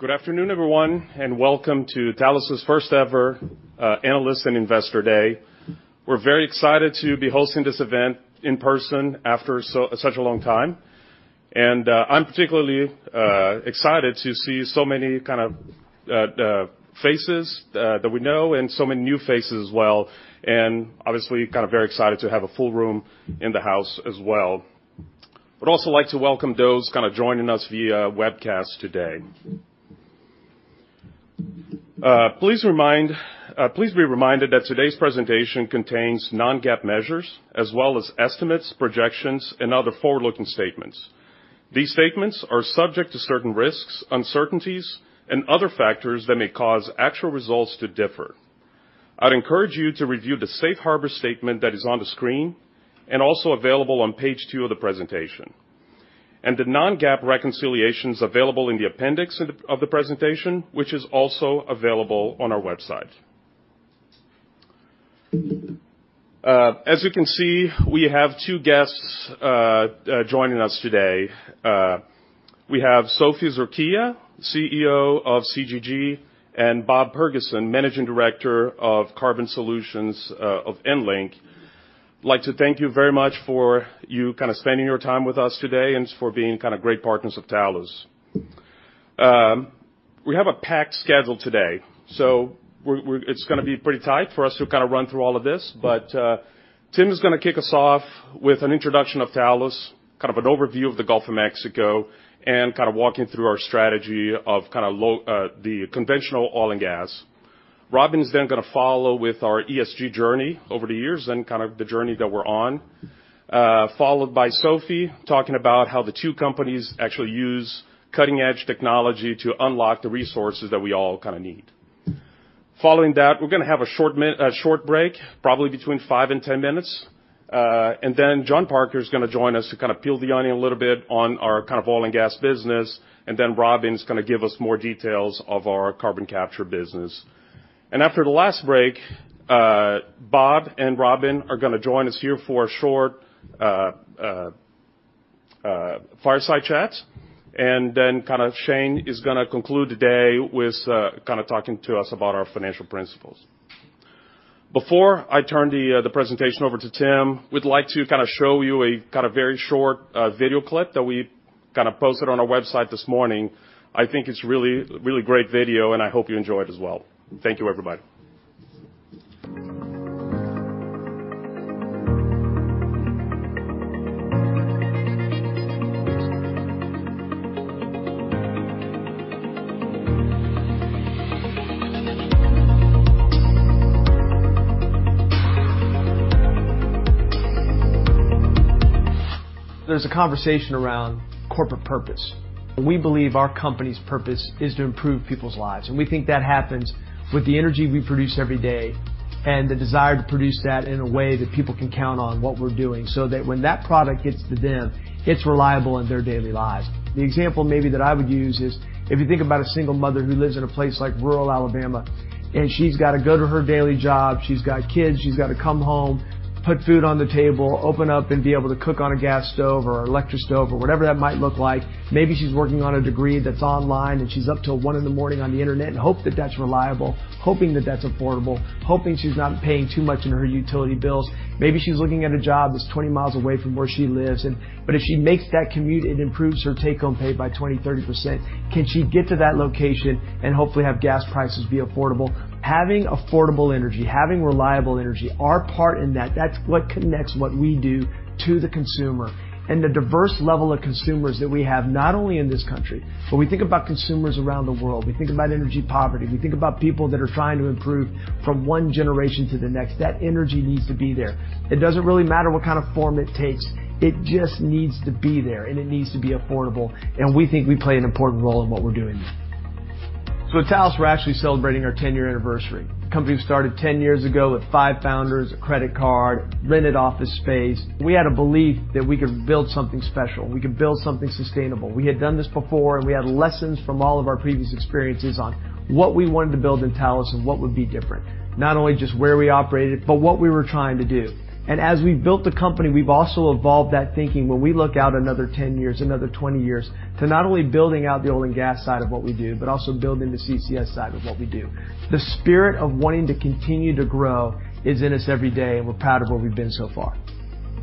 Good afternoon, everyone, and welcome to Talos' first ever analyst and investor day. We're very excited to be hosting this event in person after such a long time. I'm particularly excited to see so many kind of faces that we know and so many new faces as well. Obviously, kind of very excited to have a full room in the house as well. I'd also like to welcome those joining us via webcast today. Please be reminded that today's presentation contains non-GAAP measures as well as estimates, projections, and other forward-looking statements. These statements are subject to certain risks, uncertainties, and other factors that may cause actual results to differ. I'd encourage you to review the safe harbor statement that is on the screen and also available on page two of the presentation. The non-GAAP reconciliation is available in the appendix of the presentation, which is also available on our website. As you can see, we have two guests joining us today. We have Sophie Zurquiyah, CEO of CGG, and Bob Purgason, Managing Director of Carbon Solutions of EnLink. I'd like to thank you very much for your kind of spending your time with us today and for being kind of great partners of Talos. We have a packed schedule today, so it's gonna be pretty tight for us to kind of run through all of this. Tim is gonna kick us off with an introduction of Talos, kind of an overview of the Gulf of Mexico, and kind of walking through our strategy of kinda the conventional oil and gas. Robin is then gonna follow with our ESG journey over the years and kind of the journey that we're on. Followed by Sophie talking about how the two companies actually use cutting-edge technology to unlock the resources that we all kinda need. Following that, we're gonna have a short break, probably between 5 and 10 minutes. John Parker is gonna join us to kinda peel the onion a little bit on our kind of oil and gas business. Robin is gonna give us more details of our carbon capture business. After the last break, Bob and Robin are gonna join us here for a short fireside chat. Shane is gonna conclude the day with kinda talking to us about our financial principles. Before I turn the presentation over to Tim, we'd like to kinda show you a kinda very short video clip that we posted on our website this morning. I think it's really a really great video, and I hope you enjoy it as well. Thank you, everybody. There's a conversation around corporate purpose. We believe our company's purpose is to improve people's lives, and we think that happens with the energy we produce every day and the desire to produce that in a way that people can count on what we're doing so that when that product gets to them, it's reliable in their daily lives. The example maybe that I would use is if you think about a single mother who lives in a place like rural Alabama, and she's gotta go to her daily job, she's got kids, she's gotta come home, put food on the table, open up and be able to cook on a gas stove or electric stove or whatever that might look like. Maybe she's working on a degree that's online, and she's up till 1:00 A.M. on the Internet and hope that that's reliable, hoping that that's affordable, hoping she's not paying too much in her utility bills. Maybe she's looking at a job that's 20 miles away from where she lives, but if she makes that commute, it improves her take-home pay by 20%-30%. Can she get to that location and hopefully have gas prices be affordable? Having affordable energy, having reliable energy, our part in that's what connects what we do to the consumer. The diverse level of consumers that we have, not only in this country, but we think about consumers around the world. We think about energy poverty. We think about people that are trying to improve from one generation to the next. That energy needs to be there. It doesn't really matter what kind of form it takes, it just needs to be there, and it needs to be affordable. We think we play an important role in what we're doing. At Talos, we're actually celebrating our 10-year anniversary. Company was started 10 years ago with 5 founders, a credit card, rented office space. We had a belief that we could build something special, we could build something sustainable. We had done this before, and we had lessons from all of our previous experiences on what we wanted to build in Talos and what would be different. Not only just where we operated, but what we were trying to do. As we built the company, we've also evolved that thinking when we look out another 10 years, another 20 years, to not only building out the oil and gas side of what we do, but also building the CCS side of what we do. The spirit of wanting to continue to grow is in us every day, and we're proud of where we've been so far.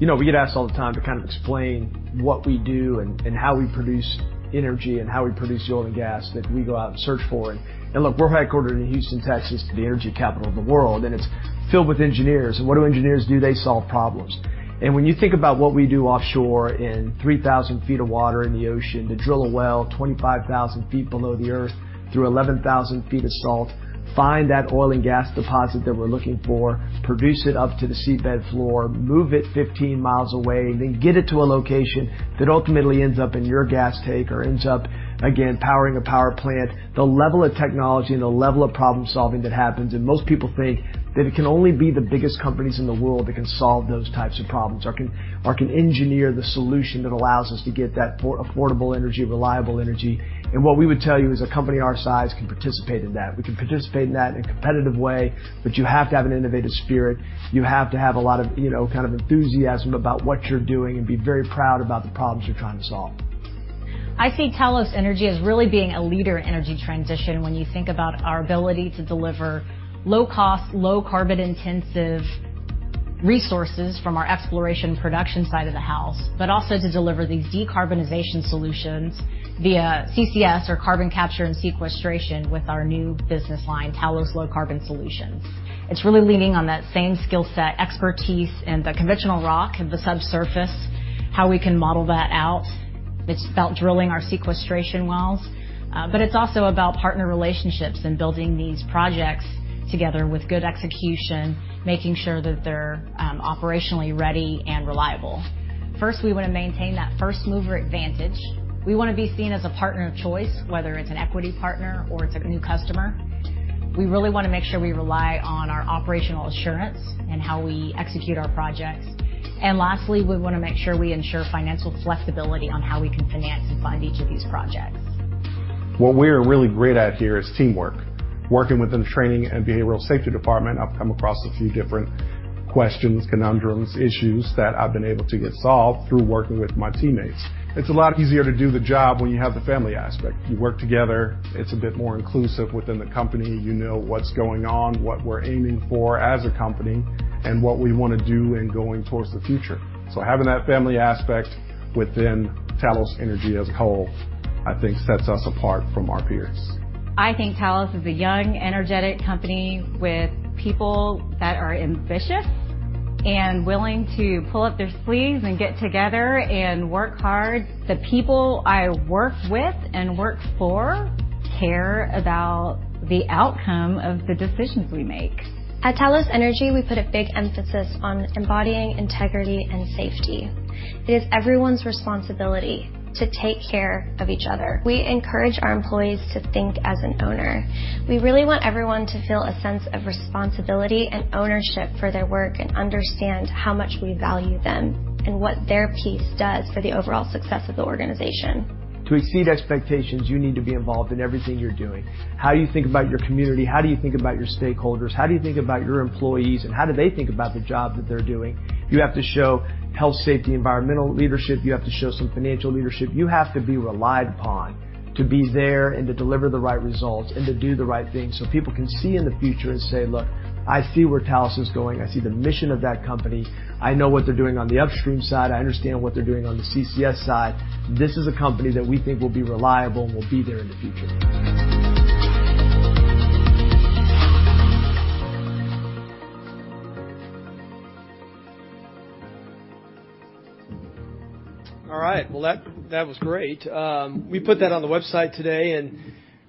You know, we get asked all the time to kind of explain what we do and how we produce energy and how we produce the oil and gas that we go out and search for. Look, we're headquartered in Houston, Texas, the energy capital of the world, and it's filled with engineers. What do engineers do? They solve problems. When you think about what we do offshore in 3,000 feet of water in the ocean to drill a well 25,000 feet below the earth through 11,000 feet of salt, find that oil and gas deposit that we're looking for, produce it up to the seabed floor, move it 15 miles away, then get it to a location that ultimately ends up in your gas tank or ends up again powering a power plant. The level of technology and the level of problem-solving that happens, and most people think that it can only be the biggest companies in the world that can solve those types of problems or can engineer the solution that allows us to get that affordable energy, reliable energy. What we would tell you is a company our size can participate in that. We can participate in that in a competitive way, but you have to have an innovative spirit. You have to have a lot of, you know, kind of enthusiasm about what you're doing and be very proud about the problems you're trying to solve. I see Talos Energy as really being a leader in energy transition when you think about our ability to deliver low cost, low carbon intensive resources from our exploration production side of the house, but also to deliver these decarbonization solutions via CCS or carbon capture and sequestration with our new business line, Talos Low Carbon Solutions. It's really leaning on that same skill set expertise in the conventional rock, the subsurface, how we can model that out. It's about drilling our sequestration wells, but it's also about partner relationships and building these projects together with good execution, making sure that they're operationally ready and reliable. First, we want to maintain that first mover advantage. We wanna be seen as a partner of choice, whether it's an equity partner or it's a new customer. We really wanna make sure we rely on our operational assurance and how we execute our projects. Lastly, we wanna make sure we ensure financial flexibility on how we can finance and fund each of these projects. What we're really great at here is teamwork. Working within the training and behavioral safety department, I've come across a few different questions, conundrums, issues that I've been able to get solved through working with my teammates. It's a lot easier to do the job when you have the family aspect. You work together. It's a bit more inclusive within the company. You know what's going on, what we're aiming for as a company, and what we wanna do in going towards the future. Having that family aspect within Talos Energy as a whole, I think sets us apart from our peers. I think Talos is a young, energetic company with people that are ambitious and willing to pull up their sleeves and get together and work hard. The people I work with and work for care about the outcome of the decisions we make. At Talos Energy, we put a big emphasis on embodying integrity and safety. It is everyone's responsibility to take care of each other. We encourage our employees to think as an owner. We really want everyone to feel a sense of responsibility and ownership for their work, and understand how much we value them and what their piece does for the overall success of the organization. To exceed expectations, you need to be involved in everything you're doing. How you think about your community, how do you think about your stakeholders, how do you think about your employees, and how do they think about the job that they're doing? You have to show health, safety, environmental leadership. You have to show some financial leadership. You have to be relied upon to be there and to deliver the right results and to do the right thing, so people can see in the future and say, "Look, I see where Talos is going. I see the mission of that company. I know what they're doing on the upstream side. I understand what they're doing on the CCS side. This is a company that we think will be reliable and will be there in the future." All right. Well, that was great. We put that on the website today and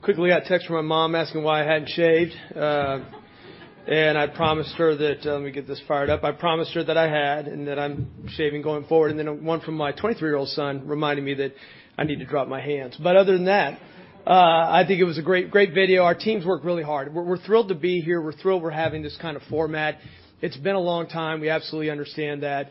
quickly got a text from my mom asking why I hadn't shaved. I promised her that I had, and that I'm shaving going forward, and then one from my 23-year-old son reminding me that I need to drop my hands. Other than that, I think it was a great video. Our teams work really hard. We're thrilled to be here. We're thrilled we're having this kind of format. It's been a long time. We absolutely understand that.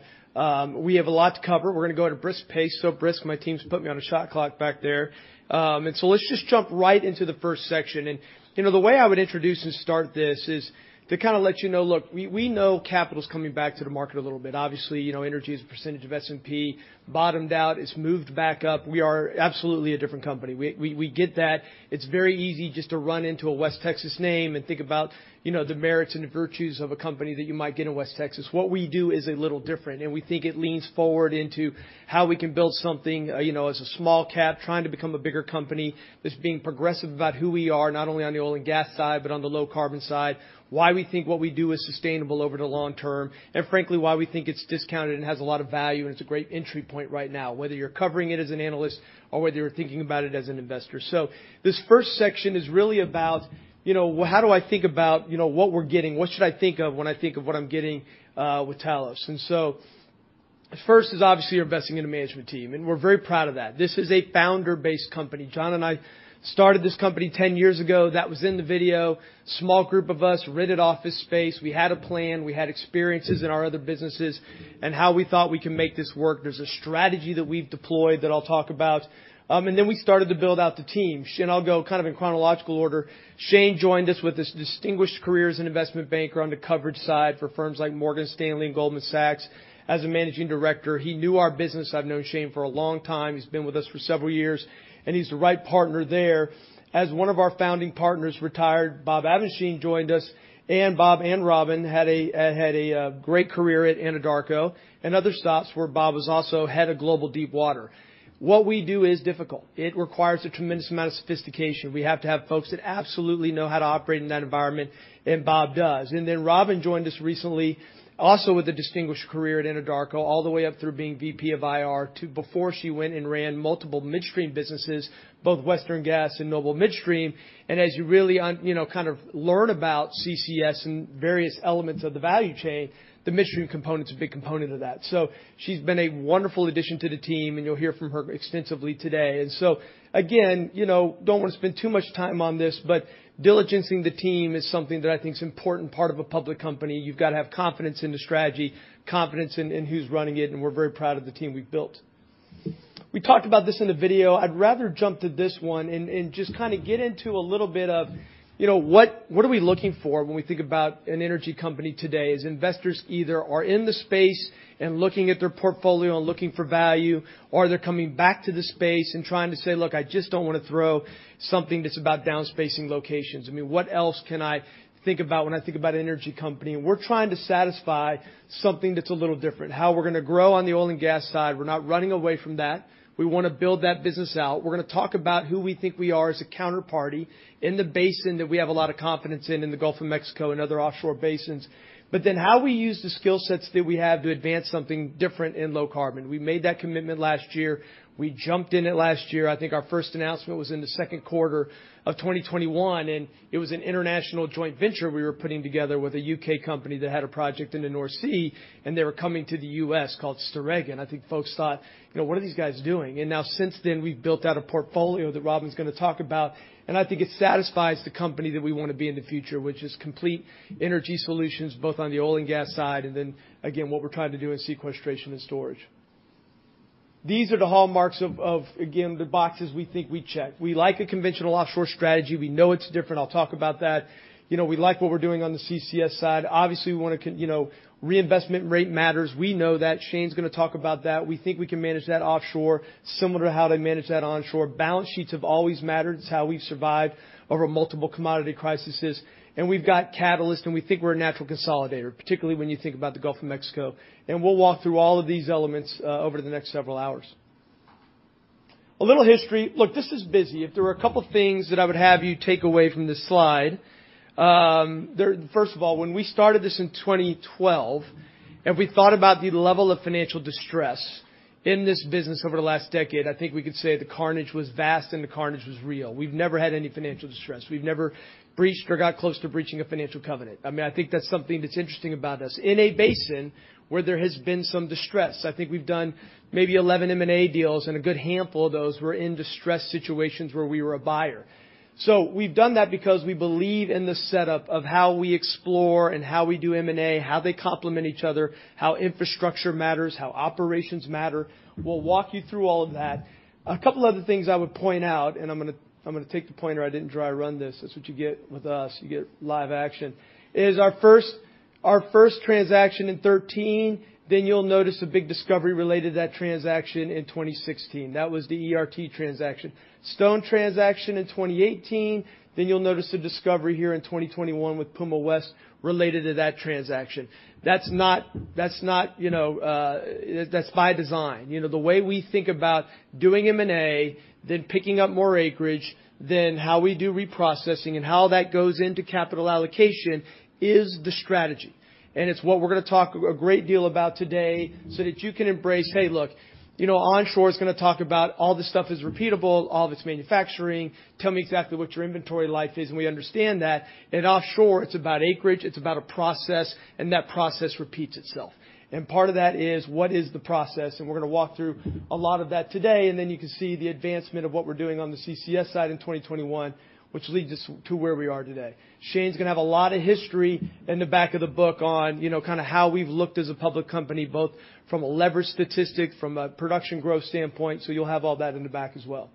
We have a lot to cover. We're gonna go at a brisk pace. So brisk, my team's put me on a shot clock back there. Let's just jump right into the first section. You know, the way I would introduce and start this is to kind of let you know, look, we know capital's coming back to the market a little bit. Obviously, you know, energy as a percentage of S&P bottomed out. It's moved back up. We are absolutely a different company. We get that. It's very easy just to run into a West Texas name and think about, you know, the merits and the virtues of a company that you might get in West Texas. What we do is a little different, and we think it leans forward into how we can build something, you know, as a small cap, trying to become a bigger company, that's being progressive about who we are, not only on the oil and gas side, but on the low carbon side. Why we think what we do is sustainable over the long term, and frankly, why we think it's discounted and has a lot of value, and it's a great entry point right now, whether you're covering it as an analyst or whether you're thinking about it as an investor. This first section is really about, you know, how do I think about, you know, what we're getting? What should I think of when I think of what I'm getting with Talos? First is obviously you're investing in a management team, and we're very proud of that. This is a founder-based company. John and I started this company 10 years ago. That was in the video. Small group of us rented office space. We had a plan, we had experiences in our other businesses and how we thought we can make this work. There's a strategy that we've deployed that I'll talk about. We started to build out the team. Shane. I'll go kind of in chronological order. Shane joined us with his distinguished career as an investment banker on the coverage side for firms like Morgan Stanley and Goldman Sachs. As a managing director, he knew our business. I've known Shane for a long time. He's been with us for several years, and he's the right partner there. As one of our founding partners retired, Bob Abendschein joined us, and Bob and Robin Fielder had a great career at Anadarko and other stops where Bob was also head of global deep water. What we do is difficult. It requires a tremendous amount of sophistication. We have to have folks that absolutely know how to operate in that environment, and Bob does. Then Robin joined us recently, also with a distinguished career at Anadarko, all the way up through being VP of IR before she went and ran multiple midstream businesses, both Western Gas and Noble Midstream. As you really you know, kind of learn about CCS and various elements of the value chain, the midstream component is a big component of that. She's been a wonderful addition to the team, and you'll hear from her extensively today. Again, you know, don't want to spend too much time on this, but diligencing the team is something that I think is an important part of a public company. You've got to have confidence in the strategy, confidence in who's running it, and we're very proud of the team we've built. We talked about this in the video. I'd rather jump to this one and just kind of get into a little bit of, you know, what are we looking for when we think about an energy company today? As investors either are in the space and looking at their portfolio and looking for value, or they're coming back to the space and trying to say, "Look, I just don't want to throw something that's about down spacing locations. I mean, what else can I think about when I think about an energy company?" We're trying to satisfy something that's a little different. How we're gonna grow on the oil and gas side, we're not running away from that. We wanna build that business out. We're gonna talk about who we think we are as a counterparty in the basin that we have a lot of confidence in the Gulf of Mexico and other offshore basins. How we use the skill sets that we have to advance something different in low carbon. We made that commitment last year. We jumped in it last year. I think our first announcement was in the second quarter of 2021, and it was an international joint venture we were putting together with a UK company that had a project in the North Sea, and they were coming to the U.S. called Storegga. I think folks thought, "You know, what are these guys doing?" Now since then, we've built out a portfolio that Robin's gonna talk about, and I think it satisfies the company that we wanna be in the future, which is complete energy solutions, both on the oil and gas side, and then again, what we're trying to do in sequestration and storage. These are the hallmarks of, again, the boxes we think we check. We like a conventional offshore strategy. We know it's different. I'll talk about that. You know, we like what we're doing on the CCS side. Obviously, we wanna, you know, reinvestment rate matters. We know that. Shane's gonna talk about that. We think we can manage that offshore similar to how they manage that onshore. Balance sheets have always mattered. It's how we've survived over multiple commodity crises. We've got catalysts, and we think we're a natural consolidator, particularly when you think about the Gulf of Mexico. We'll walk through all of these elements over the next several hours. A little history. Look, this is busy. If there were a couple of things that I would have you take away from this slide, first of all, when we started this in 2012, and we thought about the level of financial distress in this business over the last decade, I think we could say the carnage was vast and the carnage was real. We've never had any financial distress. We've never breached or got close to breaching a financial covenant. I mean, I think that's something that's interesting about us. In a basin where there has been some distress, I think we've done maybe 11 M&A deals, and a good handful of those were in distressed situations where we were a buyer. We've done that because we believe in the setup of how we explore and how we do M&A, how they complement each other, how infrastructure matters, how operations matter. We'll walk you through all of that. A couple other things I would point out, and I'm gonna take the pointer. I didn't dry run this. That's what you get with us. You get live action. Is our first transaction in 2013, then you'll notice a big discovery related to that transaction in 2016. That was the ERT transaction. Stone transaction in 2018, then you'll notice a discovery here in 2021 with Puma West related to that transaction. That's not, you know, that's by design. You know, the way we think about doing M&A, then picking up more acreage, then how we do reprocessing and how that goes into capital allocation is the strategy. It's what we're gonna talk a great deal about today so that you can embrace, hey, look, you know, onshore is gonna talk about all this stuff is repeatable, all of it's manufacturing. Tell me exactly what your inventory life is, and we understand that. In offshore, it's about acreage, it's about a process, and that process repeats itself. Part of that is what is the process? We're gonna walk through a lot of that today, and then you can see the advancement of what we're doing on the CCS side in 2021, which leads us to where we are today. Shane's gonna have a lot of history in the back of the book on, you know, kind of how we've looked as a public company, both from a leverage statistic, from a production growth standpoint, so you'll have all that in the back as well.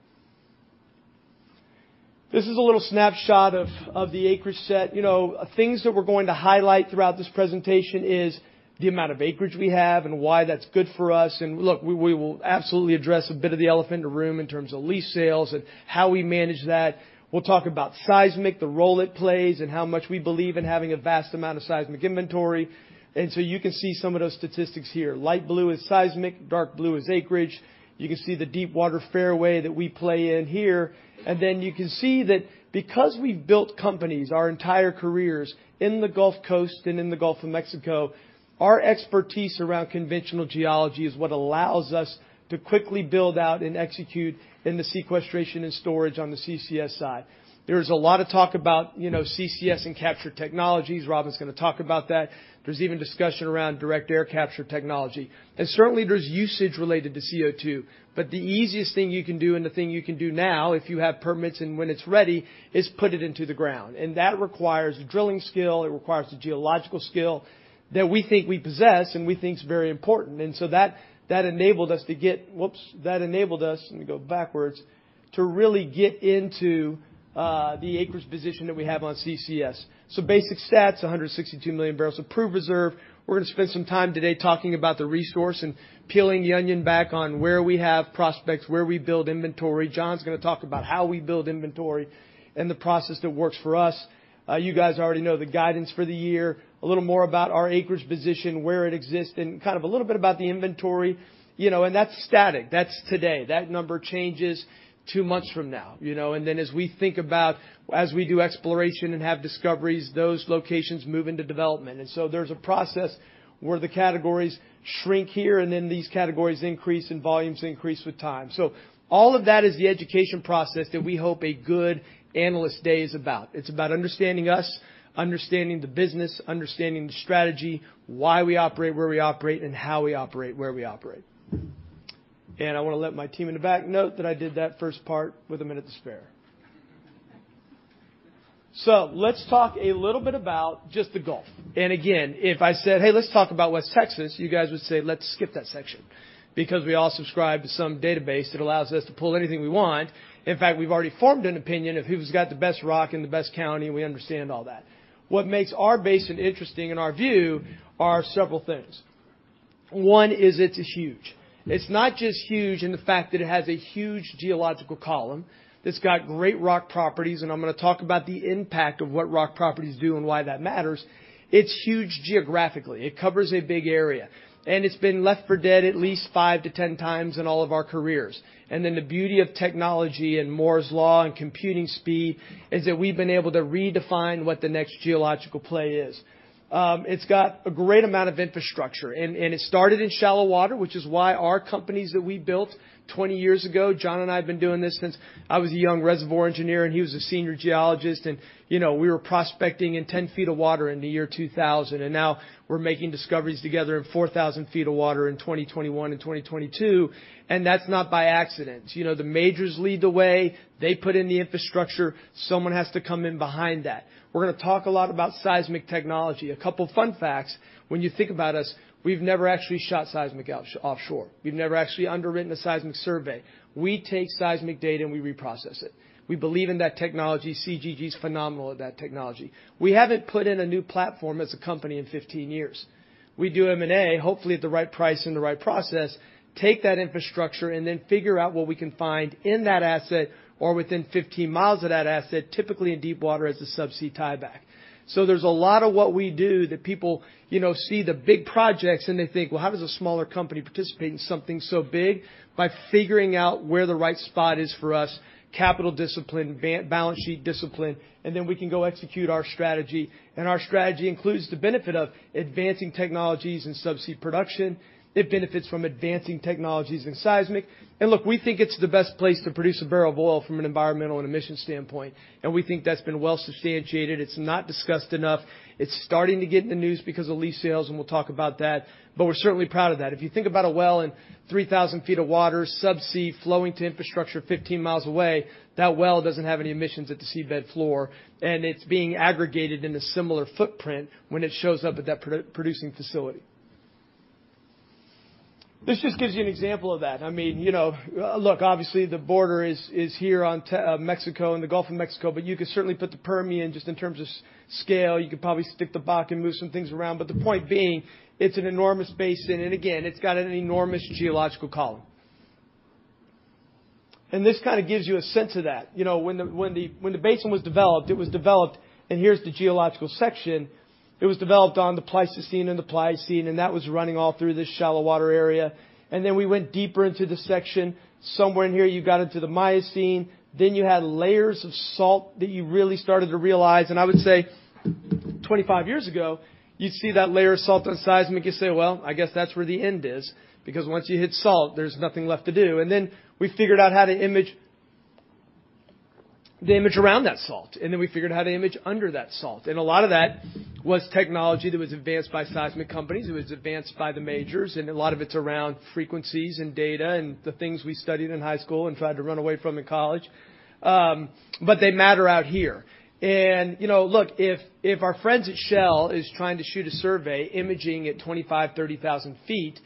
This is a little snapshot of the acreage set. You know, things that we're going to highlight throughout this presentation is the amount of acreage we have and why that's good for us. Look, we will absolutely address a bit of the elephant in the room in terms of lease sales and how we manage that. We'll talk about seismic, the role it plays, and how much we believe in having a vast amount of seismic inventory. You can see some of those statistics here. Light blue is seismic, dark blue is acreage. You can see the deepwater fairway that we play in here. Then you can see that because we've built companies our entire careers in the Gulf Coast and in the Gulf of Mexico, our expertise around conventional geology is what allows us to quickly build out and execute in the sequestration and storage on the CCS side. There's a lot of talk about, you know, CCS and capture technologies. Robin's gonna talk about that. There's even discussion around direct air capture technology. Certainly there's usage related to CO2. The easiest thing you can do and the thing you can do now, if you have permits and when it's ready, is put it into the ground. That requires drilling skill. It requires the geological skill that we think we possess and we think is very important. That enabled us to get. That enabled us, let me go backwards, to really get into the acreage position that we have on CCS. Basic stats, 162 million barrels approved reserve. We're gonna spend some time today talking about the resource and peeling the onion back on where we have prospects, where we build inventory. John's gonna talk about how we build inventory and the process that works for us. You guys already know the guidance for the year, a little more about our acreage position, where it exists, and kind of a little bit about the inventory. You know, and that's static. That's today. That number changes two months from now, you know. As we think about, as we do exploration and have discoveries, those locations move into development. There's a process where the categories shrink here, and then these categories increase and volumes increase with time. All of that is the education process that we hope a good analyst day is about. It's about understanding us, understanding the business, understanding the strategy, why we operate where we operate, and how we operate where we operate. I wanna let my team in the back know that I did that first part with a minute to spare. Let's talk a little bit about just the Gulf. Again, if I said, "Hey, let's talk about West Texas," you guys would say, "Let's skip that section." Because we all subscribe to some database that allows us to pull anything we want. In fact, we've already formed an opinion of who's got the best rock and the best county, and we understand all that. What makes our basin interesting in our view are several things. One is it's huge. It's not just huge in the fact that it has a huge geological column. It's got great rock properties, and I'm gonna talk about the impact of what rock properties do and why that matters. It's huge geographically. It covers a big area. It's been left for dead at least 5-10 times in all of our careers. Then the beauty of technology and Moore's law and computing speed is that we've been able to redefine what the next geological play is. It's got a great amount of infrastructure and it started in shallow water, which is why our companies that we built 20 years ago, John and I have been doing this since I was a young reservoir engineer, and he was a senior geologist. You know, we were prospecting in 10 feet of water in the year 2000, and now we're making discoveries together in 4,000 feet of water in 2021 and 2022, and that's not by accident. You know, the majors lead the way. They put in the infrastructure. Someone has to come in behind that. We're gonna talk a lot about seismic technology. A couple fun facts. When you think about us, we've never actually shot seismic offshore. We've never actually underwritten a seismic survey. We take seismic data, and we reprocess it. We believe in that technology. CGG's phenomenal at that technology. We haven't put in a new platform as a company in 15 years. We do M&A, hopefully at the right price and the right process, take that infrastructure, and then figure out what we can find in that asset or within 15 miles of that asset, typically in deep water as a subsea tieback. There's a lot of what we do that people, you know, see the big projects, and they think, "Well, how does a smaller company participate in something so big?" By figuring out where the right spot is for us, capital discipline, balance sheet discipline, and then we can go execute our strategy. Our strategy includes the benefit of advancing technologies in subsea production. It benefits from advancing technologies in seismic. Look, we think it's the best place to produce a barrel of oil from an environmental and emissions standpoint. We think that's been well substantiated. It's not discussed enough. It's starting to get in the news because of lease sales, and we'll talk about that, but we're certainly proud of that. If you think about a well in 3,000 feet of water, subsea, flowing to infrastructure 15 miles away, that well doesn't have any emissions at the seabed floor, and it's being aggregated in a similar footprint when it shows up at that producing facility. This just gives you an example of that. I mean, you know, look, obviously, the border is here on Mexico, in the Gulf of Mexico, but you could certainly put the Permian just in terms of scale. You could probably stick the Bakken, move some things around. But the point being, it's an enormous basin, and again, it's got an enormous geological column. This kinda gives you a sense of that. You know, when the basin was developed, it was developed. Here's the geological section, it was developed on the Pleistocene and the Pliocene, and that was running all through this shallow water area. We went deeper into the section. Somewhere in here, you got into the Miocene. You had layers of salt that you really started to realize. I would say 25 years ago, you'd see that layer of salt on seismic, you'd say, "Well, I guess that's where the end is." Because once you hit salt, there's nothing left to do. We figured out how to image the image around that salt, and then we figured how to image under that salt. A lot of that was technology that was advanced by seismic companies, it was advanced by the majors, and a lot of it's around frequencies and data and the things we studied in high school and tried to run away from in college. But they matter out here. You know, look, if our friends at Shell is trying to shoot a survey imaging at 25-30,000 feet,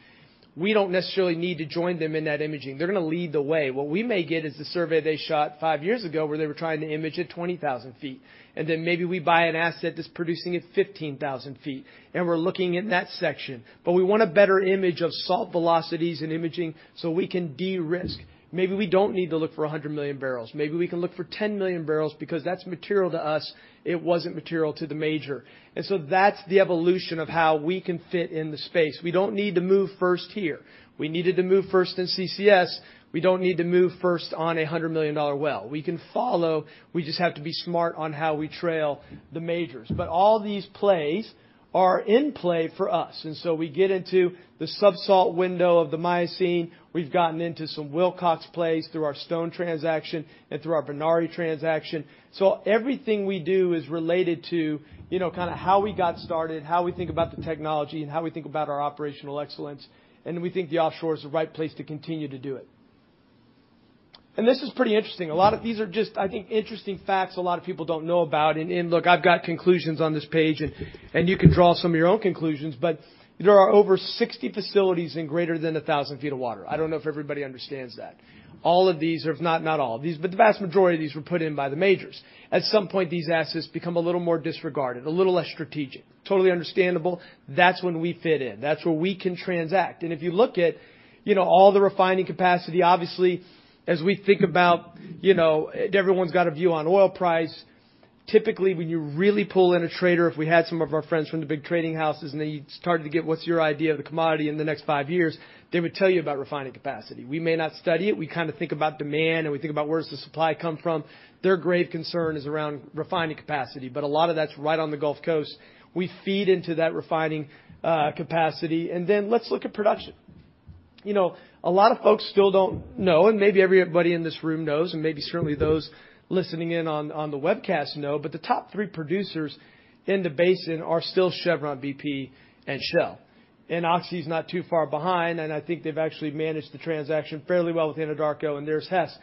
we don't necessarily need to join them in that imaging. They're gonna lead the way. What we may get is the survey they shot 5 years ago, where they were trying to image at 20,000 feet. Then maybe we buy an asset that's producing at 15,000 feet, and we're looking in that section. We want a better image of salt velocities and imaging so we can de-risk. Maybe we don't need to look for 100 million barrels. Maybe we can look for 10 million barrels because that's material to us, it wasn't material to the major. That's the evolution of how we can fit in the space. We don't need to move first here. We needed to move first in CCS. We don't need to move first on a $100 million well. We can follow. We just have to be smart on how we trail the majors. All these plays are in play for us. We get into the sub-salt window of the Miocene. We've gotten into some Wilcox plays through our Stone transaction and through our Bernardi transaction. Everything we do is related to, you know, kinda how we got started, how we think about the technology, and how we think about our operational excellence. We think the offshore is the right place to continue to do it. This is pretty interesting. A lot of these are just, I think, interesting facts a lot of people don't know about. Look, I've got conclusions on this page, and you can draw some of your own conclusions, but there are over 60 facilities in greater than 1,000 feet of water. I don't know if everybody understands that. All of these are. If not all of these, but the vast majority of these were put in by the majors. At some point, these assets become a little more disregarded, a little less strategic. Totally understandable. That's when we fit in. That's where we can transact. If you look at, you know, all the refining capacity, obviously, as we think about, you know, everyone's got a view on oil price. Typically, when you really pull in a trader, if we had some of our friends from the big trading houses, and then you started to get what's your idea of the commodity in the next five years, they would tell you about refining capacity. We may not study it. We kinda think about demand, and we think about where's the supply come from. Their grave concern is around refining capacity. But a lot of that's right on the Gulf Coast. We feed into that refining capacity. Let's look at production. You know, a lot of folks still don't know, and maybe everybody in this room knows, and maybe certainly those listening in on the webcast know, but the top three producers in the basin are still Chevron, BP, and Shell. Oxy's not too far behind, and I think they've actually managed the transaction fairly well with Anadarko, and there's Hess.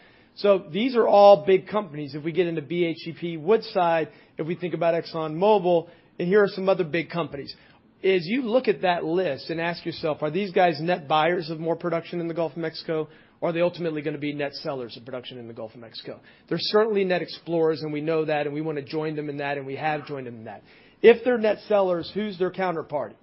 These are all big companies. If we get into BHP Woodside, if we think about ExxonMobil, and here are some other big companies. As you look at that list and ask yourself, are these guys net buyers of more production in the Gulf of Mexico, or are they ultimately gonna be net sellers of production in the Gulf of Mexico? They're certainly net explorers, and we know that, and we wanna join them in that, and we have joined them in that. If they're net sellers, who's their counterparty?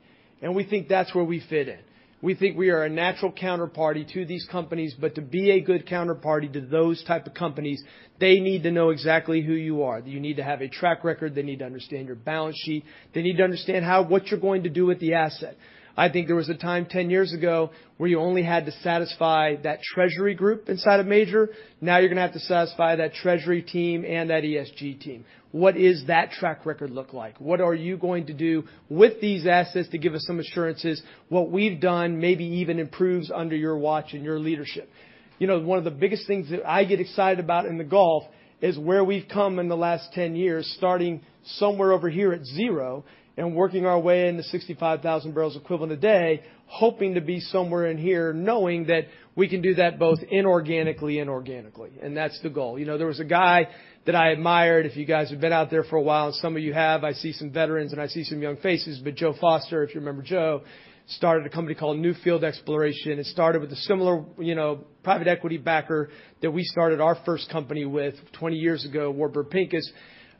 We think that's where we fit in. We think we are a natural counterparty to these companies. To be a good counterparty to those type of companies, they need to know exactly who you are. You need to have a track record. They need to understand your balance sheet. They need to understand what you're going to do with the asset. I think there was a time 10 years ago where you only had to satisfy that treasury group inside a major. Now you're gonna have to satisfy that treasury team and that ESG team. What is that track record look like? What are you going to do with these assets to give us some assurances what we've done maybe even improves under your watch and your leadership? You know, one of the biggest things that I get excited about in the Gulf is where we've come in the last 10 years, starting somewhere over here at zero and working our way into 65,000 barrels equivalent a day, hoping to be somewhere in here knowing that we can do that both inorganically and organically, and that's the goal. You know, there was a guy that I admired, if you guys have been out there for a while, and some of you have. I see some veterans, and I see some young faces, but Joe Foster, if you remember Joe, started a company called Newfield Exploration. It started with a similar, you know, private equity backer that we started our first company with 20 years ago, Warburg Pincus,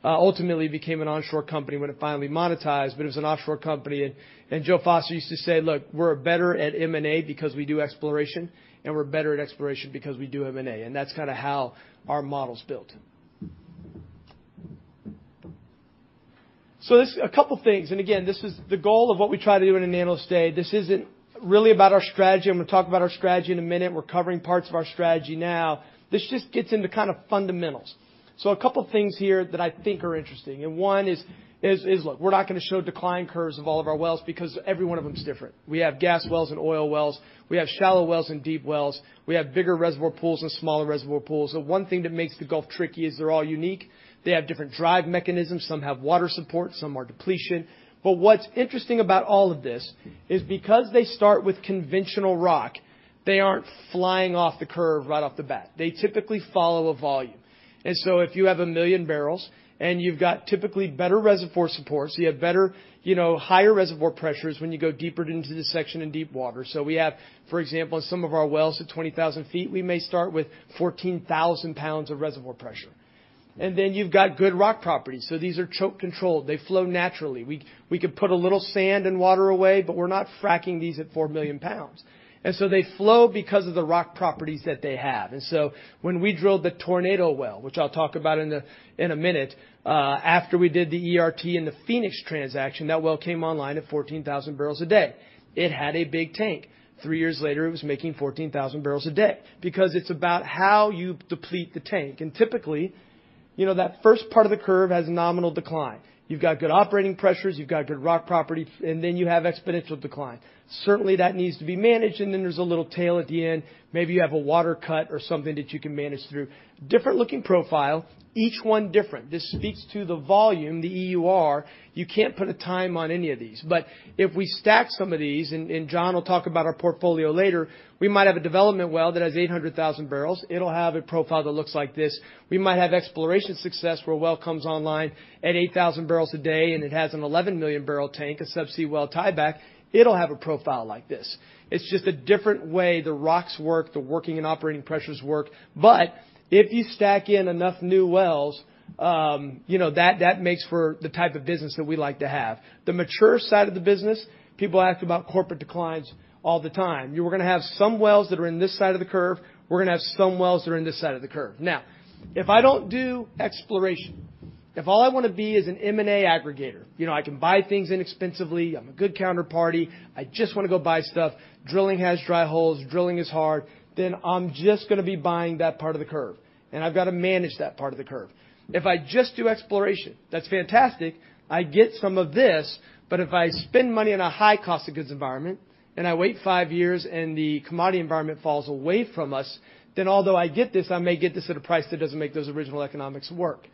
ultimately became an onshore company when it finally monetized, but it was an offshore company. Joe Foster used to say, "Look, we're better at M&A because we do exploration, and we're better at exploration because we do M&A," and that's kinda how our model's built. Just a couple things, and again, this is the goal of what we try to do at an annual state. This isn't really about our strategy. I'm gonna talk about our strategy in a minute. We're covering parts of our strategy now. This just gets into kind of fundamentals. A couple things here that I think are interesting, and one is look, we're not gonna show decline curves of all of our wells because every one of them is different. We have gas wells and oil wells. We have shallow wells and deep wells. We have bigger reservoir pools and smaller reservoir pools. One thing that makes the Gulf tricky is they're all unique. They have different drive mechanisms. Some have water support. Some are depletion. What's interesting about all of this is because they start with conventional rock, they aren't flying off the curve right off the bat. They typically follow a volume. If you have a million barrels and you've got typically better reservoir support, so you have better, you know, higher reservoir pressures when you go deeper into the section in deep water. We have, for example, in some of our wells at 20,000 feet, we may start with 14,000 pounds of reservoir pressure. Then you've got good rock properties. These are choke controlled. They flow naturally. We could put a little sand and water away, but we're not fracking these at four million pounds. They flow because of the rock properties that they have. When we drilled the Tornado well, which I'll talk about in a minute, after we did the ERT and the Phoenix transaction, that well came online at 14,000 barrels a day. It had a big tank. Three years later, it was making 14,000 barrels a day because it's about how you deplete the tank. Typically, you know, that first part of the curve has nominal decline. You've got good operating pressures, you've got good rock property, and then you have exponential decline. Certainly, that needs to be managed, and then there's a little tail at the end. Maybe you have a water cut or something that you can manage through. Different looking profile, each one different. This speaks to the volume, the EUR. You can't put a time on any of these. If we stack some of these, and John will talk about our portfolio later, we might have a development well that has 800,000 barrels. It'll have a profile that looks like this. We might have exploration success where a well comes online at 8,000 barrels a day, and it has an 11 million barrel tank, a subsea well tieback. It'll have a profile like this. It's just a different way the rocks work, the working and operating pressures work. If you stack in enough new wells, you know, that makes for the type of business that we like to have. The mature side of the business, people ask about corporate declines all the time. You are gonna have some wells that are in this side of the curve. We're gonna have some wells that are in this side of the curve. Now, if I don't do exploration, if all I wanna be is an M&A aggregator, you know, I can buy things inexpensively. I'm a good counterparty. I just wanna go buy stuff. Drilling has dry holes. Drilling is hard. I'm just gonna be buying that part of the curve, and I've got to manage that part of the curve. If I just do exploration, that's fantastic. I get some of this. If I spend money on a high cost of goods environment, and I wait five years and the commodity environment falls away from us, then although I get this, I may get this at a price that doesn't make those original economics work.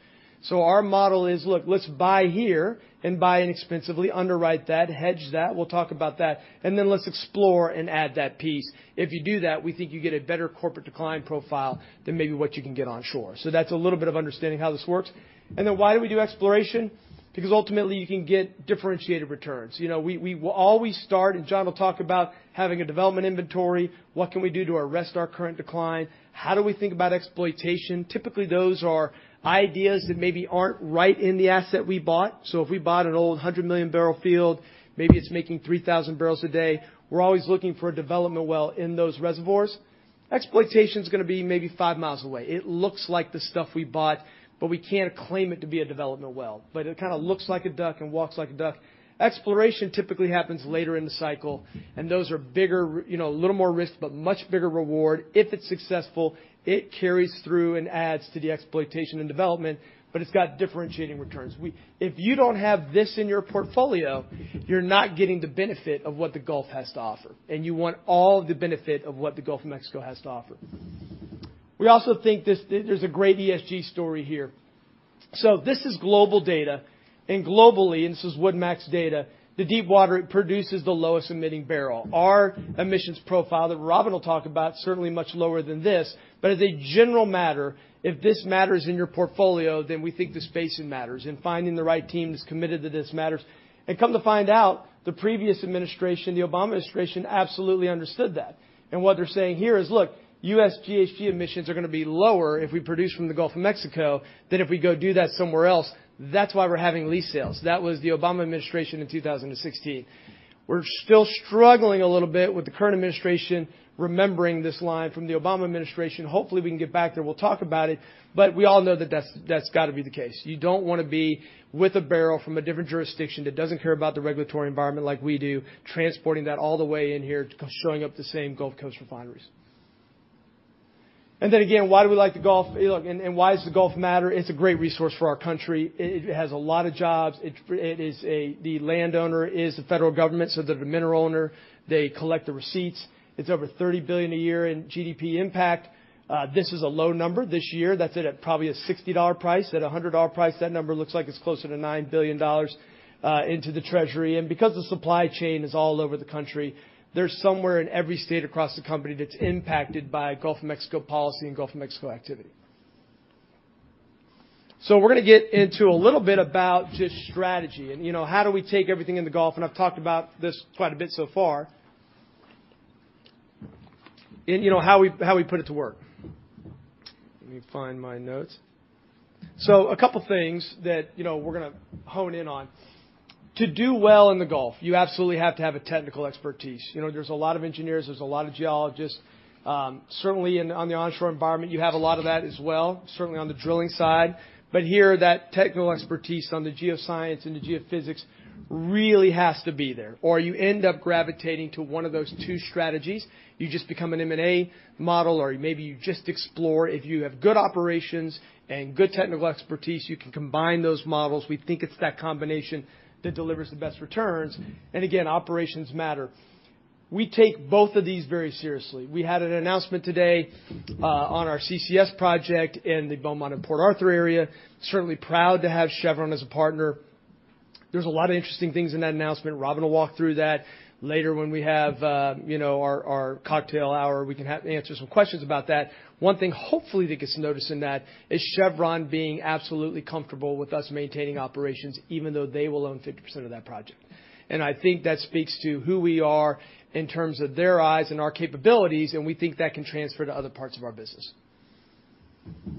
Our model is, look, let's buy here and buy inexpensively, underwrite that, hedge that. We'll talk about that. Let's explore and add that piece. If you do that, we think you get a better corporate decline profile than maybe what you can get on shore. That's a little bit of understanding how this works. Why do we do exploration? Because ultimately, you can get differentiated returns. You know, we will always start, and John will talk about having a development inventory. What can we do to arrest our current decline? How do we think about exploitation? Typically, those are ideas that maybe aren't right in the asset we bought. If we bought an old 100 million barrel field, maybe it's making 3,000 barrels a day, we're always looking for a development well in those reservoirs. Exploitation is gonna be maybe five miles away. It looks like the stuff we bought, but we can't claim it to be a development well. It kinda looks like a duck and walks like a duck. Exploration typically happens later in the cycle, and those are bigger, you know, a little more risk, but much bigger reward. If it's successful, it carries through and adds to the exploitation and development, but it's got differentiating returns. If you don't have this in your portfolio, you're not getting the benefit of what the Gulf has to offer, and you want all the benefit of what the Gulf of Mexico has to offer. There's a great ESG story here. This is global data, and globally, and this is WoodMac's data, the deep water, it produces the lowest emitting barrel. Our emissions profile that Robin will talk about certainly much lower than this. As a general matter, if this matters in your portfolio, then we think the spacing matters and finding the right team that's committed to this matters. Come to find out, the previous administration, the Obama administration, absolutely understood that. What they're saying here is, look, U.S. GHG emissions are gonna be lower if we produce from the Gulf of Mexico than if we go do that somewhere else. That's why we're having lease sales. That was the Obama administration in 2016. We're still struggling a little bit with the current administration remembering this line from the Obama administration. Hopefully, we can get back there. We'll talk about it, but we all know that that's gotta be the case. You don't wanna be with a barrel from a different jurisdiction that doesn't care about the regulatory environment like we do, transporting that all the way in here to show up the same Gulf Coast refineries. Then again, why do we like the Gulf? Look, why does the Gulf matter? It's a great resource for our country. It has a lot of jobs. The landowner is the federal government, so they're the mineral owner. They collect the receipts. It's over $30 billion a year in GDP impact. This is a low number this year. That's at probably a $60 price. At a $100 price, that number looks like it's closer to $9 billion into the treasury. Because the supply chain is all over the country, there's somewhere in every state across the company that's impacted by Gulf of Mexico policy and Gulf of Mexico activity. We're gonna get into a little bit about just strategy and, you know, how do we take everything in the Gulf, and I've talked about this quite a bit so far. You know, how we put it to work. Let me find my notes. A couple things that, you know, we're gonna hone in on. To do well in the Gulf, you absolutely have to have a technical expertise. You know, there's a lot of engineers, there's a lot of geologists. Certainly on the onshore environment, you have a lot of that as well, certainly on the drilling side. Here, that technical expertise on the geoscience and the geophysics really has to be there, or you end up gravitating to one of those two strategies. You just become an M&A model, or maybe you just explore. If you have good operations and good technical expertise, you can combine those models. We think it's that combination that delivers the best returns. Again, operations matter. We take both of these very seriously. We had an announcement today on our CCS project in the Beaumont and Port Arthur area. Certainly proud to have Chevron as a partner. There's a lot of interesting things in that announcement. Robin will walk through that later when we have our cocktail hour. We can answer some questions about that. One thing hopefully that gets noticed in that is Chevron being absolutely comfortable with us maintaining operations, even though they will own 50% of that project. I think that speaks to who we are in terms of their eyes and our capabilities, and we think that can transfer to other parts of our business. It's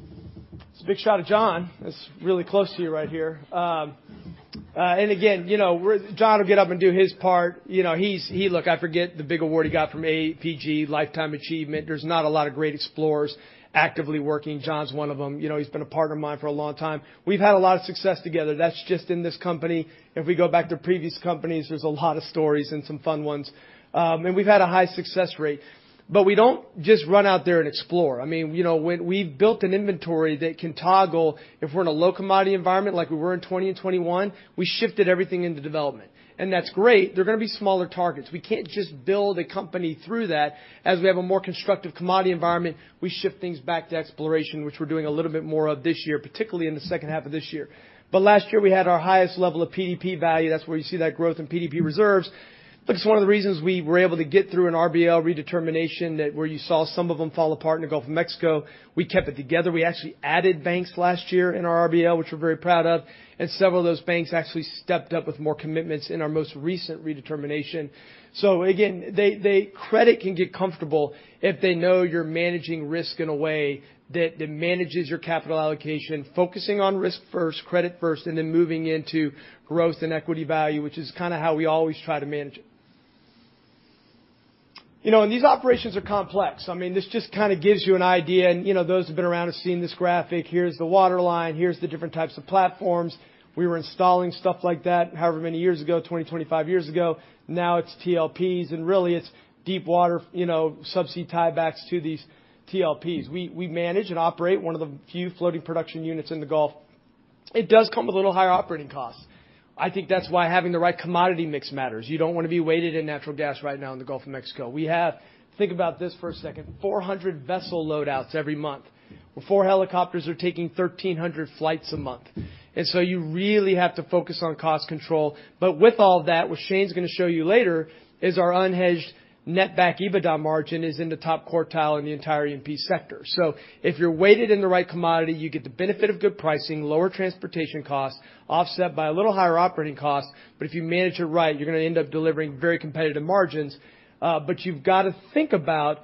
a big shot of John. That's really close to you right here. Again, you know, John will get up and do his part. You know, Look, I forget the big award he got from AAPG, Lifetime Achievement. There's not a lot of great explorers actively working. John's one of them. You know, he's been a partner of mine for a long time. We've had a lot of success together. That's just in this company. If we go back to previous companies, there's a lot of stories and some fun ones. We've had a high success rate. We don't just run out there and explore. I mean, you know, when we've built an inventory that can toggle if we're in a low commodity environment like we were in 2020 and 2021, we shifted everything into development. That's great. They're gonna be smaller targets. We can't just build a company through that. As we have a more constructive commodity environment, we shift things back to exploration, which we're doing a little bit more of this year, particularly in the second half of this year. Last year, we had our highest level of PDP value. That's where you see that growth in PDP reserves. Look, it's one of the reasons we were able to get through an RBL redetermination, where you saw some of them fall apart in the Gulf of Mexico, we kept it together. We actually added banks last year in our RBL, which we're very proud of, and several of those banks actually stepped up with more commitments in our most recent redetermination. So again, the credit can get comfortable if they know you're managing risk in a way that manages your capital allocation, focusing on risk first, credit first, and then moving into growth and equity value, which is kinda how we always try to manage it. You know, these operations are complex. I mean, this just kinda gives you an idea. You know, those who've been around have seen this graphic. Here's the waterline. Here's the different types of platforms. We were installing stuff like that however many years ago, 20, 25 years ago. Now it's TLP's and really it's deep water, you know, subsea tie backs to these TLP's. We manage and operate one of the few floating production units in the Gulf. It does come with a little higher operating costs. I think that's why having the right commodity mix matters. You don't wanna be weighted in natural gas right now in the Gulf of Mexico. We have, think about this for a second, 400 vessel load outs every month, where four helicopters are taking 1,300 flights a month. You really have to focus on cost control. With all that, what Shane's gonna show you later is our unhedged net back EBITDA margin is in the top quartile in the entire E&P sector. If you're weighted in the right commodity, you get the benefit of good pricing, lower transportation costs, offset by a little higher operating costs. If you manage it right, you're gonna end up delivering very competitive margins. You've got to think about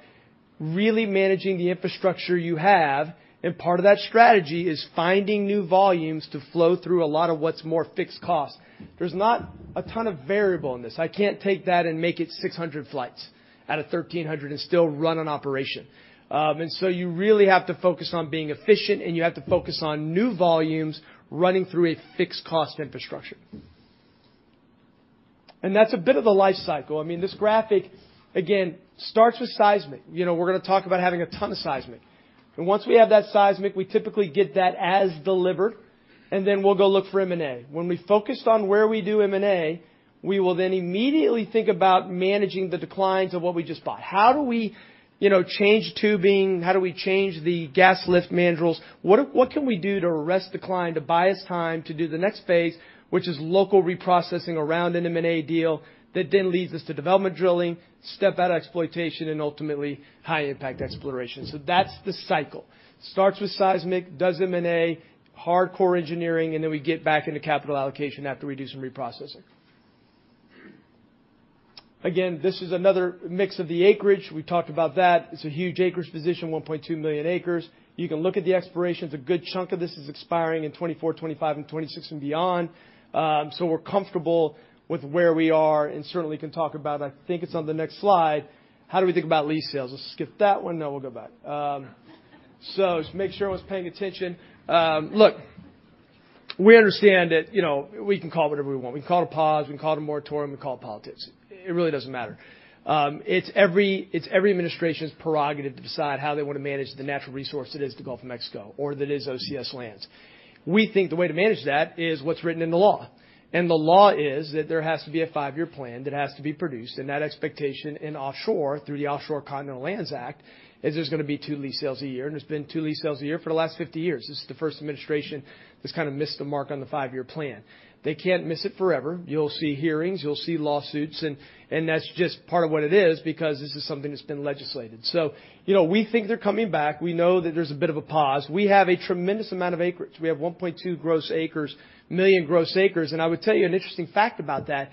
really managing the infrastructure you have, and part of that strategy is finding new volumes to flow through a lot of what's more fixed costs. There's not a ton of variable in this. I can't take that and make it 600 flights out of 1,300 and still run an operation. You really have to focus on being efficient, and you have to focus on new volumes running through a fixed cost infrastructure. That's a bit of the life cycle. I mean, this graphic, again, starts with seismic. You know, we're gonna talk about having a ton of seismic. Once we have that seismic, we typically get that as delivered, and then we'll go look for M&A. When we focused on where we do M&A, we will then immediately think about managing the declines of what we just bought. How do we, you know, change tubing? How do we change the gas lift mandrels? What can we do to arrest decline, to buy us time to do the next phase, which is local reprocessing around an M&A deal that then leads us to development drilling, step out exploitation, and ultimately high impact exploration? That's the cycle. Starts with seismic, does M&A, hardcore engineering, and then we get back into capital allocation after we do some reprocessing. Again, this is another mix of the acreage. We talked about that. It's a huge acreage position, 1.2 million acres. You can look at the expirations. A good chunk of this is expiring in 2024, 2025, and 2026 and beyond. We're comfortable with where we are and certainly can talk about, I think it's on the next slide, how do we think about lease sales? Let's skip that one. No, we'll go back. Just make sure everyone's paying attention. Look, we understand that, you know, we can call it whatever we want. We can call it a pause, we can call it a moratorium, we call it politics. It really doesn't matter. It's every administration's prerogative to decide how they wanna manage the natural resource that is the Gulf of Mexico or that is OCS lands. We think the way to manage that is what's written in the law. The law is that there has to be a five-year plan that has to be produced, and that expectation in offshore through the Outer Continental Shelf Lands Act is there's gonna be two lease sales a year, and there's been two lease sales a year for the last 50 years. This is the first administration that's kinda missed the mark on the five-year plan. They can't miss it forever. You'll see hearings, you'll see lawsuits, and that's just part of what it is because this is something that's been legislated. You know, we think they're coming back. We know that there's a bit of a pause. We have a tremendous amount of acreage. We have 1.2 million gross acres, and I would tell you an interesting fact about that.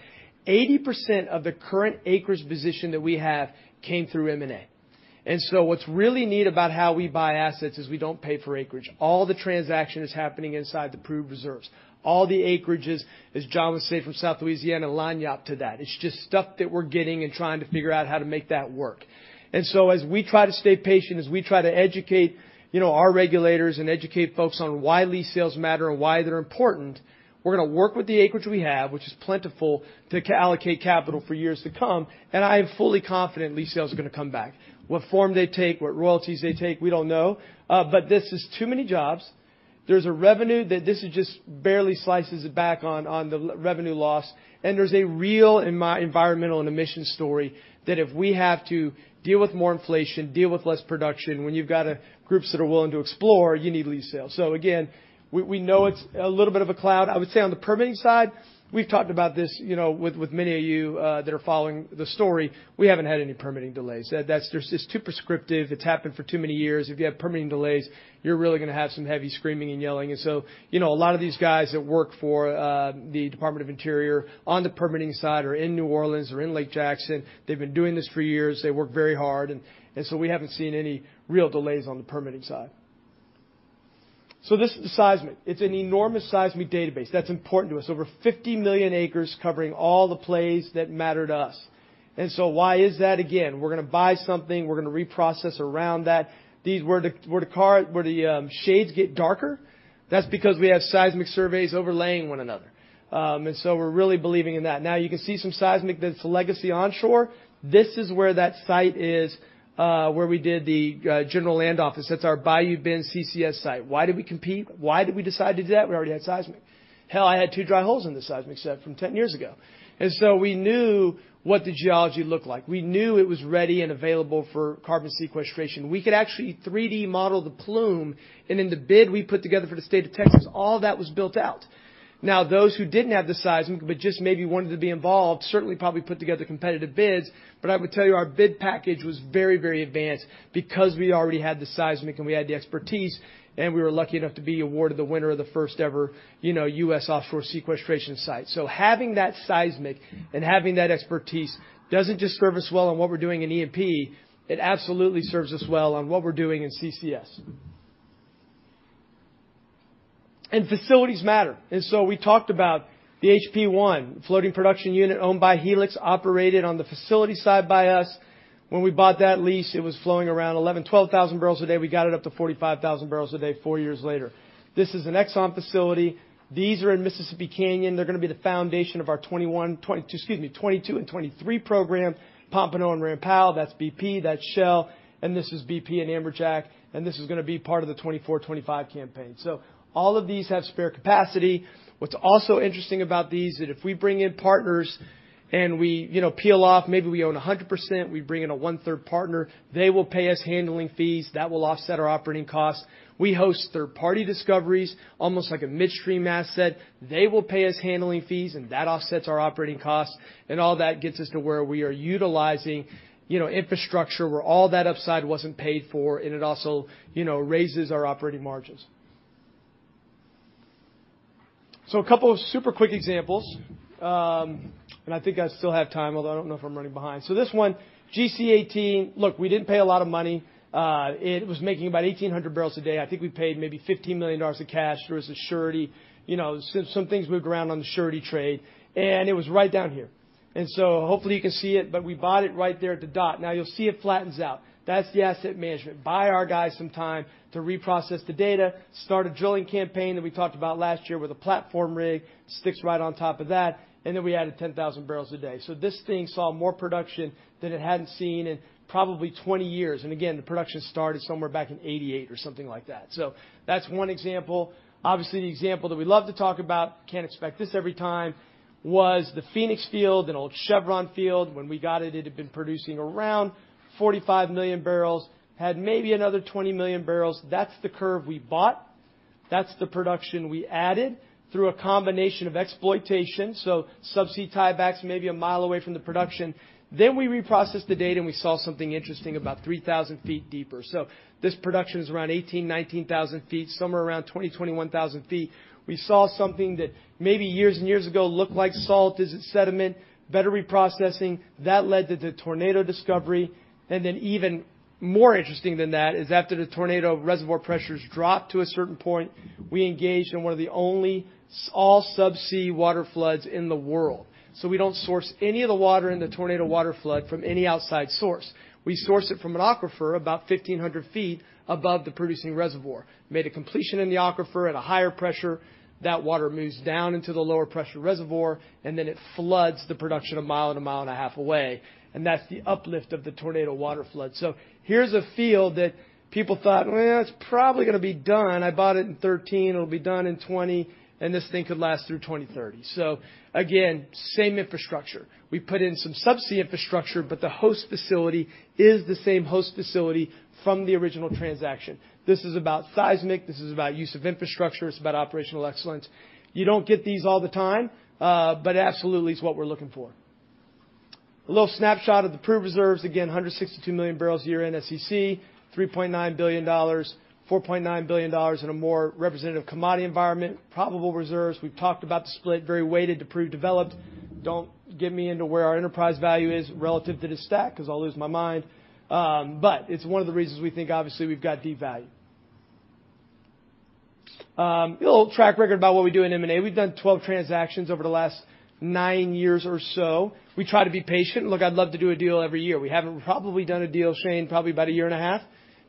80% of the current acres position that we have came through M&A. What's really neat about how we buy assets is we don't pay for acreage. All the transaction is happening inside the proved reserves. All the acreages, as John would say, from South Louisiana line up to that. It's just stuff that we're getting and trying to figure out how to make that work. As we try to stay patient, as we try to educate, you know, our regulators and educate folks on why lease sales matter and why they're important, we're gonna work with the acreage we have, which is plentiful, to allocate capital for years to come. I am fully confident lease sales are gonna come back. What form they take, what royalties they take, we don't know. But this is too many jobs. There's a revenue that this is just barely slices it back on the revenue loss. There's a real environmental and emissions story that if we have to deal with more inflation, deal with less production, when you've got groups that are willing to explore, you need lease sales. Again, we know it's a little bit of a cloud. I would say on the permitting side, we've talked about this with many of you that are following the story. We haven't had any permitting delays. There's this too prescriptive. It's happened for too many years. If you have permitting delays, you're really gonna have some heavy screaming and yelling. A lot of these guys that work for the Department of the Interior on the permitting side or in New Orleans or in Lake Jackson, they've been doing this for years. They work very hard. We haven't seen any real delays on the permitting side. This is the seismic. It's an enormous seismic database that's important to us. Over 50 million acres covering all the plays that matter to us. Why is that? Again, we're gonna buy something, we're gonna reprocess around that. These where the shades get darker, that's because we have seismic surveys overlaying one another. We're really believing in that. Now you can see some seismic that's legacy onshore. This is where that site is, where we did the General Land Office. That's our Bayou Bend CCS site. Why did we compete? Why did we decide to do that? We already had seismic. Hell, I had two dry holes in the seismic set from 10 years ago. We knew what the geology looked like. We knew it was ready and available for carbon sequestration. We could actually 3-D model the plume. In the bid we put together for the state of Texas, all that was built out. Now, those who didn't have the seismic but just maybe wanted to be involved, certainly probably put together competitive bids. I would tell you our bid package was very, very advanced because we already had the seismic, and we had the expertise, and we were lucky enough to be awarded the winner of the first ever, you know, U.S. offshore sequestration site. So having that seismic and having that expertise doesn't just serve us well on what we're doing in E&P. It absolutely serves us well on what we're doing in CCS. Facilities matter. We talked about the Helix Producer I floating production unit owned by Helix, operated on the facility side by us. When we bought that lease, it was flowing around 11,000-12,000 barrels a day. We got it up to 45,000 barrels a day, four years later. This is an Exxon facility. These are in Mississippi Canyon. They're gonna be the foundation of our 2022 and 2023 program. Pompano and Ram Powell, that's BP, that's Shell, and this is BP and Amberjack, and this is gonna be part of the 2024, 2025 campaign. All of these have spare capacity. What's also interesting about these that if we bring in partners and we, you know, peel off, maybe we own a hundred percent, we bring in a one-third partner, they will pay us handling fees that will offset our operating costs. We host third-party discoveries, almost like a midstream asset. They will pay us handling fees, and that offsets our operating costs. All that gets us to where we are utilizing, you know, infrastructure where all that upside wasn't paid for, and it also, you know, raises our operating margins. A couple of super quick examples, and I think I still have time, although I don't know if I'm running behind. This one, GC-18. Look, we didn't pay a lot of money. It was making about 1,800 barrels a day. I think we paid maybe $15 million of cash. There was a surety. You know, some things moved around on the surety trade, and it was right down here. Hopefully you can see it, but we bought it right there at the dot. Now you'll see it flattens out. That's the asset management. Buy our guys some time to reprocess the data, start a drilling campaign that we talked about last year with a platform rig, sticks right on top of that, and then we added 10,000 barrels a day. This thing saw more production than it hadn't seen in probably 20 years. The production started somewhere back in 1988 or something like that. That's one example. Obviously, the example that we love to talk about, can't expect this every time, was the Phoenix Field, an old Chevron field. When we got it had been producing around 45 million barrels, had maybe another 20 million barrels. That's the curve we bought. That's the production we added through a combination of exploitation, so subsea tiebacks maybe a mile away from the production. We reprocessed the data, and we saw something interesting about 3,000 feet deeper. This production is around 18,000-19,000 feet, somewhere around 20,000-21,000 feet. We saw something that maybe years and years ago looked like salt. Is it sediment? Better reprocessing. That led to the Tornado discovery. Even more interesting than that is after the Tornado reservoir pressures dropped to a certain point, we engaged in one of the only all subsea water floods in the world. We don't source any of the water in the Tornado water flood from any outside source. We source it from an aquifer about 1,500 feet above the producing reservoir. Made a completion in the aquifer at a higher pressure. That water moves down into the lower pressure reservoir, and then it floods the production a mile and a mile and a half away. That's the uplift of the Tornado waterflood. Here's a field that people thought, "Well, it's probably gonna be done. I bought it in 2013. It'll be done in 2020," and this thing could last through 2030. Again, same infrastructure. We put in some subsea infrastructure, but the host facility is the same host facility from the original transaction. This is about seismic. This is about use of infrastructure. It's about operational excellence. You don't get these all the time, but absolutely, it's what we're looking for. A little snapshot of the proved reserves. Again, 162 million barrels a year in SEC, $3.9 billion, $4.9 billion in a more representative commodity environment. Probable reserves, we've talked about the split, very weighted to proved developed. Don't get me into where our enterprise value is relative to the stack 'cause I'll lose my mind. It's one of the reasons we think obviously we've got deep value. A little track record about what we do in M&A. We've done 12 transactions over the last nine years or so. We try to be patient. Look, I'd love to do a deal every year. We haven't probably done a deal, Shane, probably about a year and a half,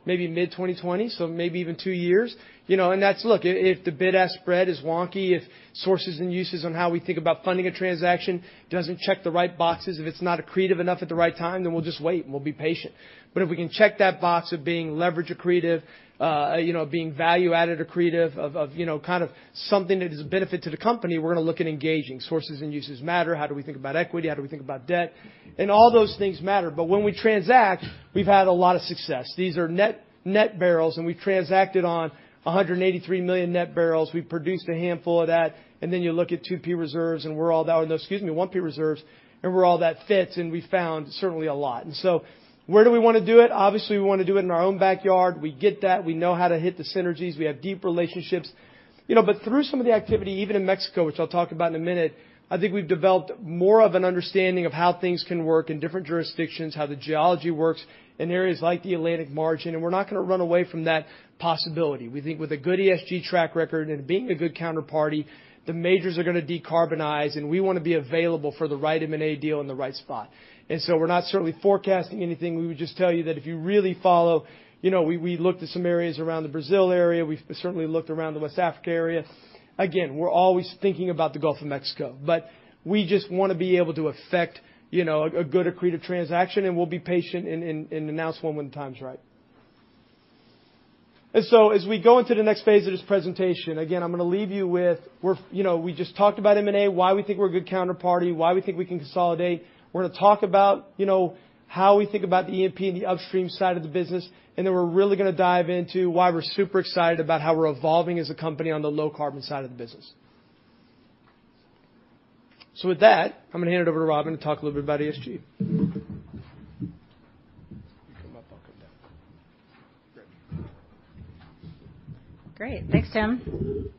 maybe mid-2020, so maybe even two years. If the bid-ask spread is wonky, if sources and uses on how we think about funding a transaction doesn't check the right boxes, if it's not accretive enough at the right time, then we'll just wait, and we'll be patient. If we can check that box of being leverage accretive, you know, being value-added accretive of, you know, kind of something that is a benefit to the company, we're gonna look at engaging. Sources and uses matter. How do we think about equity? How do we think about debt? All those things matter. When we transact, we've had a lot of success. These are net barrels, and we transacted on 183 million net barrels. We produced a handful of that. Then you look at 1P reserves, and where all that fits, and we found certainly a lot. Where do we wanna do it? Obviously, we wanna do it in our own backyard. We get that. We know how to hit the synergies. We have deep relationships. You know, but through some of the activity, even in Mexico, which I'll talk about in a minute, I think we've developed more of an understanding of how things can work in different jurisdictions, how the geology works in areas like the Atlantic margin, and we're not gonna run away from that possibility. We think with a good ESG track record and being a good counterparty, the majors are gonna decarbonize, and we wanna be available for the right M&A deal in the right spot. We're certainly not forecasting anything. We would just tell you that if you really follow. You know, we looked at some areas around the Brazil area. We've certainly looked around the West Africa area. Again, we're always thinking about the Gulf of Mexico, but we just wanna be able to effect, you know, a good accretive transaction, and we'll be patient and announce one when the time's right. As we go into the next phase of this presentation, again, I'm gonna leave you with, you know, we just talked about M&A, why we think we're a good counterparty, why we think we can consolidate. We're gonna talk about, you know, how we think about the E&P and the upstream side of the business, and then we're really gonna dive into why we're super excited about how we're evolving as a company on the low carbon side of the business. With that, I'm gonna hand it over to Robin to talk a little bit about ESG. You can come up. I'll come down. Great. Thanks, Tim.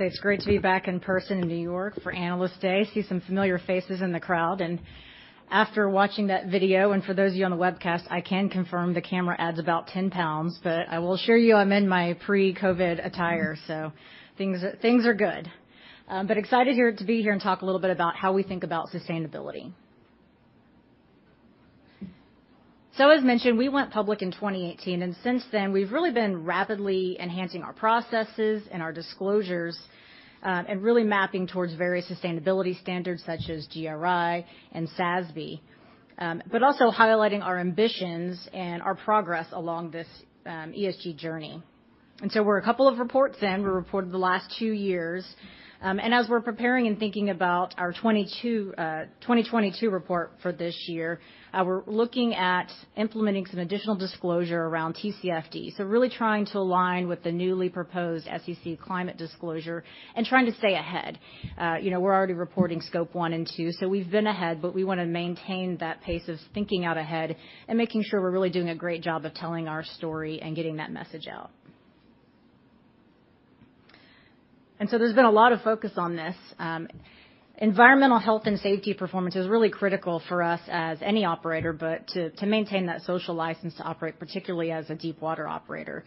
It's great to be back in person in New York for Analyst Day. See some familiar faces in the crowd. After watching that video, and for those of you on the webcast, I can confirm the camera adds about 10 pounds, but I will assure you I'm in my pre-COVID attire, so things are good. But excited here to be here and talk a little bit about how we think about sustainability. As mentioned, we went public in 2018, and since then, we've really been rapidly enhancing our processes and our disclosures, and really mapping towards various sustainability standards such as GRI and SASB, but also highlighting our ambitions and our progress along this ESG journey. We're a couple of reports in. We reported the last two years. As we're preparing and thinking about our 2022 report for this year, we're looking at implementing some additional disclosure around TCFD. Really trying to align with the newly proposed SEC climate disclosure and trying to stay ahead. You know, we're already reporting Scope 1 and 2, so we've been ahead, but we wanna maintain that pace of thinking out ahead and making sure we're really doing a great job of telling our story and getting that message out. There's been a lot of focus on this. Environmental health and safety performance is really critical for us as any operator, but to maintain that social license to operate, particularly as a deep water operator.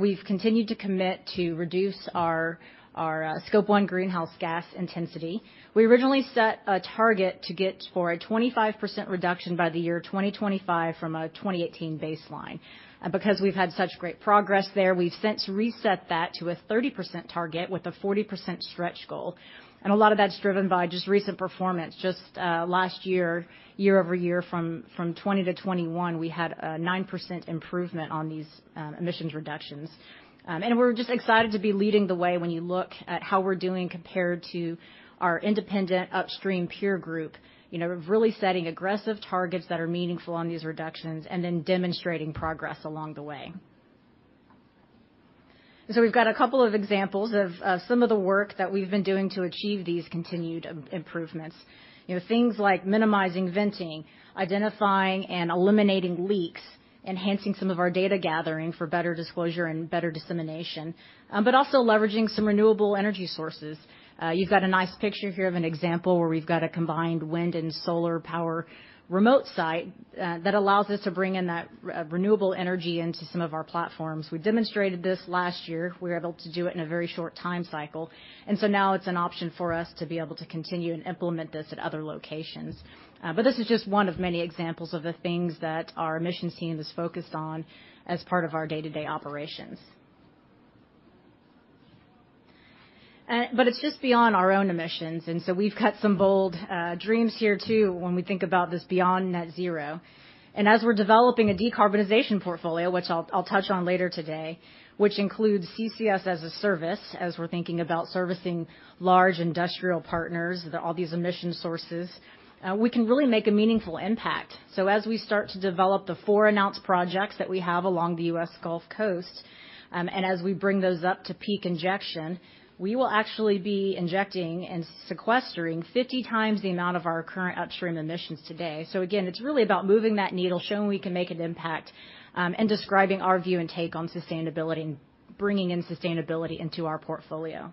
We've continued to commit to reduce our Scope 1 greenhouse gas intensity. We originally set a target to get for a 25% reduction by the year 2025 from a 2018 baseline. Because we've had such great progress there, we've since reset that to a 30% target with a 40% stretch goal. A lot of that's driven by just recent performance. Last year over year, from 2020 to 2021, we had a 9% improvement on these emissions reductions. We're just excited to be leading the way when you look at how we're doing compared to our independent upstream peer group. You know, we're really setting aggressive targets that are meaningful on these reductions and then demonstrating progress along the way. We've got a couple of examples of some of the work that we've been doing to achieve these continued improvements. You know, things like minimizing venting, identifying and eliminating leaks, enhancing some of our data gathering for better disclosure and better dissemination, but also leveraging some renewable energy sources. You've got a nice picture here of an example where we've got a combined wind and solar power remote site, that allows us to bring in that renewable energy into some of our platforms. We demonstrated this last year. We were able to do it in a very short time cycle. Now it's an option for us to be able to continue and implement this at other locations. This is just one of many examples of the things that our emissions team is focused on as part of our day-to-day operations. it's just beyond our own emissions, and so we've got some bold dreams here too when we think about this beyond net zero. As we're developing a decarbonization portfolio, which I'll touch on later today, which includes CCS as a service, as we're thinking about servicing large industrial partners, all these emissions sources, we can really make a meaningful impact. As we start to develop the four announced projects that we have along the U.S. Gulf Coast, and as we bring those up to peak injection, we will actually be injecting and sequestering 50 times the amount of our current upstream emissions today. Again, it's really about moving that needle, showing we can make an impact, and describing our view and take on sustainability and bringing in sustainability into our portfolio.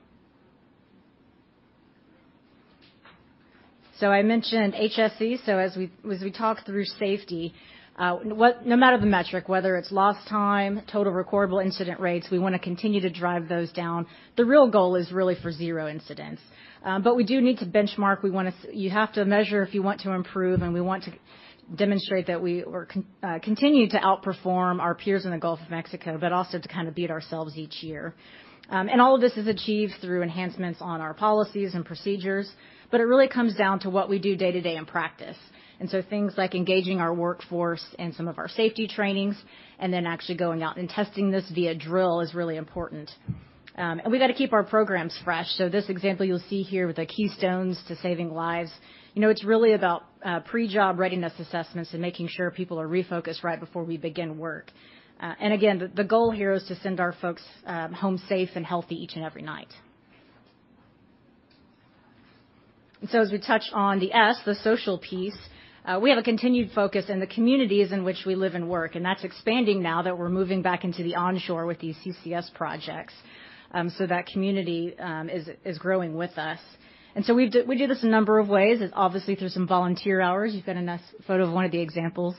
I mentioned HSE. As we talk through safety, no matter the metric, whether it's lost time, total recordable incident rates, we wanna continue to drive those down. The real goal is really for zero incidents. We do need to benchmark. You have to measure if you want to improve, and we want to demonstrate that we continue to outperform our peers in the Gulf of Mexico, but also to kind of beat ourselves each year. All of this is achieved through enhancements on our policies and procedures, but it really comes down to what we do day to day in practice. Things like engaging our workforce in some of our safety trainings and then actually going out and testing this via drill is really important. We gotta keep our programs fresh. This example you'll see here with the Keystones to Saving Lives, it's really about pre-job readiness assessments and making sure people are refocused right before we begin work. Again, the goal here is to send our folks home safe and healthy each and every night. As we touch on the S, the social piece, we have a continued focus in the communities in which we live and work, and that's expanding now that we're moving back into the onshore with these CCS projects. That community is growing with us. We do this a number of ways, obviously through some volunteer hours. You've got a nice photo of one of the examples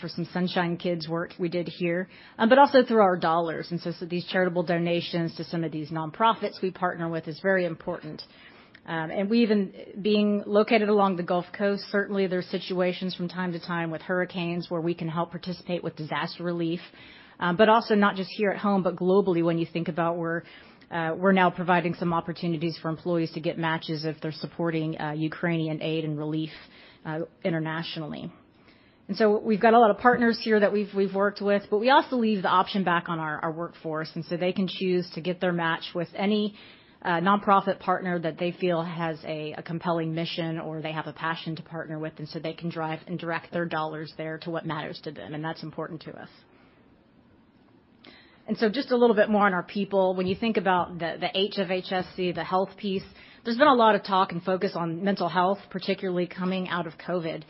for some Sunshine Kids work we did here, but also through our dollars. These charitable donations to some of these nonprofits we partner with is very important. Being located along the Gulf Coast, certainly there are situations from time to time with hurricanes where we can help participate with disaster relief. Also not just here at home, but globally, when you think about we're now providing some opportunities for employees to get matches if they're supporting Ukrainian aid and relief internationally. We've got a lot of partners here that we've worked with, but we also leave the option back on our workforce, and so they can choose to get their match with any nonprofit partner that they feel has a compelling mission or they have a passion to partner with, and so they can drive and direct their dollars there to what matters to them, and that's important to us. Just a little bit more on our people. When you think about the H of HSE, the health piece, there's been a lot of talk and focus on mental health, particularly coming out of COVID.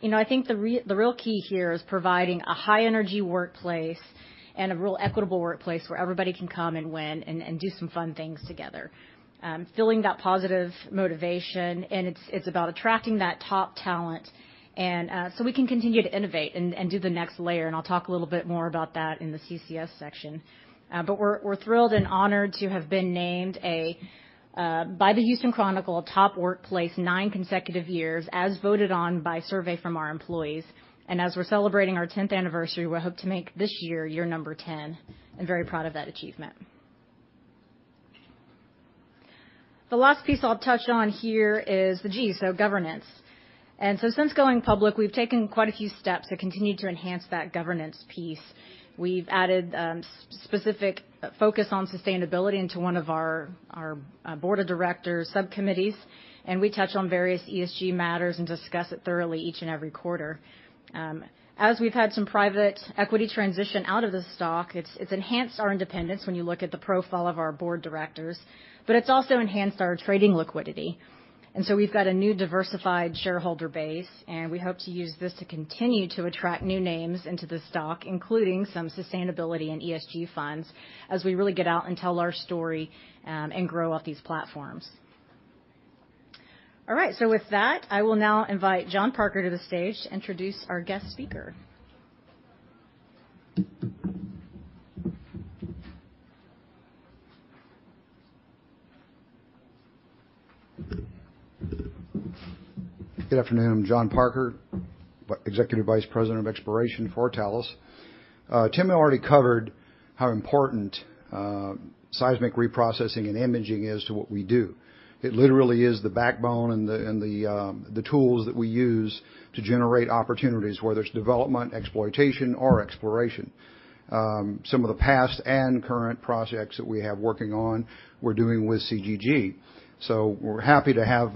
You know, I think the real key here is providing a high-energy workplace and a real equitable workplace where everybody can come and win and do some fun things together. Feeling that positive motivation, and it's about attracting that top talent, so we can continue to innovate and do the next layer, and I'll talk a little bit more about that in the CCS section. But we're thrilled and honored to have been named by the Houston Chronicle a top workplace nine consecutive years as voted on by survey from our employees. As we're celebrating our tenth anniversary, we hope to make this year year number 10, and very proud of that achievement. The last piece I'll touch on here is the G, so governance. Since going public, we've taken quite a few steps to continue to enhance that governance piece. We've added specific focus on sustainability into one of our board of directors subcommittees, and we touch on various ESG matters and discuss it thoroughly each and every quarter. As we've had some private equity transition out of the stock, it's enhanced our independence when you look at the profile of our board directors, but it's also enhanced our trading liquidity. We've got a new diversified shareholder base, and we hope to use this to continue to attract new names into the stock, including some sustainability and ESG funds, as we really get out and tell our story and grow up these platforms. All right, with that, I will now invite John Parker to the stage to introduce our guest speaker. Good afternoon. John Parker, Executive Vice President of Exploration for Talos. Tim already covered how important seismic reprocessing and imaging is to what we do. It literally is the backbone and the tools that we use to generate opportunities, whether it's development, exploitation, or exploration. Some of the past and current projects that we have working on, we're doing with CGG. We're happy to have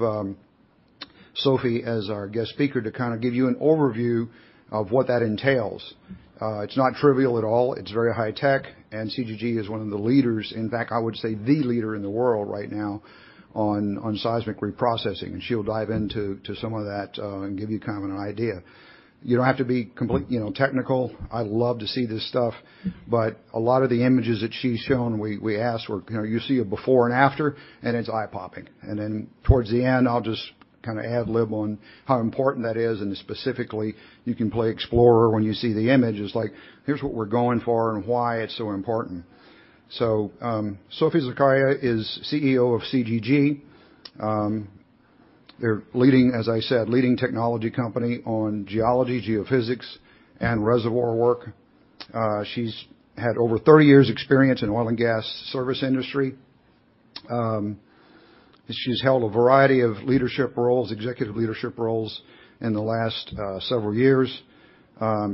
Sophie as our guest speaker to kind of give you an overview of what that entails. It's not trivial at all. It's very high tech, and CGG is one of the leaders, in fact, I would say the leader in the world right now on seismic reprocessing, and she'll dive into some of that and give you kind of an idea. You don't have to be complete, you know, technical. I love to see this stuff, but a lot of the images that she's shown, we ask where, you know, you see a before and after, and it's eye-popping. Then towards the end, I'll just kinda ad lib on how important that is, and specifically, you can play explorer when you see the images, like, here's what we're going for and why it's so important. Sophie Zurquiyah is CEO of CGG. They're leading, as I said, leading technology company on geology, geophysics, and reservoir work. She's had over 30 years' experience in oil and gas service industry.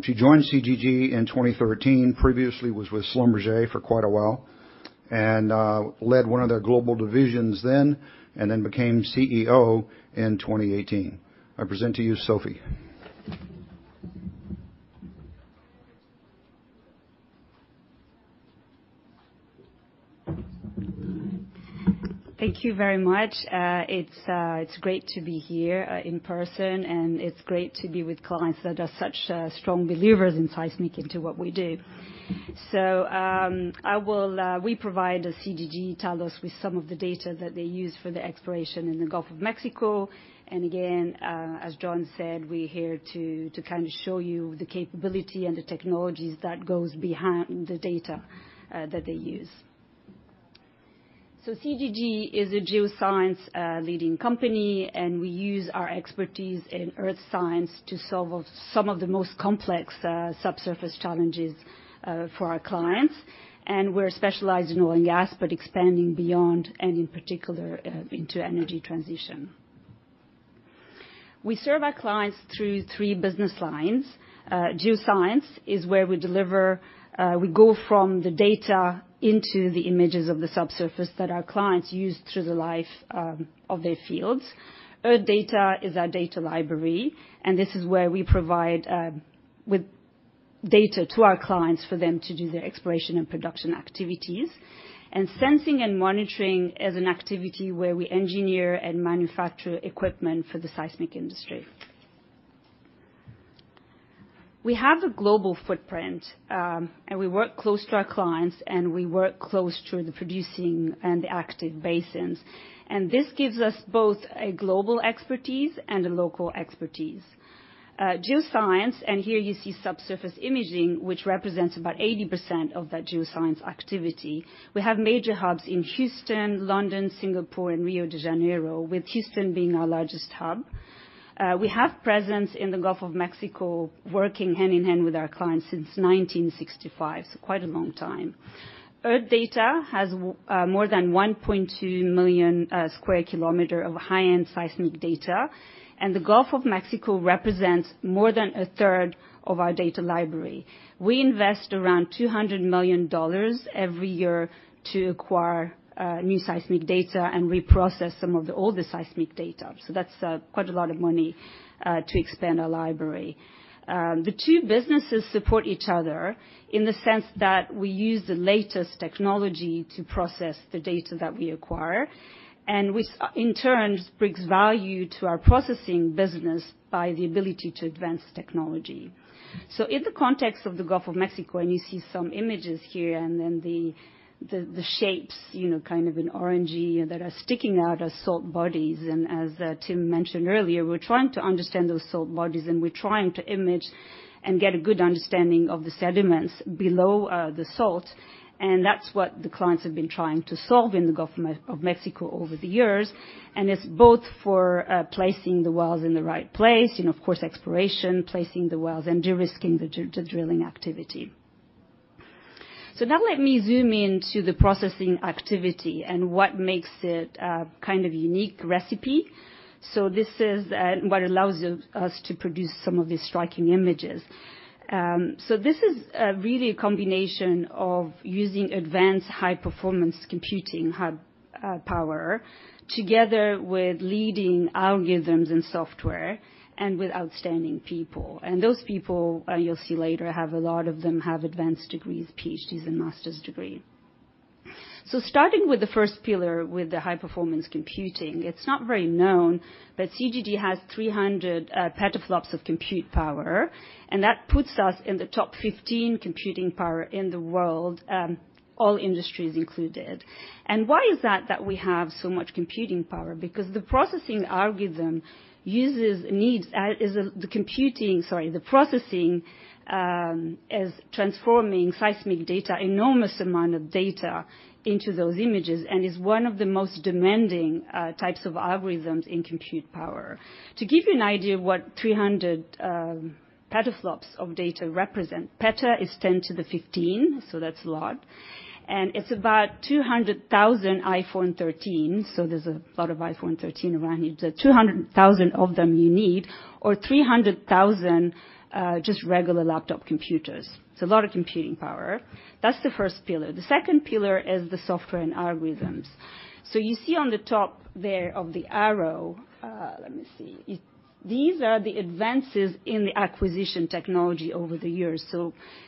She joined CGG in 2013. Previously was with Schlumberger for quite a while and led one of their global divisions then, and then became CEO in 2018. I present to you, Sophie Zurquiyah. Thank you very much. It's great to be here in person, and it's great to be with clients that are such strong believers in seismic and to what we do. We provide CGG, Talos with some of the data that they use for the exploration in the Gulf of Mexico. Again, as John said, we're here to kind of show you the capability and the technologies that goes behind the data that they use. CGG is a geoscience leading company, and we use our expertise in earth science to solve some of the most complex subsurface challenges for our clients. We're specialized in oil and gas, but expanding beyond, and in particular into energy transition. We serve our clients through three business lines. Geoscience is where we deliver, we go from the data into the images of the subsurface that our clients use through the life of their fields. Earth data is our data library, and this is where we provide with data to our clients for them to do their exploration and production activities. Sensing and monitoring is an activity where we engineer and manufacture equipment for the seismic industry. We have a global footprint, and we work close to our clients, and we work close to the producing and the active basins. This gives us both a global expertise and a local expertise. Geoscience, here you see subsurface imaging, which represents about 80% of that geoscience activity. We have major hubs in Houston, London, Singapore, and Rio de Janeiro, with Houston being our largest hub. We have presence in the Gulf of Mexico, working hand-in-hand with our clients since 1965, so quite a long time. Earth data has more than 1.2 million square kilometers of high-end seismic data, and the Gulf of Mexico represents more than a third of our data library. We invest around $200 million every year to acquire new seismic data and reprocess some of the older seismic data. That's quite a lot of money to expand our library. The two businesses support each other in the sense that we use the latest technology to process the data that we acquire, and which in turn brings value to our processing business by the ability to advance technology. In the context of the Gulf of Mexico, and you see some images here and then the shapes, you know, kind of in orangey that are sticking out as salt bodies. As Tim mentioned earlier, we're trying to understand those salt bodies, and we're trying to image and get a good understanding of the sediments below the salt, and that's what the clients have been trying to solve in the Gulf of Mexico over the years. It's both for placing the wells in the right place and of course, exploration, placing the wells and de-risking the drilling activity. Now let me zoom in to the processing activity and what makes it a kind of unique recipe. This is what allows us to produce some of these striking images. This is really a combination of using advanced high-performance computing hub power together with leading algorithms and software and with outstanding people. Those people you'll see later, a lot of them have advanced degrees, PhDs and master's degree. Starting with the first pillar, with the high-performance computing, it's not very known that CGG has 300 petaflops of compute power, and that puts us in the top 15 computing power in the world, all industries included. Why is that we have so much computing power? Because the processing algorithm, sorry, the processing is transforming seismic data, enormous amount of data into those images and is one of the most demanding types of algorithms in compute power. To give you an idea of what 300 petaflops of data represent, peta is 10 to the 15, so that's a lot, and it's about 200,000 iPhone 13s, so there's a lot of iPhone 13 around you. The 200,000 of them you need or 300,000 just regular laptop computers. It's a lot of computing power. That's the first pillar. The second pillar is the software and algorithms. You see on the top there of the arrow, let me see. These are the advances in the acquisition technology over the years.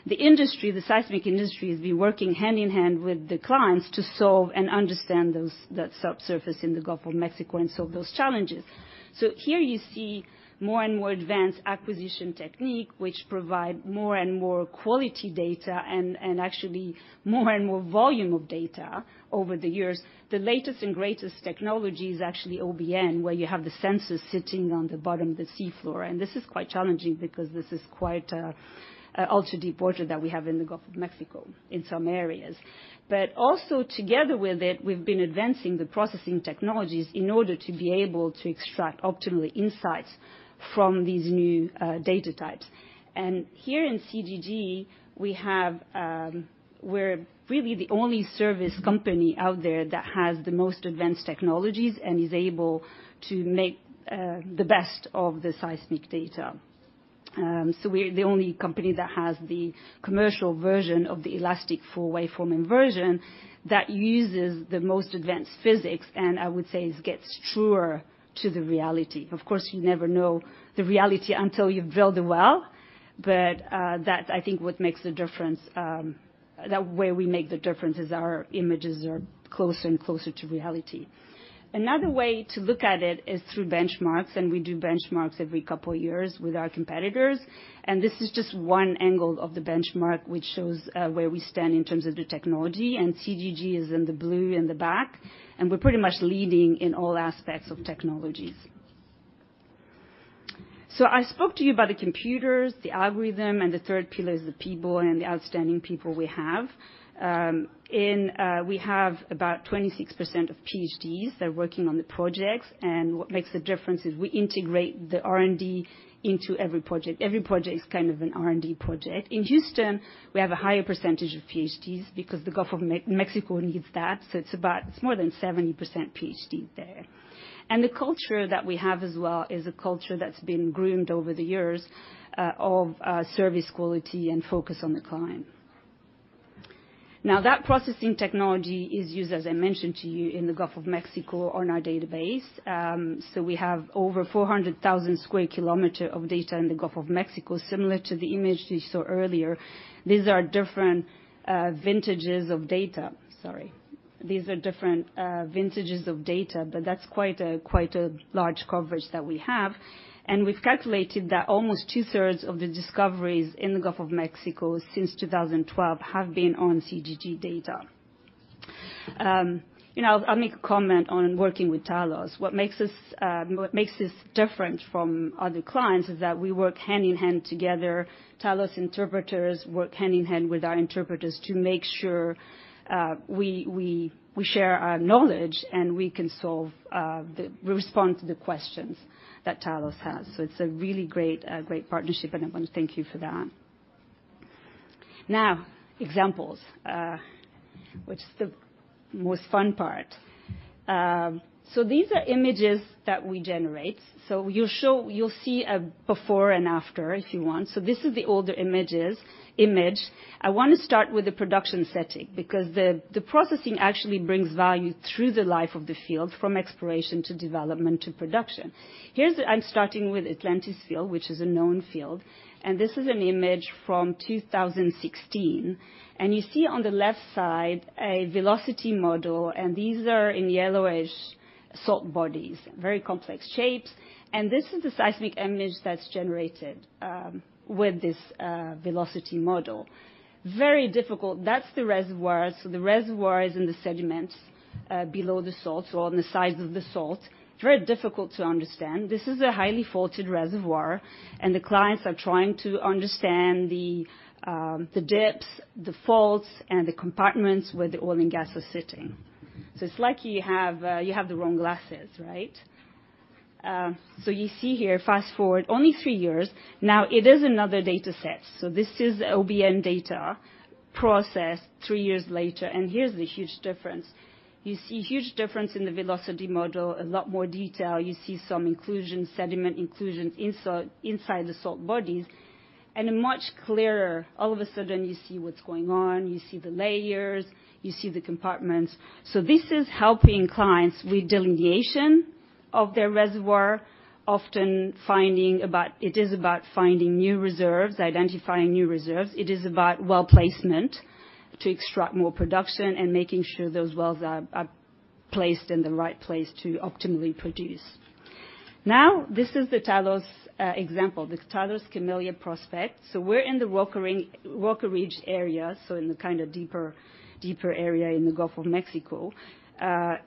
The industry, the seismic industry has been working hand-in-hand with the clients to solve and understand that subsurface in the Gulf of Mexico and solve those challenges. Here you see more and more advanced acquisition technique, which provide more and more quality data and actually more and more volume of data over the years. The latest and greatest technology is actually OBN, where you have the sensors sitting on the bottom of the seafloor. This is quite challenging because this is quite ultra-deep water that we have in the Gulf of Mexico in some areas. Also together with it, we've been advancing the processing technologies in order to be able to extract optimally insights from these new data types. Here in CGG, we're really the only service company out there that has the most advanced technologies and is able to make the best of the seismic data. We're the only company that has the commercial version of the Elastic Full-Waveform Inversion that uses the most advanced physics, and I would say it gets truer to the reality. Of course, you never know the reality until you've drilled the well, but that's, I think, what makes the difference, that's where we make the difference is our images are closer and closer to reality. Another way to look at it is through benchmarks, and we do benchmarks every couple of years with our competitors. This is just one angle of the benchmark, which shows where we stand in terms of the technology. CGG is in the blue in the back, and we're pretty much leading in all aspects of technologies. I spoke to you about the computers, the algorithm, and the third pillar is the people and the outstanding people we have. We have about 26% of PhDs that are working on the projects. What makes the difference is we integrate the R&D into every project. Every project is kind of an R&D project. In Houston, we have a higher percentage of PhDs because the Gulf of Mexico needs that. It's more than 70% PhD there. The culture that we have as well is a culture that's been groomed over the years, of service quality and focus on the client. Now that processing technology is used, as I mentioned to you, in the Gulf of Mexico on our database. We have over 400,000 square kilometer of data in the Gulf of Mexico, similar to the image that you saw earlier. These are different vintages of data, but that's quite a large coverage that we have. We've calculated that almost two-thirds of the discoveries in the Gulf of Mexico since 2012 have been on CGG data. You know, I'll make a comment on working with Talos. What makes us different from other clients is that we work hand-in-hand together. Talos interpreters work hand-in-hand with our interpreters to make sure we share our knowledge and we can respond to the questions that Talos has. It's a really great partnership, and I wanna thank you for that. Now, examples, which is the most fun part. These are images that we generate. You'll see a before and after, if you want. This is the older image. I wanna start with the production setting because the processing actually brings value through the life of the field from exploration to development to production. I'm starting with Atlantis field, which is a known field, and this is an image from 2016. You see on the left side a velocity model, and these are in yellowish salt bodies, very complex shapes. This is the seismic image that's generated with this velocity model. Very difficult. That's the reservoir. The reservoir is in the sediment below the salt or on the sides of the salt. It's very difficult to understand. This is a highly faulted reservoir, and the clients are trying to understand the dips, the faults, and the compartments where the oil and gas are sitting. It's like you have the wrong glasses, right? You see here, fast-forward only three years. Now it is another data set, so this is OBN data processed three years later, and here's the huge difference. You see huge difference in the velocity model, a lot more detail. You see some inclusions, sediment inclusions inserted inside the salt bodies and a much clearer. All of a sudden you see what's going on, you see the layers, you see the compartments. This is helping clients with delineation of their reservoir, often finding new reserves, identifying new reserves. It is about well placement to extract more production and making sure those wells are placed in the right place to optimally produce. This is the Talos example, this Talos Camellia prospect. We're in the Walker Ridge area, so in the kinda deeper area in the Gulf of Mexico.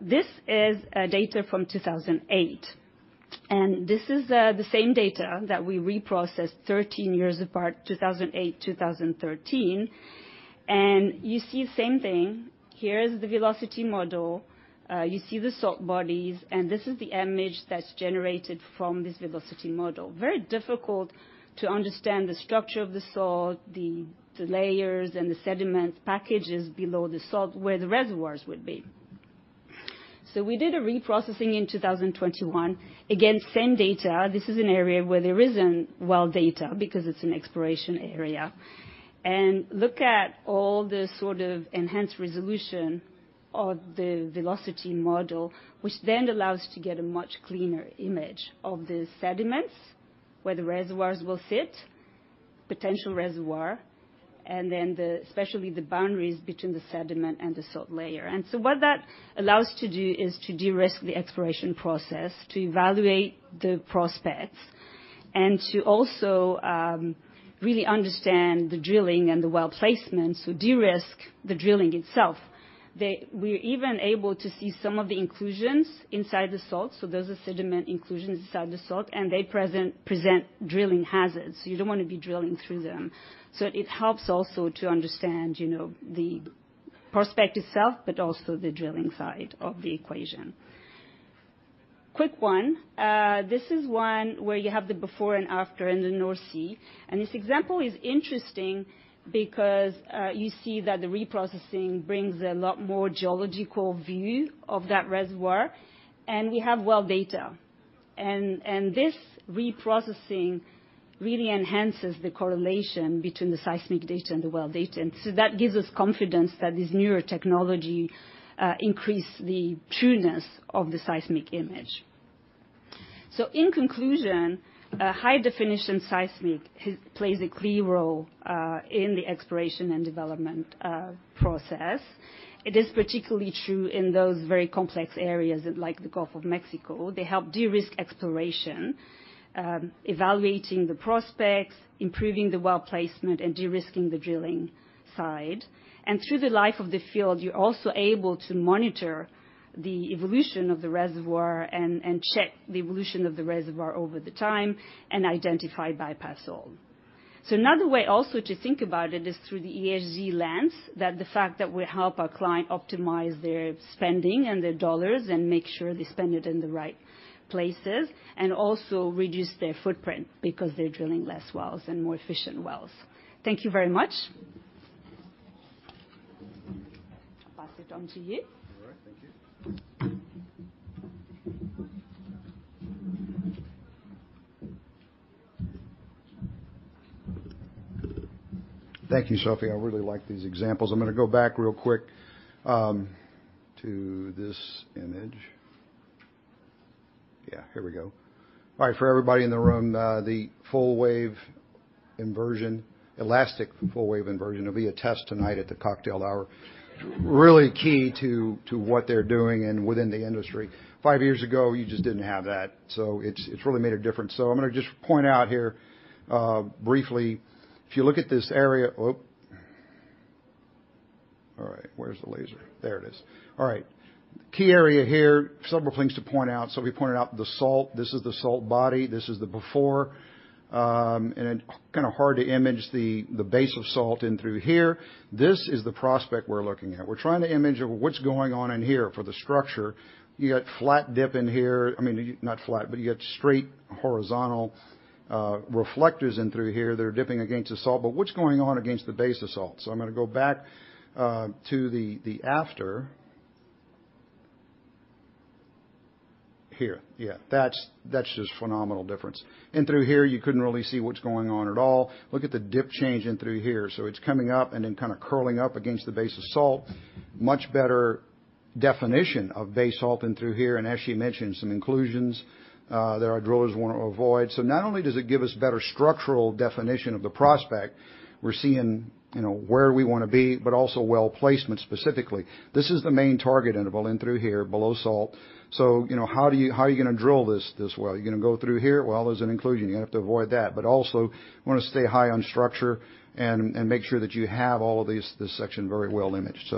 This is data from 2008. This is the same data that we reprocessed 13 years apart, 2008, 2013. You see the same thing. Here is the velocity model. You see the salt bodies, and this is the image that's generated from this velocity model. Very difficult to understand the structure of the salt, the layers and the sediments packages below the salt where the reservoirs would be. We did a reprocessing in 2021. Again, same data. This is an area where there isn't well data because it's an exploration area. Look at all the sort of enhanced resolution of the velocity model, which then allows to get a much cleaner image of the sediments where the reservoirs will sit, potential reservoir, and then the, especially the boundaries between the sediment and the salt layer. What that allows to do is to de-risk the exploration process, to evaluate the prospects, and to also really understand the drilling and the well placement, so de-risk the drilling itself. We're even able to see some of the inclusions inside the salt. Those are sediment inclusions inside the salt, and they present drilling hazards. You don't wanna be drilling through them. It helps also to understand, you know, the prospect itself, but also the drilling side of the equation. Quick one. This is one where you have the before and after in the North Sea. This example is interesting because you see that the reprocessing brings a lot more geological view of that reservoir, and we have well data. This reprocessing really enhances the correlation between the seismic data and the well data. That gives us confidence that this newer technology increase the trueness of the seismic image. In conclusion, high-definition seismic plays a key role in the exploration and development process. It is particularly true in those very complex areas, like the Gulf of Mexico. They help de-risk exploration, evaluating the prospects, improving the well placement, and de-risking the drilling side. Through the life of the field, you're also able to monitor the evolution of the reservoir and check the evolution of the reservoir over the time and identify bypass oil. Another way also to think about it is through the ESG lens, that the fact that we help our client optimize their spending and their dollars and make sure they spend it in the right places, and also reduce their footprint because they're drilling less wells and more efficient wells. Thank you very much. I'll pass it on to you. Thank you, Sophie. I really like these examples. I'm gonna go back real quick to this image. Yeah, here we go. All right. For everybody in the room, the Elastic Full-Waveform Inversion, there'll be a test tonight at the cocktail hour. Really key to what they're doing and within the industry. Five years ago, you just didn't have that. It's really made a difference. I'm gonna just point out here briefly, if you look at this area. All right, where's the laser? There it is. All right. Key area here, several things to point out. We pointed out the salt. This is the salt body. This is the before. It's kinda hard to image the base of salt in through here. This is the prospect we're looking at. We're trying to image what's going on in here for the structure. You got flat dip in here. I mean, not flat, but you got straight horizontal reflectors in through here that are dipping against the salt. But what's going on against the base of salt? I'm gonna go back to the after. Here. Yeah, that's just phenomenal difference. In through here, you couldn't really see what's going on at all. Look at the dip change in through here. It's coming up and then kinda curling up against the base of salt. Much better definition of base salt in through here. As she mentioned, some inclusions that our drillers wanna avoid. Not only does it give us better structural definition of the prospect, we're seeing, you know, where we wanna be, but also well placement specifically. This is the main target interval in through here, below salt. You know, how are you gonna drill this well? You're gonna go through here? Well, there's an inclusion. You're gonna have to avoid that. But also, you wanna stay high on structure and make sure that you have this section very well-imaged.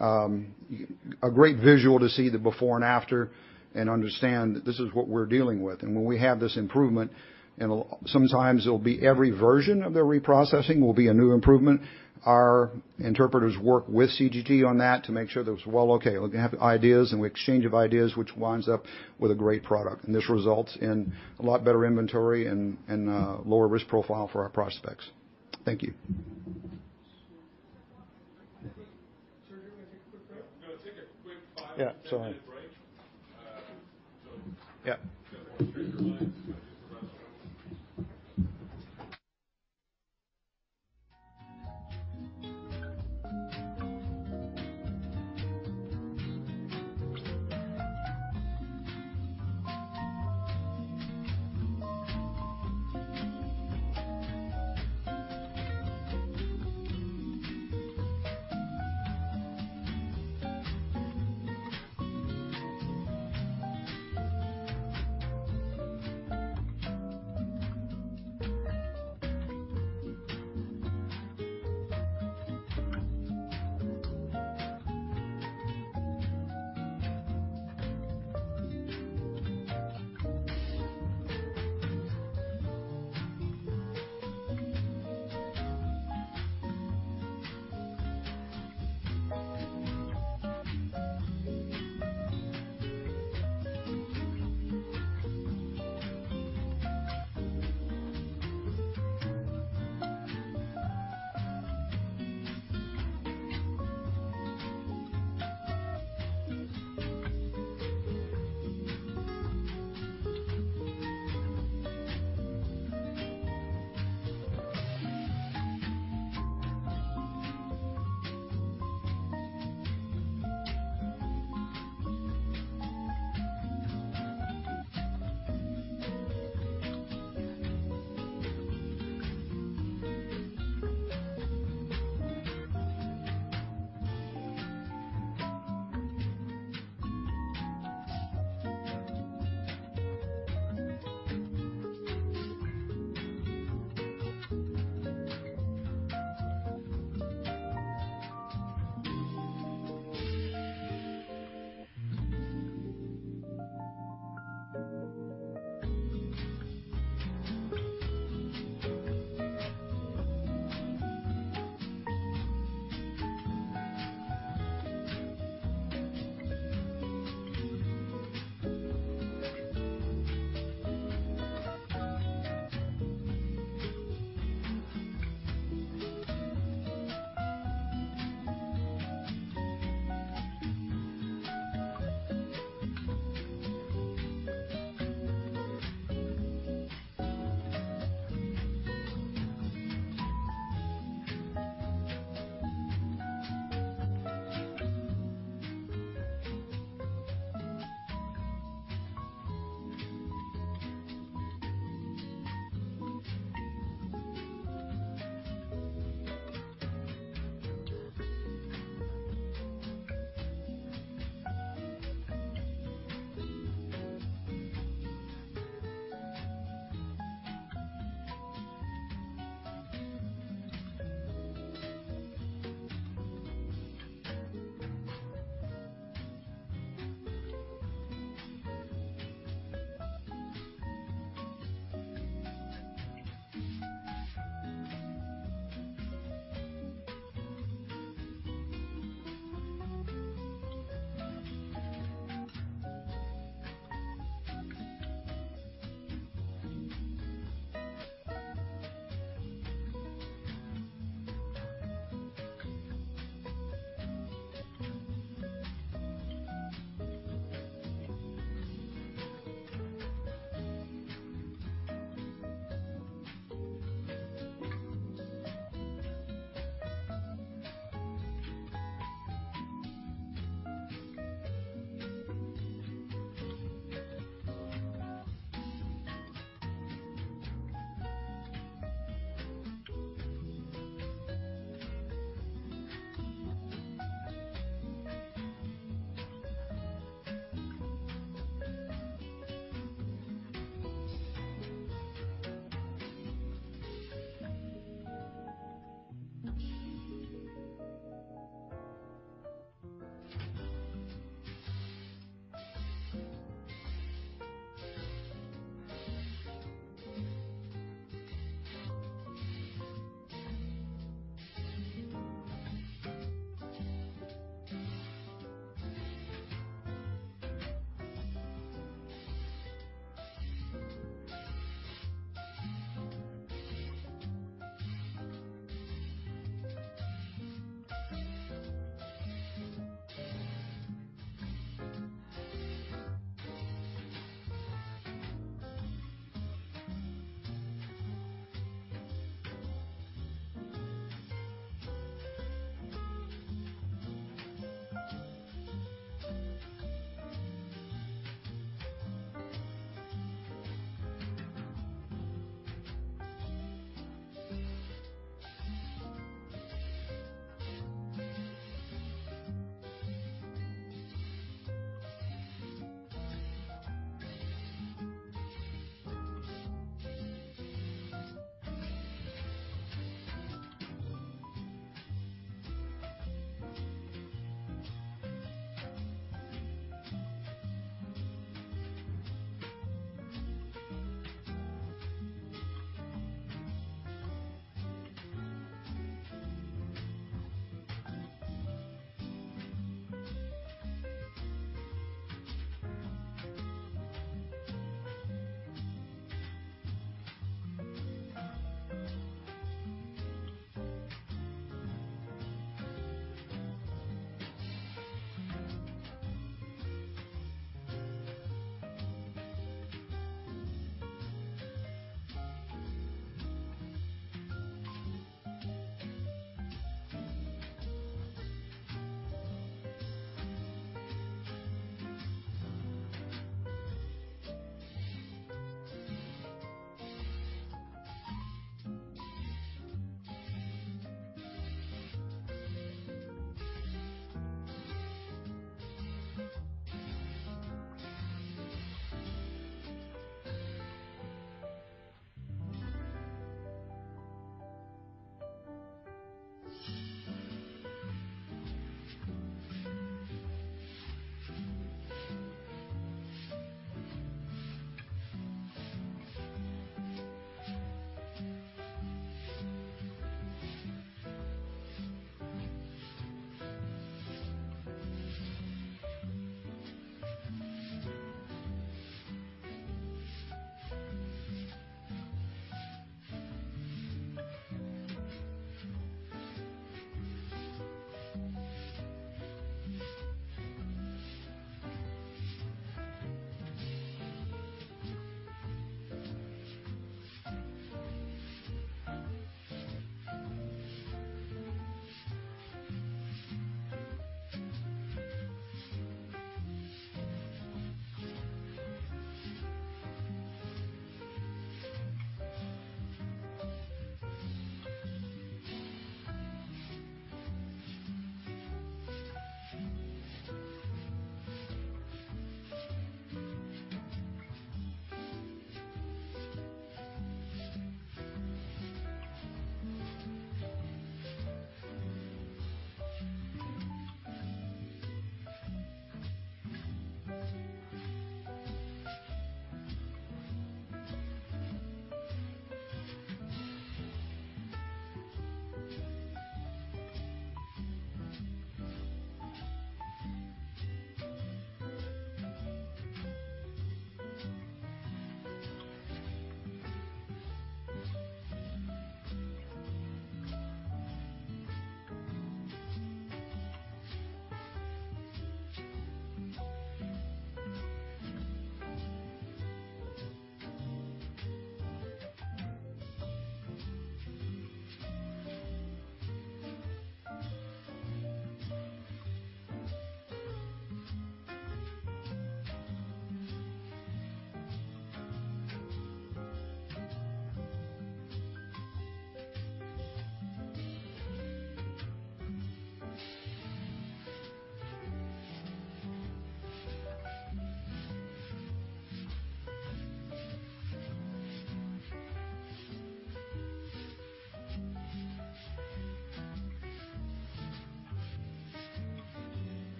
A great visual to see the before and after and understand that this is what we're dealing with. When we have this improvement, and sometimes it'll be every version of the reprocessing will be a new improvement. Our interpreters work with CGG on that to make sure that it's well okay. We have ideas and exchange of ideas, which winds up with a great product. This results in a lot better inventory and lower risk profile for our prospects. Thank you. We're gonna take a quick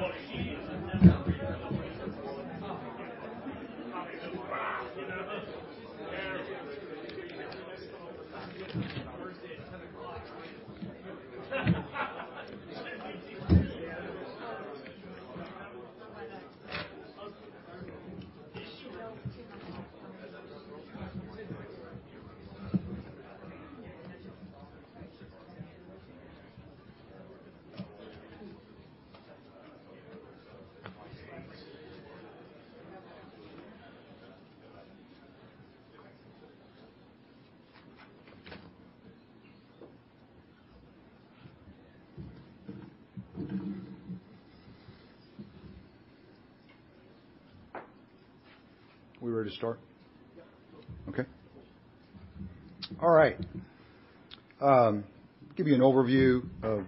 five-minute break. Yeah, it's all right. Um, so- Yeah. We ready to start? Yeah. Okay. All right. Give you an overview of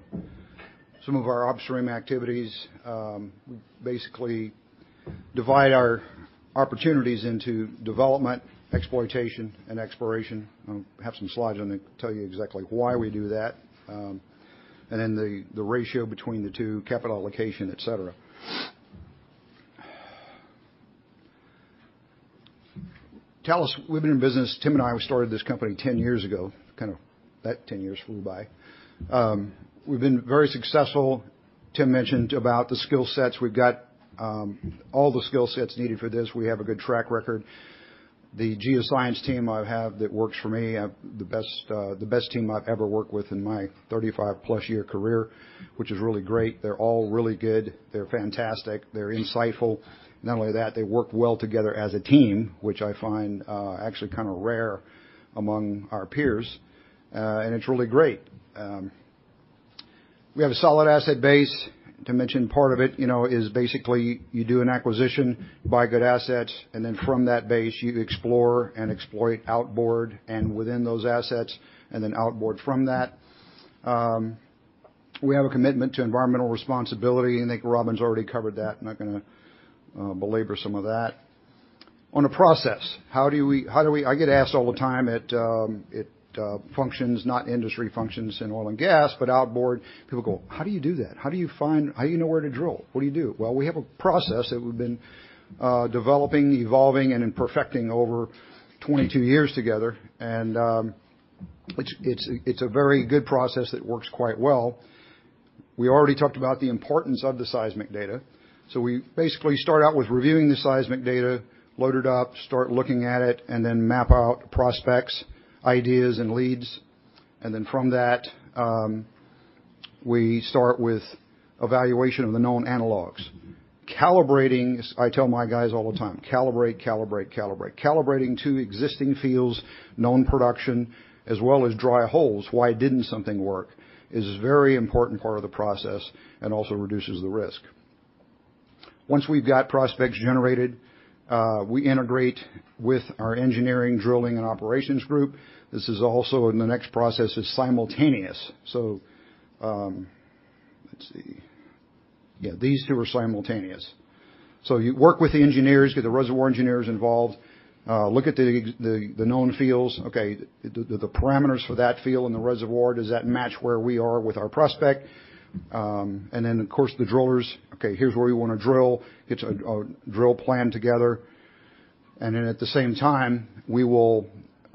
some of our upstream activities. Basically divide our opportunities into development, exploitation, and exploration. Have some slides on there tell you exactly why we do that. The ratio between the two, capital allocation, et cetera. Talos, we've been in business. Tim and I, we started this company 10 years ago. Kind of that 10 years flew by. We've been very successful. Tim mentioned about the skill sets. We've got all the skill sets needed for this. We have a good track record. The geoscience team I have that works for me, I have the best team I've ever worked with in my 35-plus-year career, which is really great. They're all really good. They're fantastic. They're insightful. Not only that, they work well together as a team, which I find actually kind of rare among our peers. It's really great. We have a solid asset base. Tim mentioned part of it, you know, is basically you do an acquisition, buy good assets, and then from that base, you explore and exploit outboard and within those assets, and then outboard from that. We have a commitment to environmental responsibility, and I think Robin's already covered that. I'm not gonna belabor some of that. On the process, how do we I get asked all the time at functions, not industry functions in oil and gas, but outboard people go, "How do you do that? How do you know where to drill? What do you do?" Well, we have a process that we've been developing, evolving, and then perfecting over 22 years together. It's a very good process that works quite well. We already talked about the importance of the seismic data. We basically start out with reviewing the seismic data, load it up, start looking at it, and then map out prospects, ideas, and leads. From that, we start with evaluation of the known analogs. Calibrating I tell my guys all the time, "Calibrate, calibrate." Calibrating to existing fields, known production, as well as dry holes, why didn't something work, is a very important part of the process and also reduces the risk. Once we've got prospects generated, we integrate with our engineering, drilling, and operations group. This is also in the next process is simultaneous. Let's see. Yeah, these two are simultaneous. You work with the engineers, get the reservoir engineers involved, look at the known fields. Okay, the parameters for that field and the reservoir, does that match where we are with our prospect? Then, of course, the drillers. "Okay, here's where we wanna drill." Get a drill plan together. Then at the same time, we will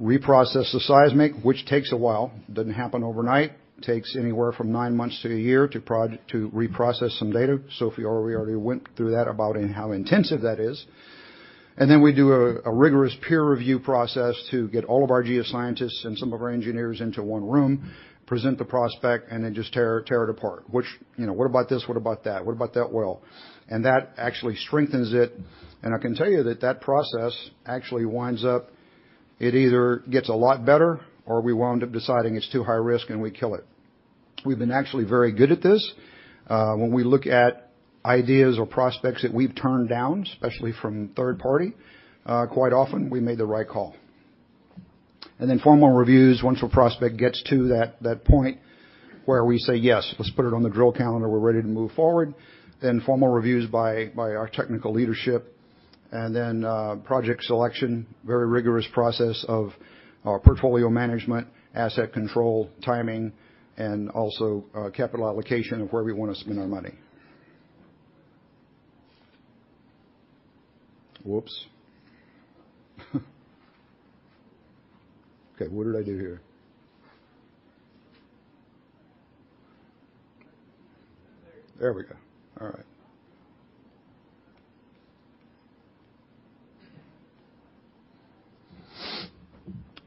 reprocess the seismic, which takes a while. Doesn't happen overnight. Takes anywhere from nine months to a year to reprocess some data. Sophie already went through that about and how intensive that is. Then we do a rigorous peer review process to get all of our geoscientists and some of our engineers into one room, present the prospect, and then just tear it apart. Which, you know, what about this? What about that? What about that well? That actually strengthens it. I can tell you that process actually winds up. It either gets a lot better or we wound up deciding it's too high risk, and we kill it. We've been actually very good at this. When we look at ideas or prospects that we've turned down, especially from third party, quite often we made the right call. Formal reviews. Once a prospect gets to that point where we say, "Yes, let's put it on the drill calendar. We're ready to move forward," then formal reviews by our technical leadership. Project selection, very rigorous process of our portfolio management, asset control, timing, and also, capital allocation of where we wanna spend our money. Whoops. Okay, what did I do here? There we go. All right.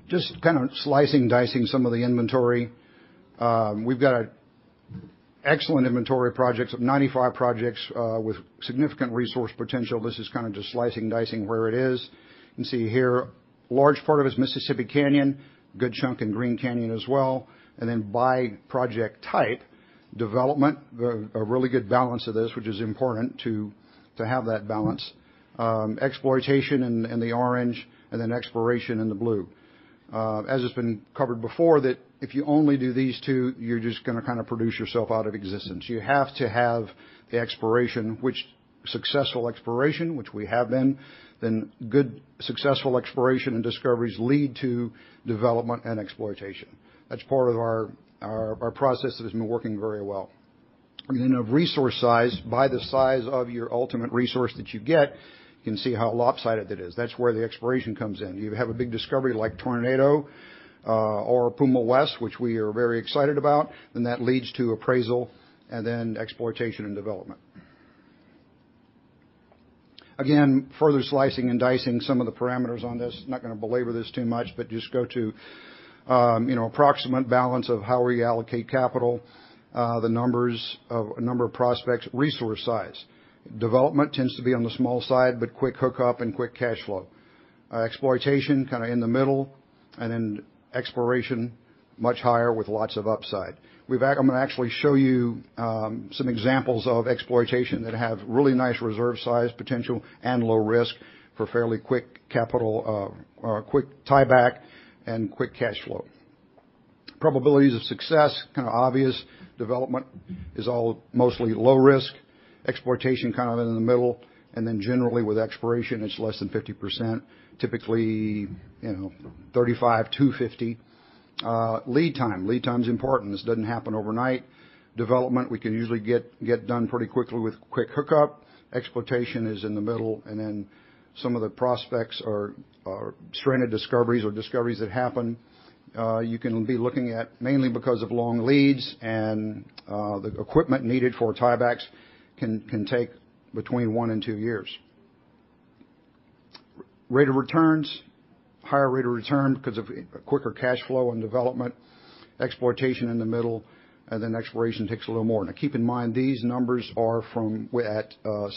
Just kind of slicing, dicing some of the inventory. We've got an excellent inventory of projects, of 95 projects, with significant resource potential. This is kind of just slicing, dicing where it is. You can see here, large part of it is Mississippi Canyon, good chunk in Green Canyon as well. Then by project type, development, the really good balance of this, which is important to have that balance. Exploitation in the orange, and then exploration in the blue. As it's been covered before, that if you only do these two, you're just gonna kind of produce yourself out of existence. You have to have the exploration which successful exploration, which we have been, then good successful exploration and discoveries lead to development and exploitation. That's part of our process that has been working very well. Of resource size, by the size of your ultimate resource that you get, you can see how lopsided that is. That's where the exploration comes in. You have a big discovery like Tornado or Puma West, which we are very excited about, then that leads to appraisal and then exploitation and development. Again, further slicing and dicing some of the parameters on this. I'm not gonna belabor this too much, but just go to approximate balance of how we allocate capital, number of prospects, resource size. Development tends to be on the small side, but quick hookup and quick cash flow. Exploitation kinda in the middle, and then exploration much higher with lots of upside. We've act I'm gonna actually show you some examples of exploitation that have really nice reserve size potential and low risk for fairly quick capital or quick tieback and quick cash flow. Probabilities of success, kinda obvious. Development is all mostly low risk. Exploitation kind of in the middle. Then generally with exploration, it's less than 50%, typically, you know, 35-50%. Lead time. Lead time's important. This doesn't happen overnight. Development, we can usually get done pretty quickly with quick hookup. Exploitation is in the middle. Then some of the prospects are stranded discoveries or discoveries that happen, you can be looking at mainly because of long leads and the equipment needed for tiebacks can take between one-two years. Rate of returns. Higher rate of return because of quicker cash flow and development. Exploitation in the middle, and then exploration takes a little more. Now keep in mind, these numbers are from $60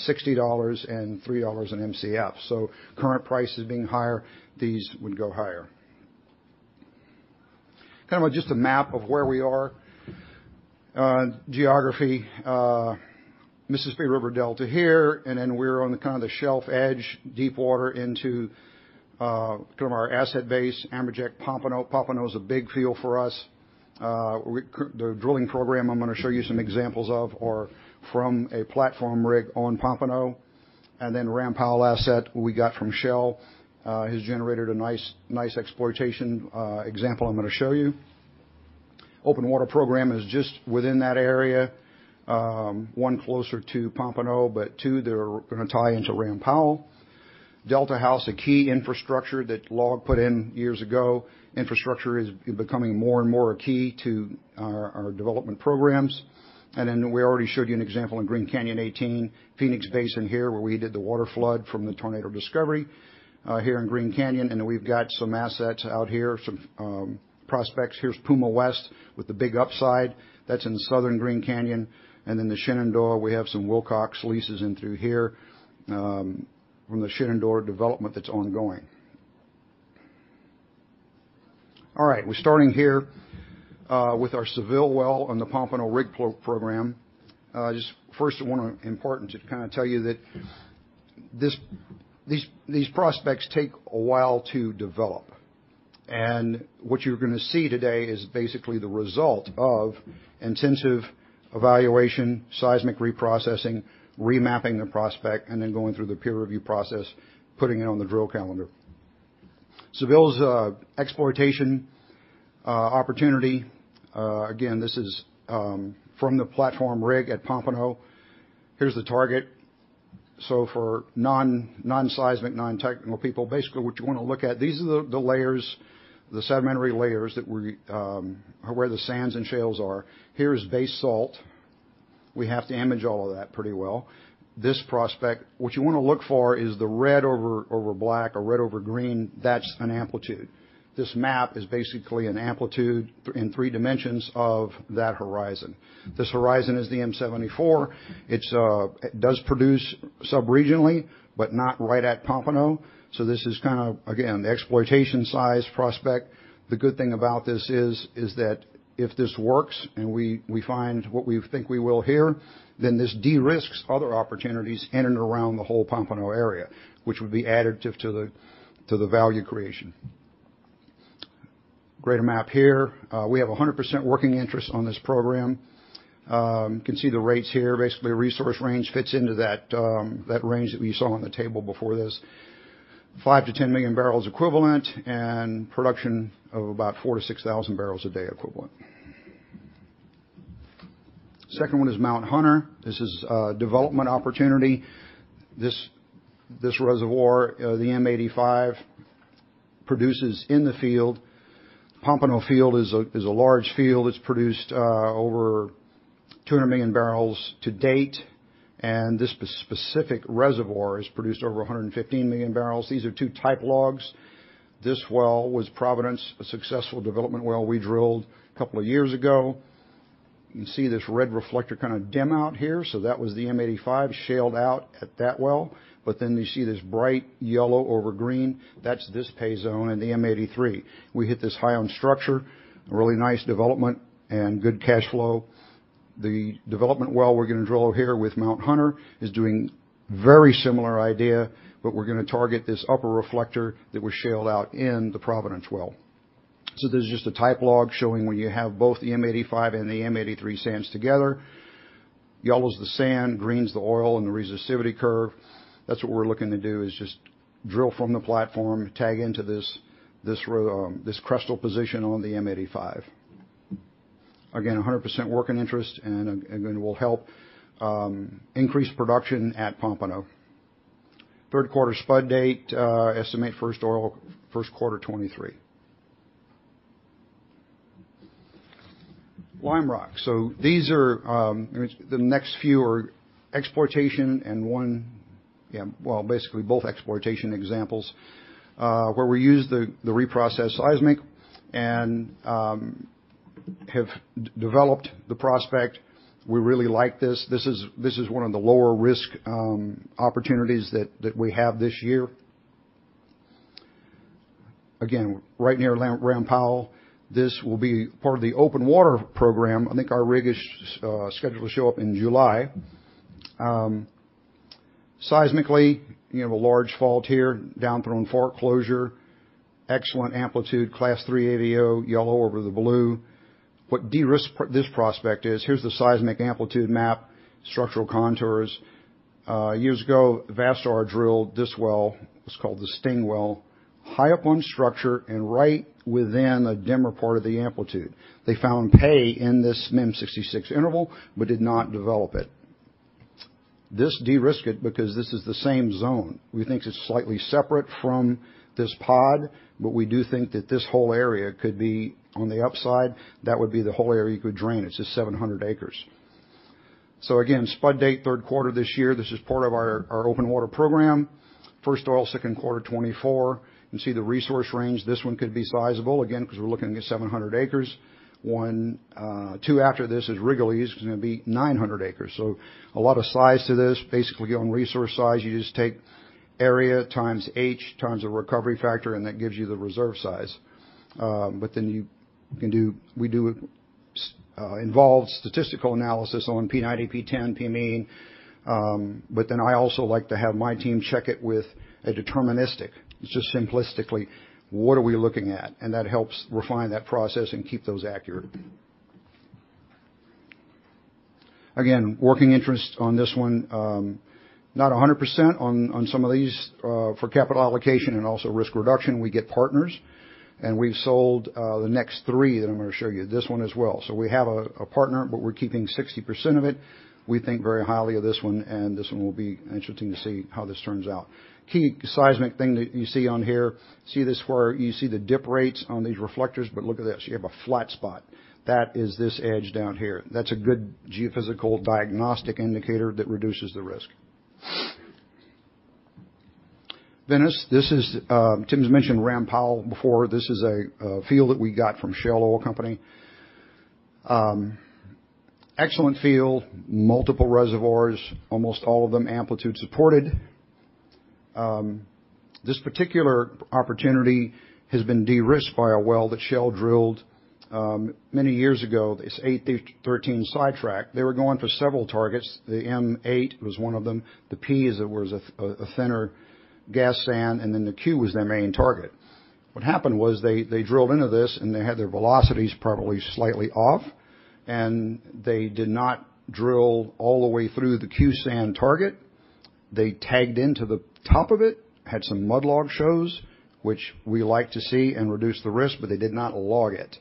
and $3 in Mcf. So current prices being higher, these would go higher. Kind of just a map of where we are. Geography, Mississippi River Delta here, and then we're on the kinda the shelf edge, deep water into kind of our asset base, Amberjack Pompano. Pompano is a big field for us. The drilling program, I'm gonna show you some examples of or from a platform rig on Pompano. Ram Powell asset we got from Shell has generated a nice exploitation example I'm gonna show you. Open Water program is just within that area, one closer to Pompano, but two that are gonna tie into Ram Powell. Delta House, a key infrastructure that LLOG put in years ago. Infrastructure is becoming more and more a key to our development programs. We already showed you an example in Green Canyon 18, Phoenix Basin here, where we did the water flood from the Tornado discovery, here in Green Canyon. We've got some assets out here, some prospects. Here's Puma West with the big upside. That's in the southern Green Canyon. The Shenandoah, we have some Wilcox leases in through here, from the Shenandoah development that's ongoing. All right, we're starting here, with our Seville well on the Pompano rig program. Important to kind of tell you that these prospects take a while to develop. What you're gonna see today is basically the result of intensive evaluation, seismic reprocessing, remapping the prospect, and then going through the peer review process, putting it on the drill calendar. Zevallos exploitation opportunity, again, this is from the platform rig at Pompano. Here's the target. For non-seismic, non-technical people, basically what you wanna look at, these are the layers, the sedimentary layers that we or where the sands and shales are. Here is base salt. We have to image all of that pretty well. This prospect, what you wanna look for is the red over black or red over green. That's an amplitude. This map is basically an amplitude in three dimensions of that horizon. This horizon is the M74. It does produce sub-regionally, but not right at Pompano. This is kinda, again, the exploitation size prospect. The good thing about this is that if this works and we find what we think we will here, then this de-risks other opportunities in and around the whole Pompano area, which would be additive to the value creation. Greater map here. We have 100% working interest on this program. You can see the rates here. Basically, a resource range fits into that range that we saw on the table before this. 5-10 million barrels equivalent and production of about 4,000-6,000 barrels a day equivalent. Second one is Mount Hunter. This is a development opportunity. This reservoir, the M85 produces in the field. Pompano Field is a large field. It's produced over 200 million barrels to date, and this specific reservoir has produced over 115 million barrels. These are two type logs. This well was Providence, a successful development well we drilled a couple of years ago. You see this red reflector kind of dim out here, so that was the M85 shaled out at that well. Then you see this bright yellow over green, that's this pay zone and the M83. We hit this high on structure, really nice development and good cash flow. The development well we're gonna drill here with Mount Hunter is doing very similar idea, but we're gonna target this upper reflector that was shaled out in the Providence well. This is just a type log showing when you have both the M85 and the M83 sands together. Yellow's the sand, green's the oil and the resistivity curve. That's what we're looking to do is just drill from the platform, tag into this crestal position on the M85. Again, 100% working interest and gas will help increase production at Pompano. Third quarter spud date, estimate first oil first quarter 2023. Lime Rock. These are, I mean, the next few are exploration and one, yeah, well, basically both exploration examples, where we use the reprocess seismic and have developed the prospect. We really like this. This is one of the lower risk opportunities that we have this year. Again, right near Ram Powell, this will be part of the Open Water program. I think our rig is scheduled to show up in July. Seismically, you have a large fault here, down through one closure, excellent amplitude, Class 3 AVO, yellow over the blue. What de-risks this prospect is, here's the seismic amplitude map, structural contours. Years ago, Vastar drilled this well, it's called the Sting Well, high up on structure and right within a dimmer part of the amplitude. They found pay in this M66 interval, but did not develop it. This de-risks it because this is the same zone. We think it's slightly separate from this pod, but we do think that this whole area could be on the upside. That would be the whole area you could drain. It's just 700 acres. Spud date third quarter this year. This is part of our Open Water program. First oil, second quarter 2024. You can see the resource range. This one could be sizable again, 'cause we're looking at 700 acres. One, two after this is Rigolets, it's gonna be 900 acres. So a lot of size to this. Basically, on resource size, you just take area times H times the recovery factor, and that gives you the reserve size. But then you can do we do involve statistical analysis on P90, P10, P mean. But then I also like to have my team check it with a deterministic. It's just simplistically, what are we looking at? And that helps refine that process and keep those accurate. Again, working interest on this one, not 100% on some of these, for capital allocation and also risk reduction, we get partners, and we've sold, the next three that I'm gonna show you, this one as well. We have a partner, but we're keeping 60% of it. We think very highly of this one, and this one will be interesting to see how this turns out. Key seismic thing that you see on here, see this where you see the dip rates on these reflectors, but look at this, you have a flat spot. That is this edge down here. That's a good geophysical diagnostic indicator that reduces the risk. Then this is Tim's mentioned Ram Powell before. This is a field that we got from Shell Oil Company. Excellent field, multiple reservoirs, almost all of them amplitude supported. This particular opportunity has been de-risked by a well that Shell drilled many years ago. It's 8-13 sidetrack. They were going for several targets. The M8 was one of them. The P is where it's a thinner gas sand, and then the Q was their main target. What happened was they drilled into this, and they had their velocities probably slightly off, and they did not drill all the way through the Q sand target. They tagged into the top of it, had some mud log shows, which we like to see and reduce the risk, but they did not log it.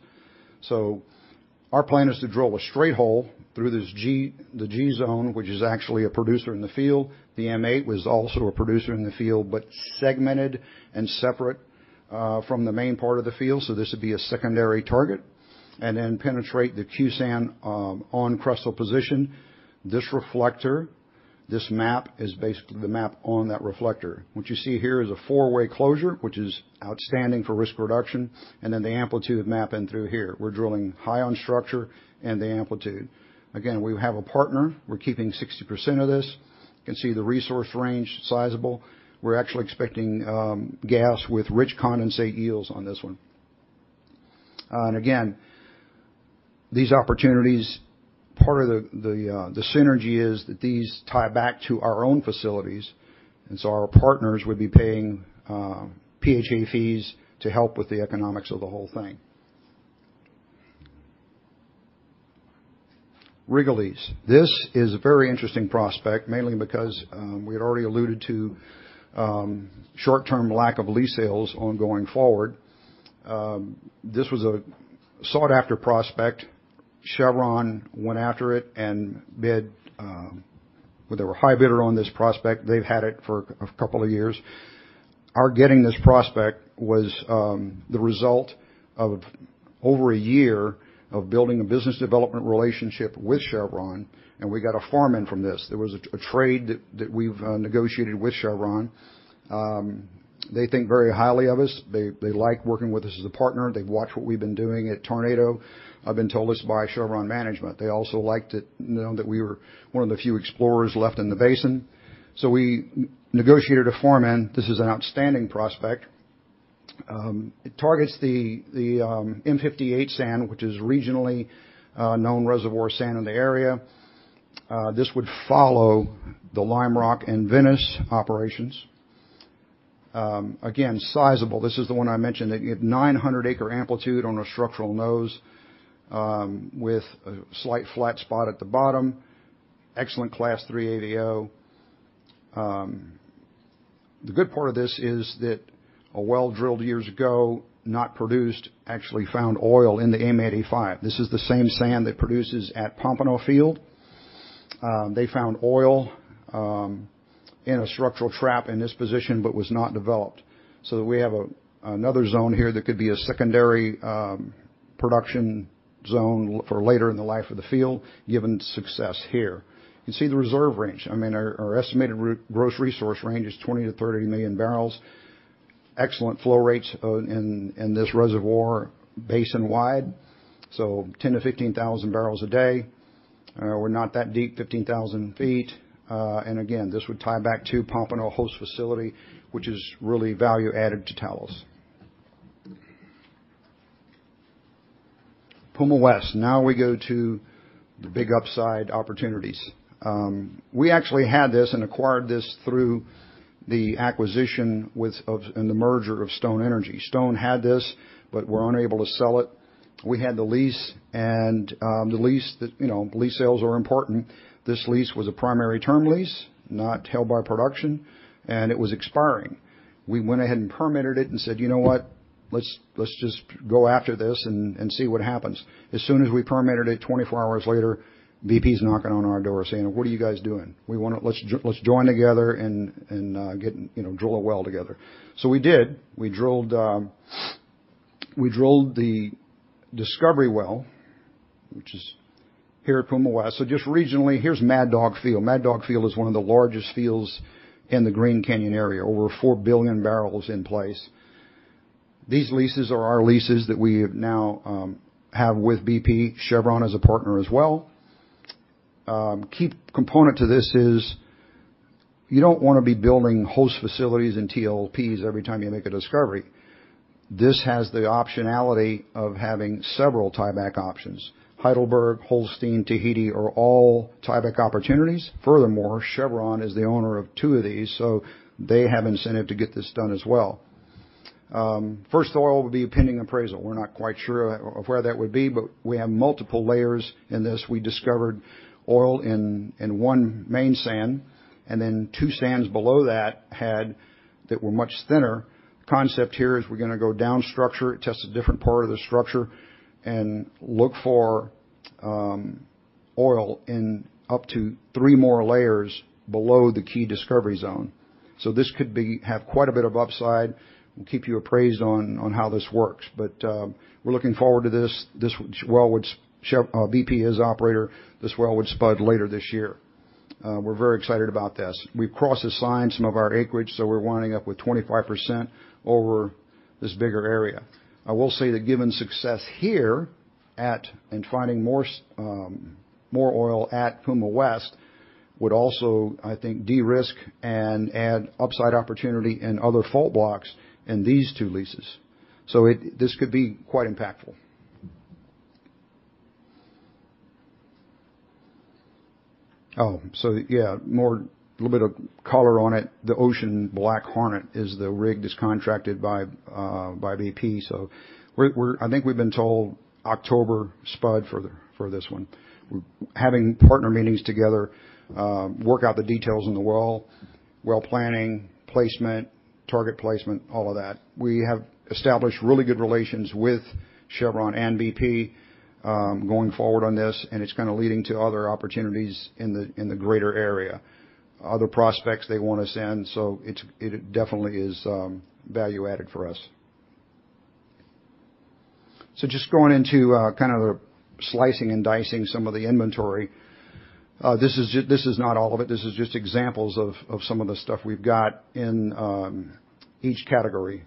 Our plan is to drill a straight hole through this G, the G zone, which is actually a producer in the field. The M eight was also a producer in the field, but segmented and separate from the main part of the field, so this would be a secondary target, and then penetrate the Q sand on crestal position. This reflector, this map is basically the map on that reflector, which you see here is a four-way closure, which is outstanding for risk reduction, and then the amplitude mapping through here. We're drilling high on structure and the amplitude. Again, we have a partner. We're keeping 60% of this. You can see the resource range, sizable. We're actually expecting gas with rich condensate yields on this one. And again, these opportunities, part of the synergy is that these tie back to our own facilities, and so our partners would be paying PHA fees to help with the economics of the whole thing. Rigolets. This is a very interesting prospect, mainly because we had already alluded to short-term lack of lease sales ongoing forward. This was a sought-after prospect. Chevron went after it and bid. Well, they were high bidder on this prospect. They've had it for a couple of years. Our getting this prospect was the result of over a year of building a business development relationship with Chevron, and we got a farm-in from this. There was a trade that we've negotiated with Chevron. They think very highly of us. They like working with us as a partner. They watch what we've been doing at Tornado. I've been told this by Chevron management. They also like to know that we were one of the few explorers left in the basin, so we negotiated a farm-in. This is an outstanding prospect. It targets the M58 sand, which is regionally known reservoir sand in the area. This would follow the Lime Rock and Venice operations. Again, sizable, this is the one I mentioned that you have 900-acre amplitude on a structural nose, with a slight flat spot at the bottom. Excellent Class three AVO. The good part of this is that a well drilled years ago, not produced, actually found oil in the M85. This is the same sand that produces at Pompano Field. They found oil in a structural trap in this position, but was not developed. We have another zone here that could be a secondary production zone for later in the life of the field, given success here. You can see the reserve range. I mean, our estimated gross resource range is 20-30 million barrels. Excellent flow rates in this reservoir, basin-wide. Ten to fifteen thousand barrels a day. We're not that deep, 15,000 feet. Again, this would tie back to Pompano host facility, which is really value added to Talos. Puma West, now we go to the big upside opportunities. We actually had this and acquired this through the acquisition and the merger of Stone Energy. Stone had this, but we were unable to sell it. We had the lease, and the lease that, you know, lease sales are important. This lease was a primary term lease, not held by production, and it was expiring. We went ahead and permitted it and said, "You know what? Let's just go after this and see what happens." As soon as we permitted it, 24 hours later, BP's knocking on our door saying, "What are you guys doing? We wanna join together and get, you know, drill a well together." We did. We drilled the discovery well, which is here at Puma West. Just regionally, here's Mad Dog Field. Mad Dog Field is one of the largest fields in the Green Canyon area, over 4 billion barrels in place. These leases are our leases that we have now with BP. Chevron is a partner as well. Key component to this is you don't wanna be building host facilities and TLPs every time you make a discovery. This has the optionality of having several tieback options. Heidelberg, Holstein, Tahiti are all tieback opportunities. Furthermore, Chevron is the owner of two of these, so they have incentive to get this done as well. First oil will be pending appraisal. We're not quite sure of where that would be, but we have multiple layers in this. We discovered oil in one main sand, and then two sands below that were much thinner. The concept here is we're gonna go down structure, test a different part of the structure, and look for oil in up to three more layers below the key discovery zone. This could have quite a bit of upside. We'll keep you apprised on how this works. We're looking forward to this. This well, which BP is operator, spud later this year. We're very excited about this. We've crossed aside some of our acreage, so we're winding up with 25% over this bigger area. I will say that given success here at and finding more oil at Puma West would also, I think, de-risk and add upside opportunity in other fault blocks in these two leases. This could be quite impactful. Oh, yeah, little bit of color on it. The Ocean BlackHornet is the rig that's contracted by BP. I think we've been told October spud for this one. We're having partner meetings together, work out the details in the well planning, placement, target placement, all of that. We have established really good relations with Chevron and BP, going forward on this, and it's kinda leading to other opportunities in the greater area. Other prospects they want us in, it definitely is value added for us. Just going into kind of the slicing and dicing some of the inventory. This is not all of it. This is just examples of some of the stuff we've got in each category.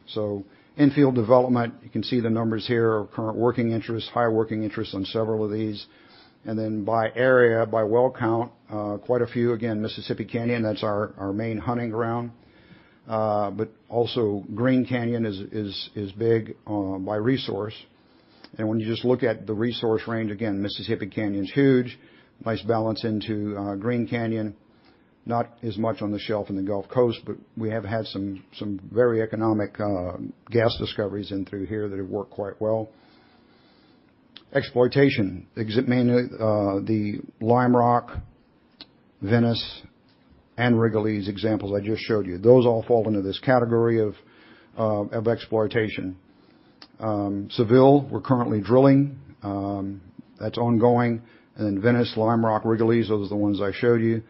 In-field development, you can see the numbers here are current working interest, high working interest on several of these. Then by area, by well count, quite a few again, Mississippi Canyon, that's our main hunting ground. But also Green Canyon is big by resource. When you just look at the resource range, again, Mississippi Canyon's huge. Nice balance into Green Canyon. Not as much on the shelf in the Gulf Coast, but we have had some very economic gas discoveries in through here that have worked quite well. Exploitation assets mainly the Lime Rock, Venice, and Rigolets examples I just showed you. Those all fall into this category of exploitation. Seville, we're currently drilling, that's ongoing. Venice, Lime Rock, Rigolets, those are the ones I showed you.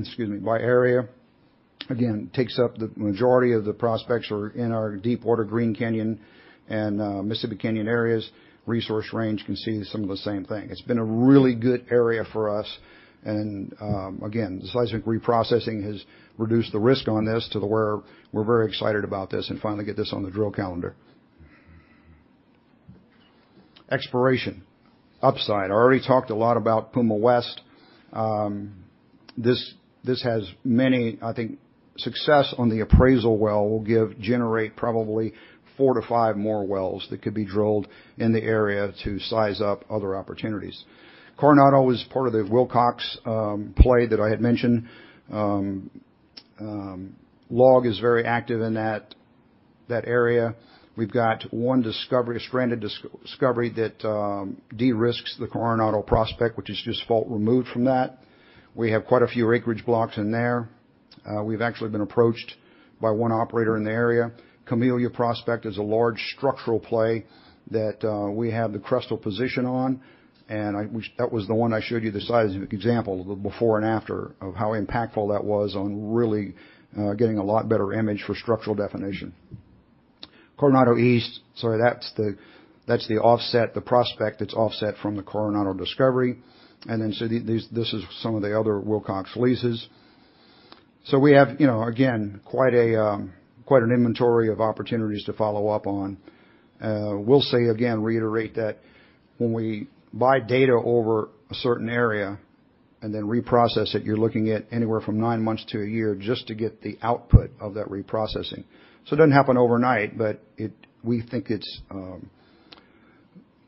Excuse me. By area, again, takes up the majority of the prospects are in our deep water Green Canyon and Mississippi Canyon areas. Resource range can see some of the same thing. It's been a really good area for us. Again, the seismic reprocessing has reduced the risk on this to the point where we're very excited about this and finally get this on the drill calendar. Exploration. Upside. I already talked a lot about Puma West. This has many. I think success on the appraisal well will give, generate probably 4-5 more wells that could be drilled in the area to size up other opportunities. Coronado is part of the Wilcox play that I had mentioned. LLOG is very active in that area. We've got one discovery, stranded discovery that de-risks the Coronado prospect, which is just fault removed from that. We have quite a few acreage blocks in there. We've actually been approached by one operator in the area. Camellia Prospect is a large structural play that we have the crestal position on. That was the one I showed you the seismic example, the before and after, of how impactful that was on really getting a lot better image for structural definition. Coronado East, sorry, that's the offset, the prospect that's offset from the Coronado discovery. This is some of the other Wilcox leases. We have, you know, again, quite an inventory of opportunities to follow up on. We'll say again, reiterate that when we buy data over a certain area and then reprocess it, you're looking at anywhere from 9 months to a year just to get the output of that reprocessing. It doesn't happen overnight, but we think it's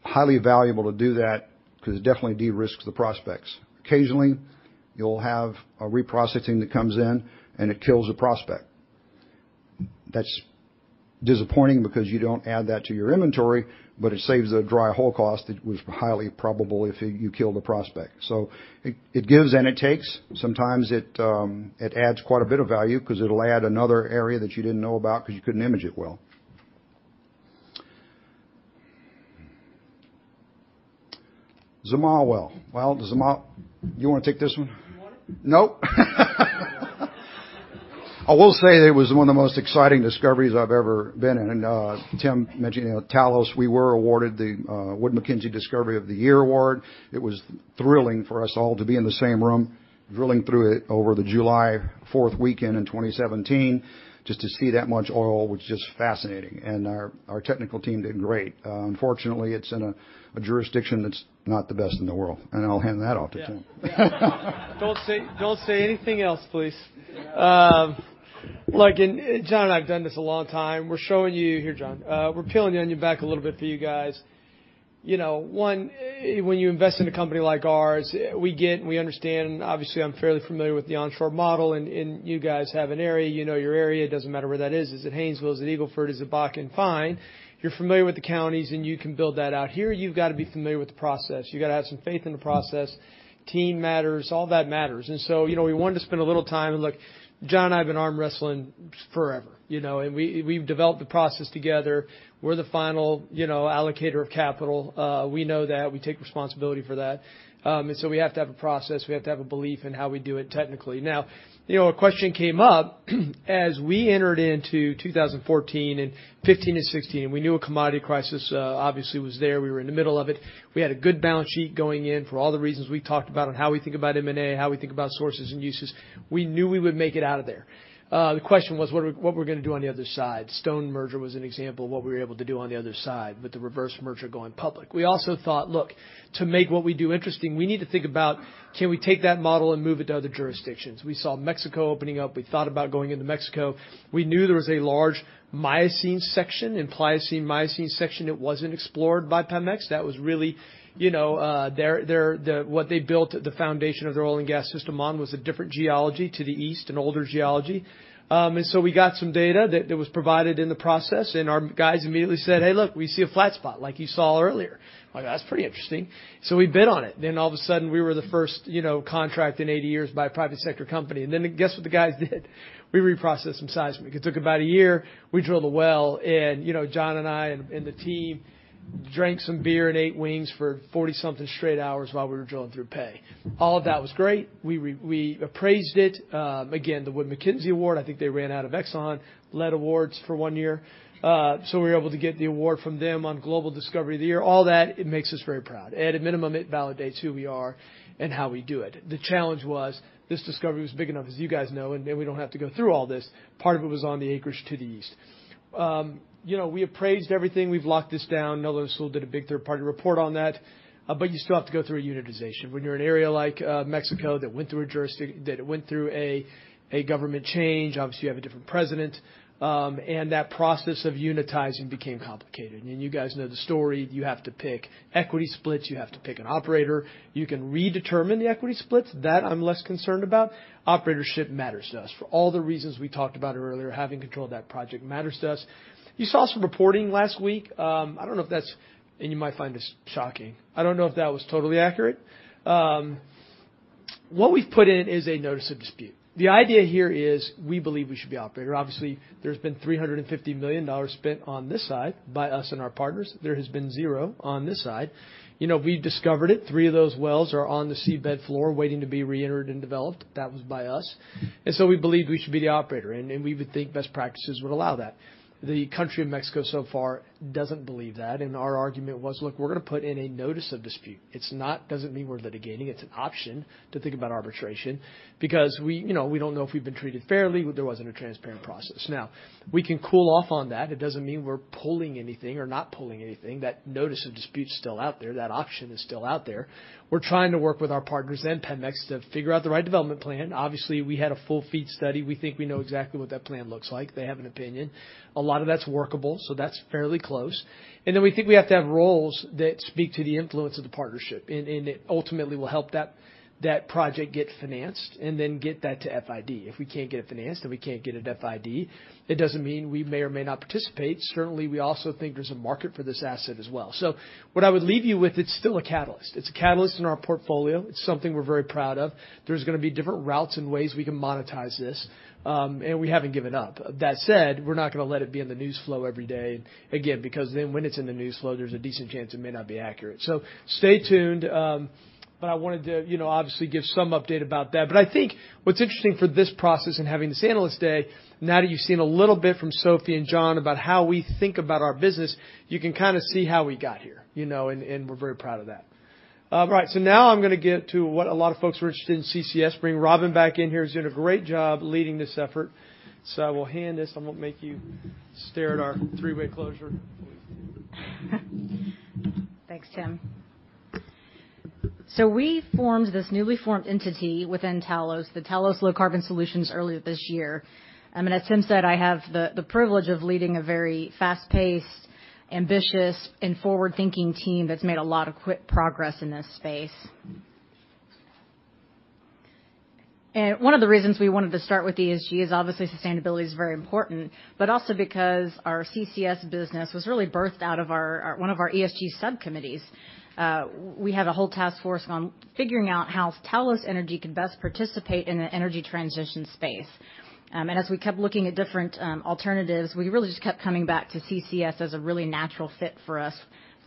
highly valuable to do that because it definitely de-risks the prospects. Occasionally, you'll have a reprocessing that comes in, and it kills a prospect. That's disappointing because you don't add that to your inventory, but it saves a dry hole cost that was highly probable if you kill the prospect. It gives and it takes. Sometimes it adds quite a bit of value 'cause it'll add another area that you didn't know about 'cause you couldn't image it well. Zama well. You wanna take this one? You want it? Nope. I will say it was one of the most exciting discoveries I've ever been in. Tim mentioned, you know, Talos, we were awarded the Wood Mackenzie Discovery of the Year award. It was thrilling for us all to be in the same room, drilling through it over the July Fourth weekend in 2017, just to see that much oil was just fascinating. Our technical team did great. Unfortunately, it's in a jurisdiction that's not the best in the world, and I'll hand that off to Tim. Yeah. Don't say anything else, please. Look, John and I have done this a long time. We're showing you here, John. We're peeling the onion back a little bit for you guys. You know, one, when you invest in a company like ours, we get, we understand, obviously, I'm fairly familiar with the onshore model and you guys have an area, you know your area, it doesn't matter where that is. Is it Haynesville? Is it Eagle Ford? Is it Bakken? Fine. You're familiar with the counties, and you can build that out. Here, you've got to be familiar with the process. You got to have some faith in the process, team matters, all that matters. We wanted to spend a little time, and look, John and I have been arm wrestling forever, you know, and we've developed the process together. We're the final, you know, allocator of capital. We know that. We take responsibility for that. We have to have a process. We have to have a belief in how we do it technically. Now, you know, a question came up as we entered into 2014 and 2015 and 2016, and we knew a commodity crisis, obviously was there. We were in the middle of it. We had a good balance sheet going in for all the reasons we talked about on how we think about M&A, how we think about sources and uses. We knew we would make it out of there. The question was, what we're gonna do on the other side. Stone merger was an example of what we were able to do on the other side with the reverse merger going public. We also thought, look, to make what we do interesting, we need to think about, can we take that model and move it to other jurisdictions? We saw Mexico opening up. We thought about going into Mexico. We knew there was a large Miocene and Pliocene section that wasn't explored by Pemex. That was really, you know, what they built the foundation of their oil and gas system on was a different geology to the east, an older geology. We got some data that was provided in the process, and our guys immediately said, "Hey, look, we see a flat spot," like you saw earlier. I'm like, "That's pretty interesting." We bid on it. All of a sudden, we were the first, you know, contract in 80 years by a private sector company. Guess what the guys did? We reprocessed some seismic. It took about a year. We drilled a well and, you know, John and I and the team drank some beer and ate wings for 40-something straight hours while we were drilling through pay. All of that was great. We appraised it. Again, the Wood Mackenzie Award, I think they ran out of Exxon-led awards for 1 year. We were able to get the award from them on Global Discovery of the Year. All that, it makes us very proud. At a minimum, it validates who we are and how we do it. The challenge was this discovery was big enough, as you guys know, and maybe we don't have to go through all this. Part of it was on the acreage to the east. You know, we appraised everything. We've locked this down. Netherland, Sewell & Associates, Inc. did a big third-party report on that. But you still have to go through a unitization. When you're in an area like Mexico that went through a government change, obviously, you have a different president, and that process of unitizing became complicated. You guys know the story. You have to pick equity splits. You have to pick an operator. You can redetermine the equity splits. That I'm less concerned about. Operatorship matters to us. For all the reasons we talked about earlier, having control of that project matters to us. You saw some reporting last week. I don't know if that's. You might find this shocking. I don't know if that was totally accurate. What we've put in is a notice of dispute. The idea here is we believe we should be operator. Obviously, there's been $350 million spent on this side by us and our partners. There has been zero on this side. You know, we discovered it. Three of those wells are on the seabed floor waiting to be reentered and developed. That was by us. We believe we should be the operator, and we would think best practices would allow that. The country of Mexico so far doesn't believe that, and our argument was, "Look, we're gonna put in a notice of dispute." It doesn't mean we're litigating. It's an option to think about arbitration because we, you know, we don't know if we've been treated fairly. There wasn't a transparent process. Now, we can cool off on that. It doesn't mean we're pulling anything or not pulling anything. That notice of dispute's still out there. That option is still out there. We're trying to work with our partners and Pemex to figure out the right development plan. Obviously, we had a full FEED study. We think we know exactly what that plan looks like. They have an opinion. A lot of that's workable, so that's fairly close. We think we have to have roles that speak to the influence of the partnership. It ultimately will help that project get financed and then get that to FID. If we can't get it financed, then we can't get it FID. It doesn't mean we may or may not participate. Certainly, we also think there's a market for this asset as well. What I would leave you with, it's still a catalyst. It's a catalyst in our portfolio. It's something we're very proud of. There's gonna be different routes and ways we can monetize this, and we haven't given up. That said, we're not gonna let it be in the news flow every day, again, because then when it's in the news flow, there's a decent chance it may not be accurate. Stay tuned, but I wanted to, you know, obviously give some update about that. I think what's interesting for this process and having this Analyst Day, now that you've seen a little bit from Sophie and John about how we think about our business, you can kind of see how we got here, you know, and we're very proud of that. Right. Now I'm gonna get to what a lot of folks were interested in, CCS, bring Robin back in here, who's doing a great job leading this effort. I will hand this. I won't make you stare at our three-way closure. Thanks, Tim. We formed this newly formed entity within Talos, the Talos Low Carbon Solutions, earlier this year. As Tim said, I have the privilege of leading a very fast-paced, ambitious, and forward-thinking team that's made a lot of quick progress in this space. One of the reasons we wanted to start with ESG is obviously sustainability is very important, but also because our CCS business was really birthed out of our one of our ESG subcommittees. We had a whole task force on figuring out how Talos Energy could best participate in the energy transition space. As we kept looking at different alternatives, we really just kept coming back to CCS as a really natural fit for us,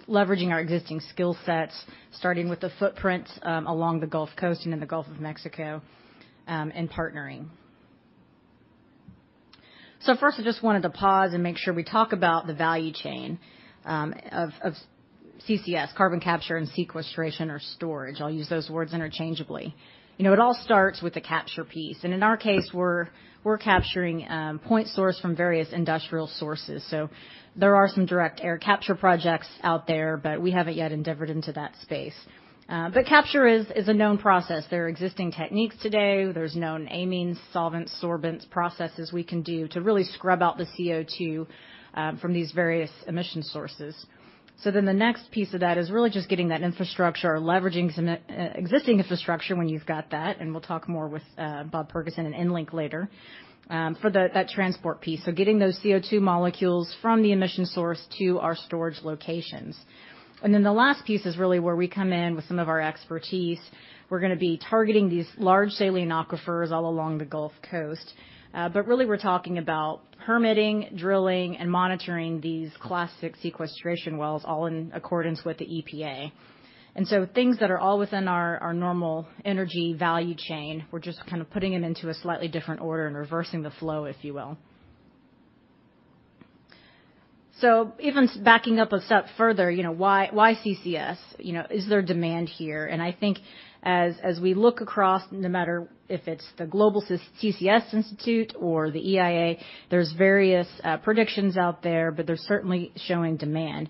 leveraging our existing skill sets, starting with the footprint along the Gulf Coast and in the Gulf of Mexico, and partnering. First, I just wanted to pause and make sure we talk about the value chain of CCS, carbon capture and sequestration or storage. I'll use those words interchangeably. You know, it all starts with the capture piece, and in our case, we're capturing point source from various industrial sources. There are some direct air capture projects out there, but we haven't yet endeavored into that space. Capture is a known process. There are existing techniques today. There's known amines, solvents, sorbents, processes we can do to really scrub out the CO2 from these various emission sources. The next piece of that is really just getting that infrastructure or leveraging some existing infrastructure when you've got that, and we'll talk more with Bob Ferguson in EnLink later for that transport piece. Getting those CO2 molecules from the emission source to our storage locations. The last piece is really where we come in with some of our expertise. We're gonna be targeting these large saline aquifers all along the Gulf Coast. Really, we're talking about permitting, drilling, and monitoring these classic sequestration wells all in accordance with the EPA. Things that are all within our normal energy value chain, we're just kind of putting them into a slightly different order and reversing the flow, if you will. Even backing up a step further, you know, why CCS? You know, is there demand here? I think as we look across, no matter if it's the Global CCS Institute or the EIA, there's various predictions out there, but they're certainly showing demand.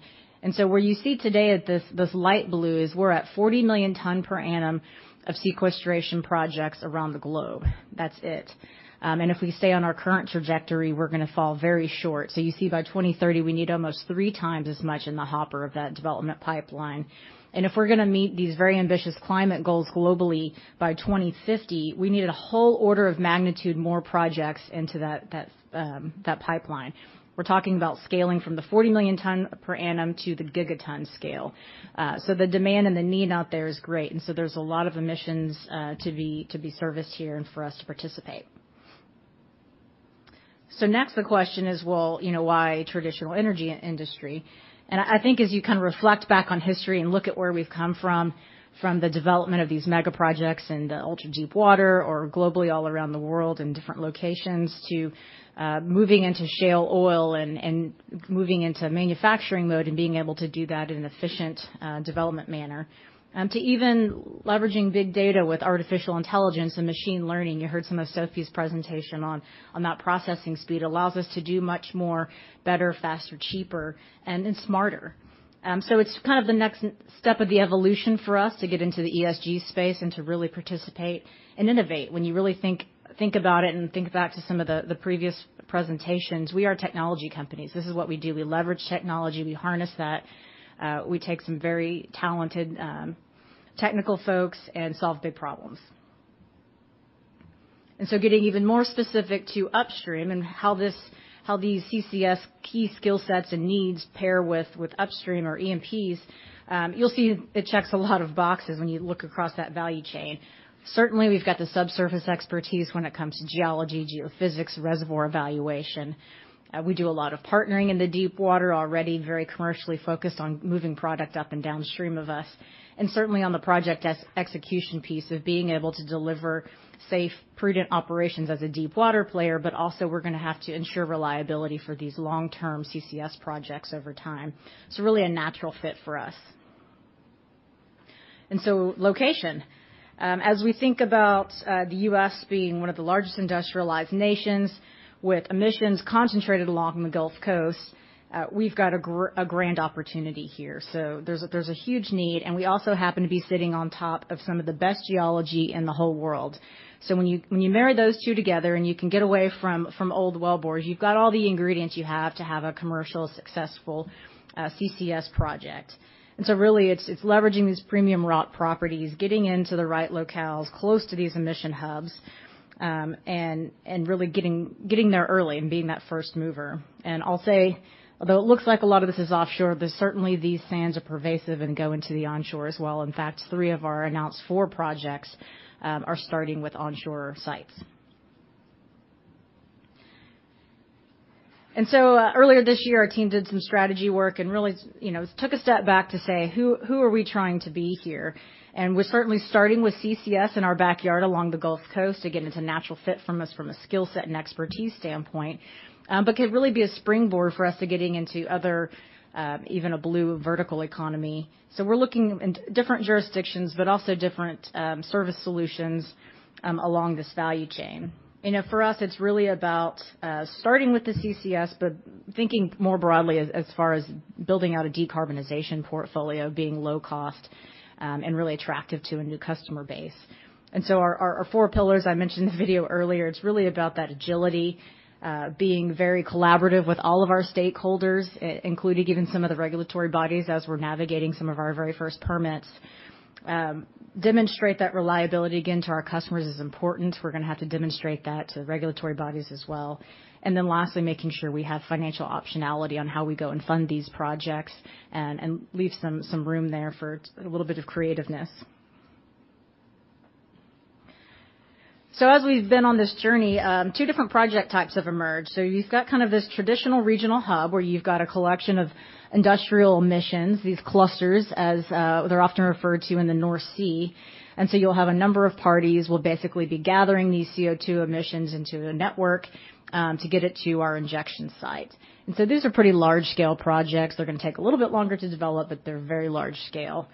Where you see today at this light blue is we're at 40 million tons per annum of sequestration projects around the globe. That's it. If we stay on our current trajectory, we're gonna fall very short. You see by 2030, we need almost three times as much in the hopper of that development pipeline. If we're gonna meet these very ambitious climate goals globally by 2050, we need a whole order of magnitude more projects into that pipeline. We're talking about scaling from the 40 million ton per annum to the gigaton scale. The demand and the need out there is great, and so there's a lot of emissions to be serviced here and for us to participate. Next, the question is, well, you know, why traditional energy industry? I think as you kind of reflect back on history and look at where we've come from the development of these mega projects in the ultra-deep water or globally all around the world in different locations to moving into shale oil and moving into manufacturing mode and being able to do that in an efficient development manner, to even leveraging big data with artificial intelligence and machine learning. You heard some of Sophie's presentation on that processing speed allows us to do much more, better, faster, cheaper, and smarter. So it's kind of the next step of the evolution for us to get into the ESG space and to really participate and innovate. When you really think about it and think back to some of the previous presentations, we are technology companies. This is what we do. We leverage technology. We harness that. We take some very talented technical folks and solve big problems. Getting even more specific to upstream and how these CCS key skill sets and needs pair with upstream or E&Ps, you'll see it checks a lot of boxes when you look across that value chain. Certainly, we've got the subsurface expertise when it comes to geology, geophysics, reservoir evaluation. We do a lot of partnering in the deepwater, already very commercially focused on moving product up and downstream of us, and certainly on the project execution piece of being able to deliver safe, prudent operations as a deepwater player, but also we're gonna have to ensure reliability for these long-term CCS projects over time. It's really a natural fit for us. Location. As we think about the U.S. being one of the largest industrialized nations with emissions concentrated along the Gulf Coast, we've got a grand opportunity here. There's a huge need, and we also happen to be sitting on top of some of the best geology in the whole world. When you marry those two together, and you can get away from old wellbores, you've got all the ingredients you have to have a commercially successful CCS project. Really, it's leveraging these premium rock properties, getting into the right locales close to these emission hubs, and really getting there early and being that first mover. I'll say, although it looks like a lot of this is offshore, but certainly these sands are pervasive and go into the onshore as well. In fact, three of our announced four projects are starting with onshore sites. Earlier this year, our team did some strategy work and really, you know, took a step back to say, "Who are we trying to be here?" We're certainly starting with CCS in our backyard along the Gulf Coast. Again, it's a natural fit from us from a skill set and expertise standpoint, but could really be a springboard for us to getting into other, even a blue vertical economy. We're looking in different jurisdictions, but also different service solutions along this value chain. You know, for us, it's really about starting with the CCS, but thinking more broadly as far as building out a decarbonization portfolio, being low cost and really attractive to a new customer base. Our four pillars I mentioned in the video earlier, it's really about that agility, being very collaborative with all of our stakeholders, including even some of the regulatory bodies as we're navigating some of our very first permits. Demonstrate that reliability, again, to our customers is important. We're gonna have to demonstrate that to regulatory bodies as well. Lastly, making sure we have financial optionality on how we go and fund these projects and leave some room there for a little bit of creativeness. As we've been on this journey, two different project types have emerged. You've got kind of this traditional regional hub where you've got a collection of industrial emissions, these clusters, as they're often referred to in the North Sea. You'll have a number of parties will basically be gathering these CO2 emissions into a network to get it to our injection site. These are pretty large scale projects. They're gonna take a little bit longer to develop, but they're very large scale.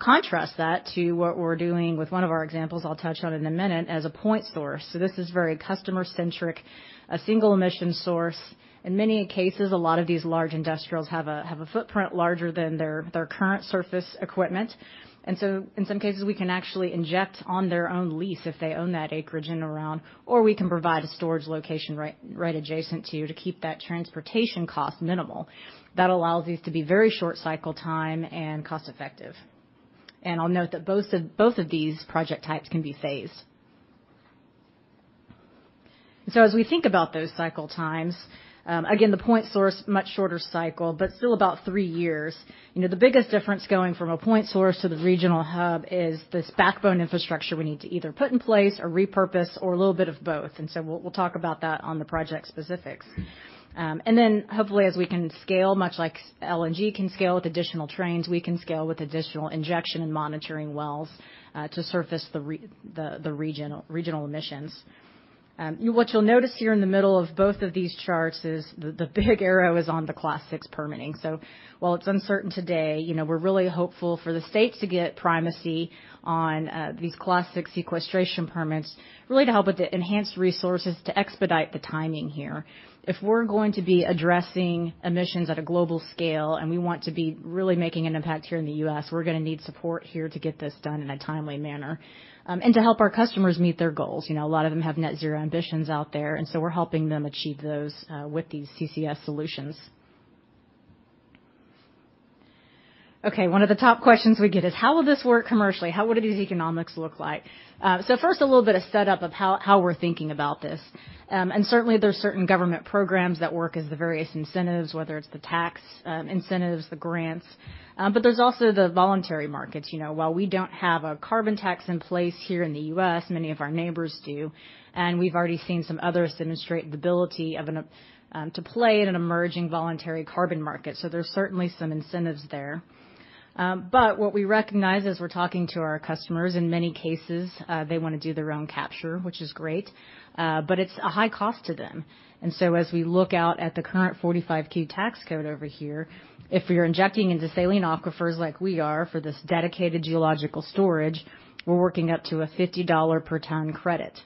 Contrast that to what we're doing with one of our examples I'll touch on in a minute as a point source. This is very customer centric, a single emission source. In many cases, a lot of these large industrials have a footprint larger than their current surface equipment. In some cases, we can actually inject on their own lease if they own that acreage and around, or we can provide a storage location right adjacent to you to keep that transportation cost minimal. That allows these to be very short cycle time and cost effective. I'll note that both of these project types can be phased. As we think about those cycle times, again, the point source, much shorter cycle, but still about three years. You know, the biggest difference going from a point source to the regional hub is this backbone infrastructure we need to either put in place or repurpose or a little bit of both. We'll talk about that on the project specifics. And then hopefully, as we can scale, much like LNG can scale with additional trains, we can scale with additional injection and monitoring wells to surface the regional emissions. What you'll notice here in the middle of both of these charts is the big arrow is on the Class VI permitting. While it's uncertain today, you know, we're really hopeful for the state to get primacy on these Class VI sequestration permits, really to help with the enhanced resources to expedite the timing here. If we're going to be addressing emissions at a global scale, and we want to be really making an impact here in the U.S., we're gonna need support here to get this done in a timely manner, and to help our customers meet their goals. You know, a lot of them have net zero ambitions out there, and so we're helping them achieve those with these CCS solutions. Okay, one of the top questions we get is. How will this work commercially? How would these economics look like? First, a little bit of setup of how we're thinking about this. Certainly, there's certain government programs that work as the various incentives, whether it's the tax incentives, the grants, but there's also the voluntary markets. You know, while we don't have a carbon tax in place here in the U.S., many of our neighbors do, and we've already seen some others demonstrate the ability to play in an emerging voluntary carbon market. So there's certainly some incentives there. But what we recognize as we're talking to our customers, in many cases, they wanna do their own capture, which is great, but it's a high cost to them. As we look out at the current 45Q tax code over here, if we are injecting into saline aquifers like we are for this dedicated geological storage, we're working up to a $50 per ton credit.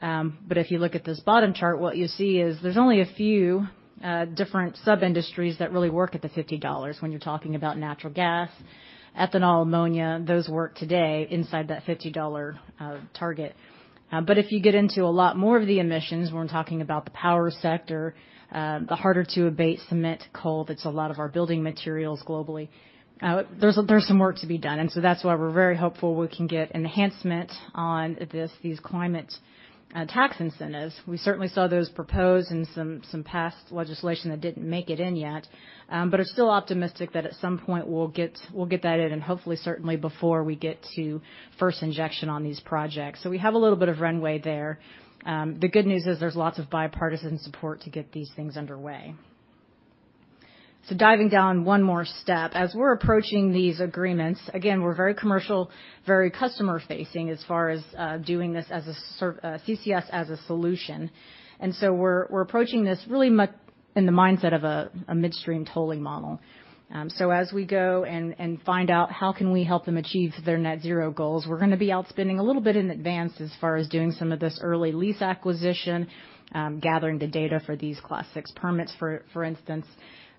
If you look at this bottom chart, what you see is there's only a few different sub-industries that really work at the $50 when you're talking about natural gas, ethanol, ammonia, those work today inside that $50 target. If you get into a lot more of the emissions, when we're talking about the power sector, the harder to abate cement, coal, that's a lot of our building materials globally, there's some work to be done. That's why we're very hopeful we can get enhancement on this, these climate tax incentives. We certainly saw those proposed in some past legislation that didn't make it in yet, are still optimistic that at some point, we'll get that in and hopefully, certainly before we get to first injection on these projects. We have a little bit of runway there. The good news is there's lots of bipartisan support to get these things underway. Diving down one more step. As we're approaching these agreements, again, we're very commercial, very customer-facing as far as doing this as CCS as a solution. We're approaching this really in the mindset of a midstream tolling model. As we go and find out how can we help them achieve their net zero goals, we're gonna be out spending a little bit in advance as far as doing some of this early lease acquisition, gathering the data for these Class VI permits, for instance.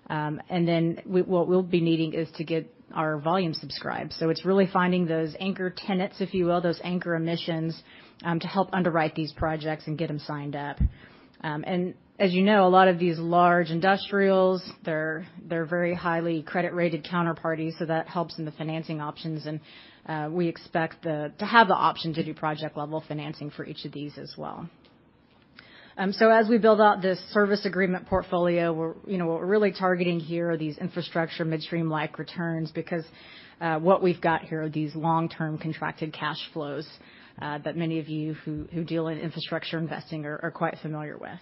And then what we'll be needing is to get our volume subscribed. It's really finding those anchor tenants, if you will, those anchor emissions, to help underwrite these projects and get them signed up. As you know, a lot of these large industrials, they're very highly credit-rated counterparties, so that helps in the financing options. We expect to have the option to do project-level financing for each of these as well. As we build out this service agreement portfolio, we're, you know, what we're really targeting here are these infrastructure midstream-like returns because what we've got here are these long-term contracted cash flows that many of you who deal in infrastructure investing are quite familiar with.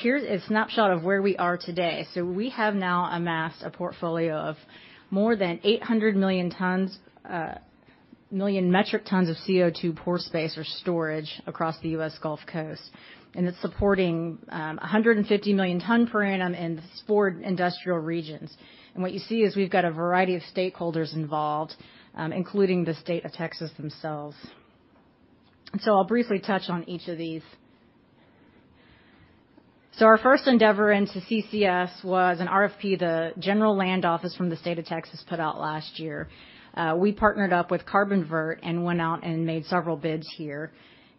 Here's a snapshot of where we are today. We have now amassed a portfolio of more than 800 million metric tons of CO2 pore space or storage across the US Gulf Coast. It's supporting 150 million tons per annum in four industrial regions. What you see is we've got a variety of stakeholders involved, including the State of Texas themselves. I'll briefly touch on each of these. Our first endeavor into CCS was an RFP the Texas General Land Office from the State of Texas put out last year. We partnered up with Carbonvert and went out and made several bids here.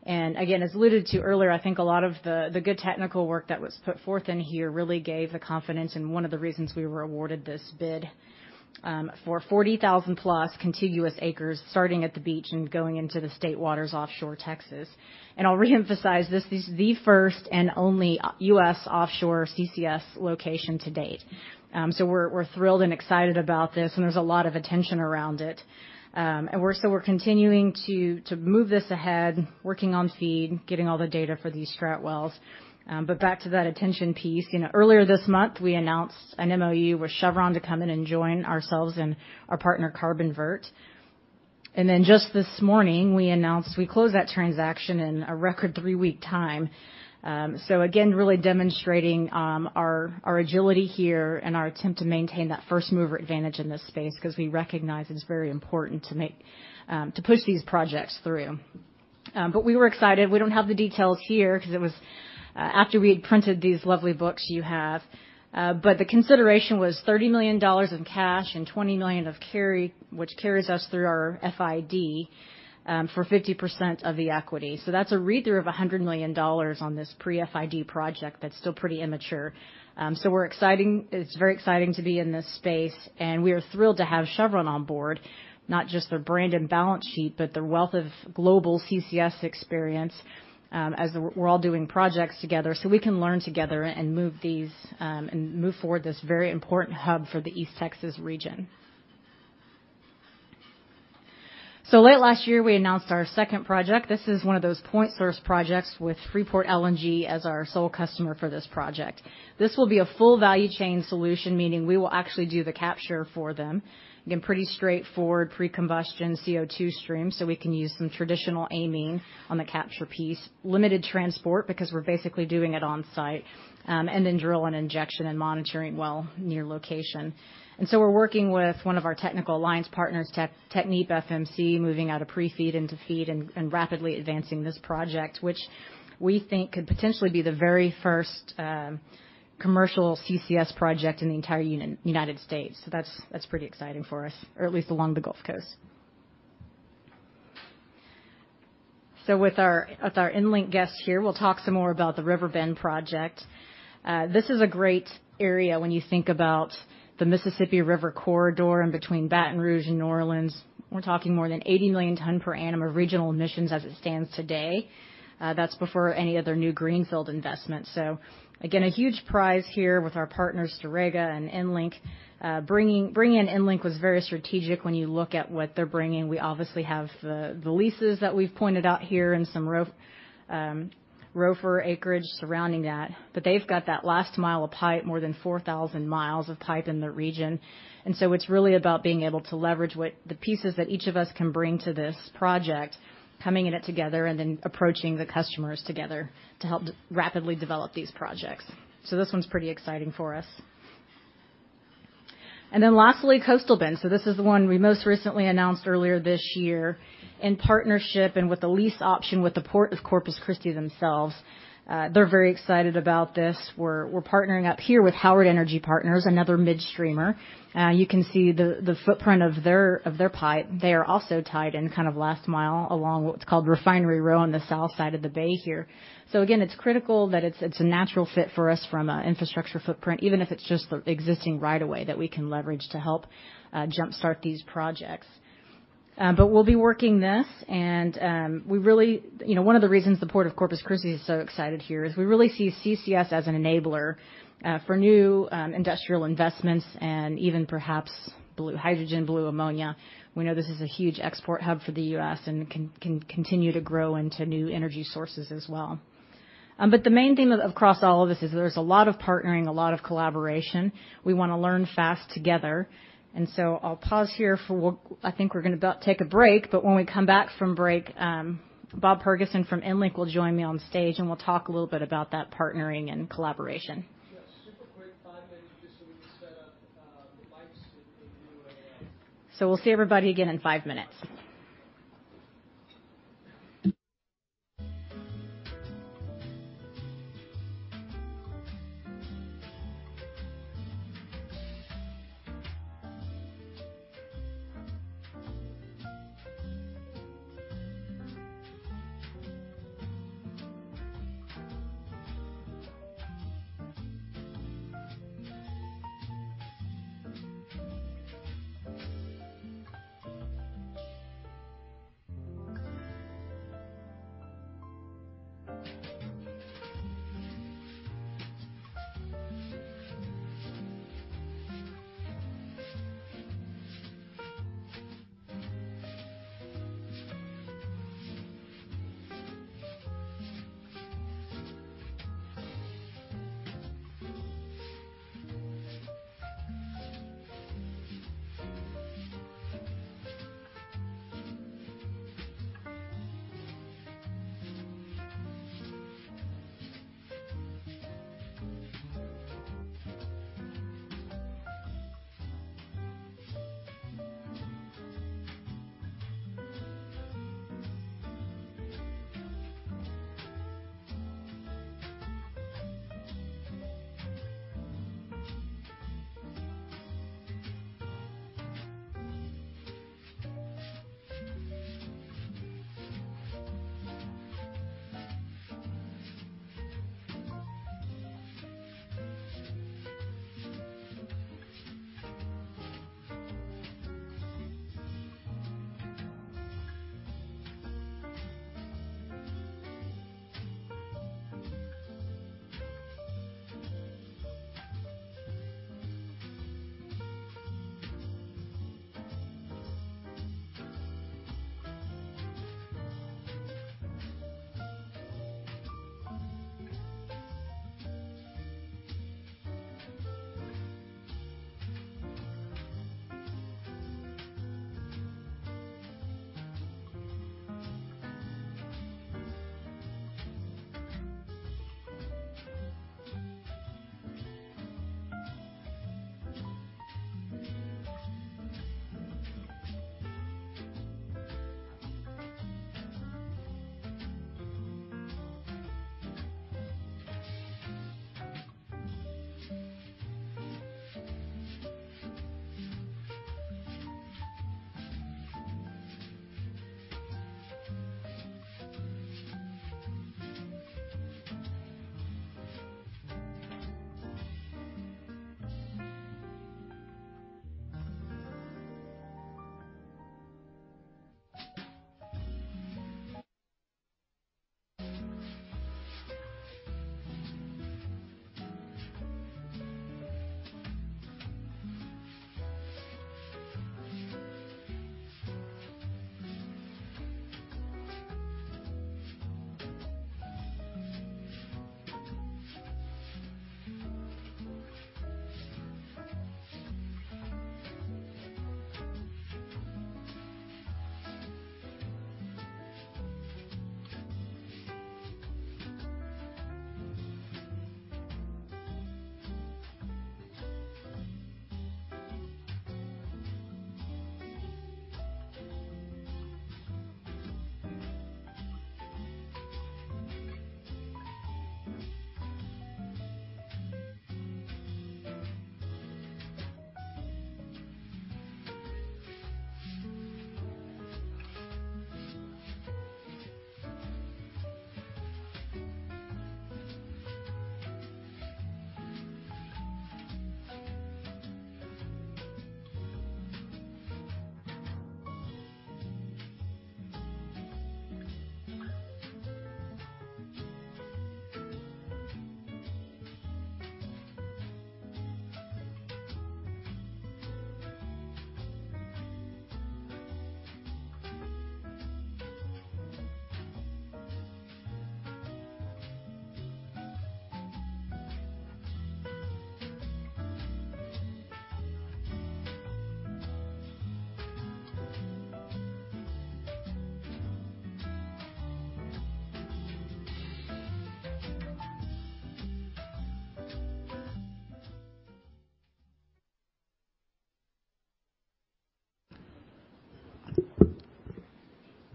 Again, as alluded to earlier, I think a lot of the good technical work that was put forth in here really gave the confidence and one of the reasons we were awarded this bid for 40,000+ contiguous acres starting at the beach and going into the state waters offshore Texas. I'll reemphasize, this is the first and only U.S. offshore CCS location to date. We're thrilled and excited about this, and there's a lot of attention around it. We're continuing to move this ahead, working on FEED, getting all the data for these strat wells. Back to that attention piece. You know, earlier this month, we announced an MOU with Chevron to come in and join ourselves and our partner, Carbonvert. Just this morning, we announced we closed that transaction in a record 3-week time. Again, really demonstrating our agility here and our attempt to maintain that first-mover advantage in this space because we recognize it's very important to make, to push these projects through. We were excited. We don't have the details here because it was after we had printed these lovely books you have. The consideration was $30 million in cash and $20 million of carry, which carries us through our FID for 50% of the equity. That's a read-through of $100 million on this pre-FID project that's still pretty immature. It's very exciting to be in this space, and we are thrilled to have Chevron on board, not just their brand and balance sheet, but their wealth of global CCS experience, as we're all doing projects together, so we can learn together and move these and move forward this very important hub for the East Texas region. Late last year, we announced our second project. This is one of those point source projects with Freeport LNG as our sole customer for this project. This will be a full value chain solution, meaning we will actually do the capture for them. Again, pretty straightforward pre-combustion CO2 stream, so we can use some traditional amine on the capture piece. Limited transport because we're basically doing it on-site, and then drill an injection and monitoring well near location. We're working with one of our technical alliance partners, TechnipFMC, moving out of pre-FEED into FEED and rapidly advancing this project, which we think could potentially be the very first commercial CCS project in the entire United States. That's pretty exciting for us, or at least along the Gulf Coast. With our EnLink guest here, we'll talk some more about the Riverbend project. This is a great area when you think about the Mississippi River Corridor and between Baton Rouge and New Orleans. We're talking more than 80 million tons per annum of regional emissions as it stands today. That's before any other new greenfield investment. Again, a huge prize here with our partners, Storegga and EnLink. Bringing in EnLink was very strategic when you look at what they're bringing. We obviously have the leases that we've pointed out here and some ROFR acreage surrounding that. They've got that last mile of pipe, more than 4,000 miles of pipe in the region. It's really about being able to leverage what the pieces that each of us can bring to this project, coming at it together, and then approaching the customers together to help rapidly develop these projects. This one's pretty exciting for us. Lastly, Coastal Bend. This is the one we most recently announced earlier this year in partnership and with the lease option with the Port of Corpus Christi themselves. They're very excited about this. We're partnering up here with Howard Energy Partners, another midstream. You can see the footprint of their pipe. They are also tied in kind of last mile along what's called Refinery Row on the south side of the bay here. It's critical that it's a natural fit for us from a infrastructure footprint, even if it's just the existing right of way that we can leverage to help jumpstart these projects. We'll be working this, and you know, one of the reasons the Port of Corpus Christi is so excited here is we really see CCS as an enabler for new industrial investments and even perhaps blue hydrogen, blue ammonia. We know this is a huge export hub for the U.S. and can continue to grow into new energy sources as well. The main theme across all of this is there's a lot of partnering, a lot of collaboration. We wanna learn fast together. I'll pause here for what I think we're gonna take a break, but when we come back from break, Bob Ferguson from EnLink will join me on stage, and we'll talk a little bit about that partnering and collaboration. We'll see everybody again in 5 minutes.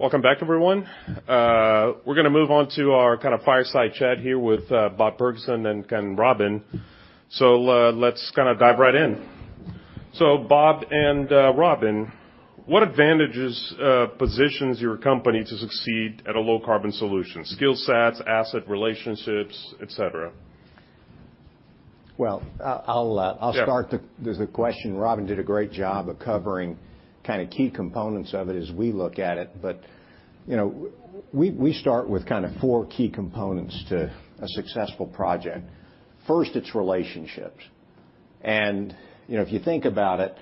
Welcome back, everyone. We're gonna move on to our kind of fireside chat here with Bob Ferguson and Robin. Let's kinda dive right in. Bob and Robin, what advantages positions your company to succeed at a low carbon solution, skill sets, asset relationships, et cetera? Well, I'll. Yeah. I'll start the question. Robin did a great job of covering kind of key components of it as we look at it. You know, we start with kind of four key components to a successful project. First, it's relationships. You know, if you think about it,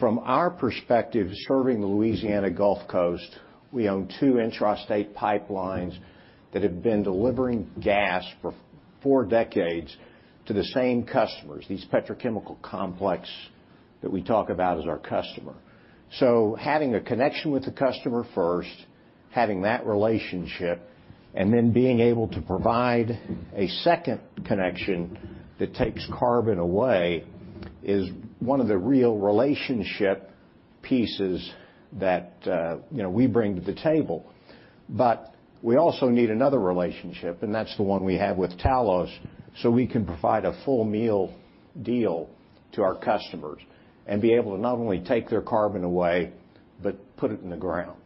from our perspective serving the Louisiana Gulf Coast, we own two intrastate pipelines that have been delivering gas for four decades to the same customers, these petrochemical complex that we talk about as our customer. Having a connection with the customer first, having that relationship, and then being able to provide a second connection that takes carbon away is one of the real relationship pieces that you know, we bring to the table. We also need another relationship, and that's the one we have with Talos, so we can provide a full meal deal to our customers and be able to not only take their carbon away, but put it in the ground.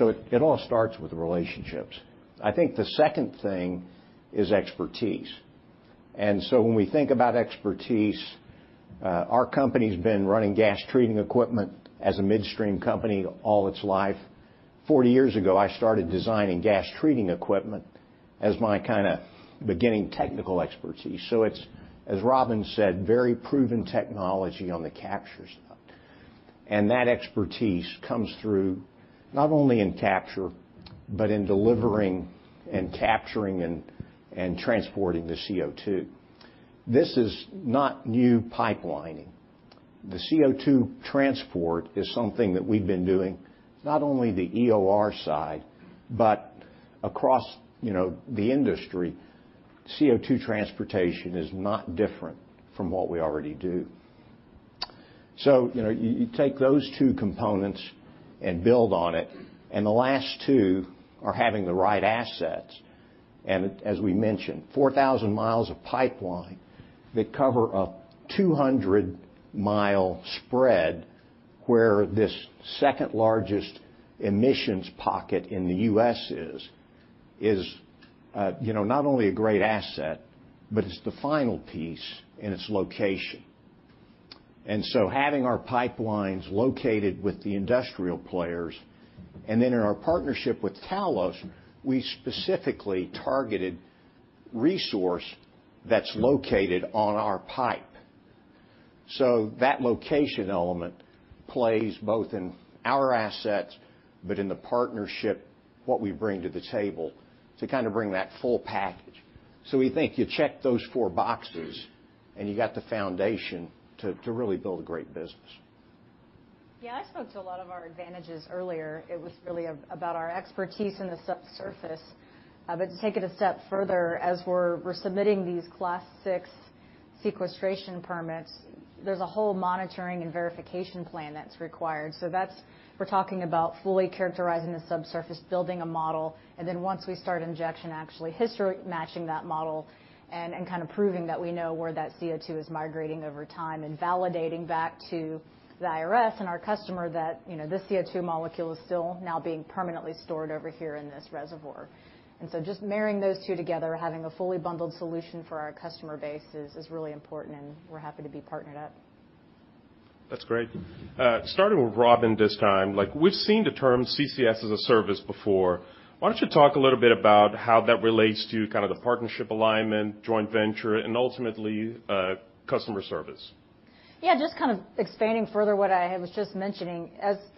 It all starts with relationships. I think the second thing is expertise. When we think about expertise, our company's been running gas treating equipment as a midstream company all its life. 40 years ago, I started designing gas treating equipment as my kind of beginning technical expertise. It's, as Robin said, very proven technology on the capture stuff. That expertise comes through not only in capture, but in delivering and capturing and transporting the CO2. This is not new pipelining. The CO2 transport is something that we've been doing, not only the EOR side, but across, you know, the industry. CO2 transportation is not different from what we already do. You know, you take those two components and build on it, and the last two are having the right assets. As we mentioned, 4,000 miles of pipeline that cover a 200-mile spread where this second-largest emissions pocket in the U.S. is, you know, not only a great asset, but it's the final piece in its location. Having our pipelines located with the industrial players, and then in our partnership with Talos, we specifically targeted resource that's located on our pipe. That location element plays both in our assets, but in the partnership, what we bring to the table to kind of bring that full package. We think you check those four boxes, and you got the foundation to really build a great business. Yeah, I spoke to a lot of our advantages earlier. It was really about our expertise in the subsurface. To take it a step further, as we're submitting these Class VI sequestration permits, there's a whole monitoring and verification plan that's required. We're talking about fully characterizing the subsurface, building a model, and then once we start injection, actually history matching that model and kind of proving that we know where that CO2 is migrating over time and validating back to the IRS and our customer that, you know, this CO2 molecule is still now being permanently stored over here in this reservoir. Just marrying those two together, having a fully bundled solution for our customer base is really important, and we're happy to be partnered up. That's great. Starting with Robin this time. Like, we've seen the term CCS as a service before. Why don't you talk a little bit about how that relates to kind of the partnership alignment, joint venture, and ultimately, customer service? Yeah, just kind of expanding further what I was just mentioning.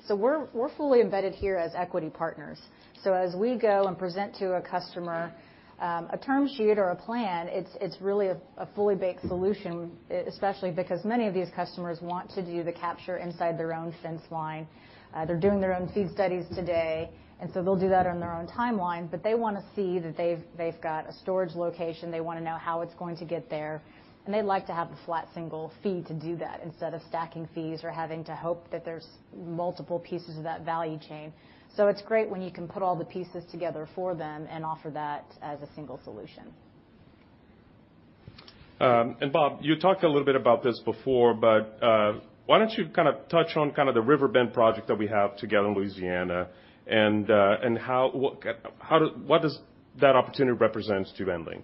We're fully embedded here as equity partners. As we go and present to a customer a term sheet or a plan, it's really a fully baked solution, especially because many of these customers want to do the capture inside their own fence line. They're doing their own FEED studies today, and so they'll do that on their own timeline, but they wanna see that they've got a storage location. They wanna know how it's going to get there, and they'd like to have a flat single fee to do that instead of stacking fees or having to hope that there's multiple pieces of that value chain. It's great when you can put all the pieces together for them and offer that as a single solution. Bob, you talked a little bit about this before, but why don't you kind of touch on kind of the Riverbend project that we have together in Louisiana and what does that opportunity represent to EnLink?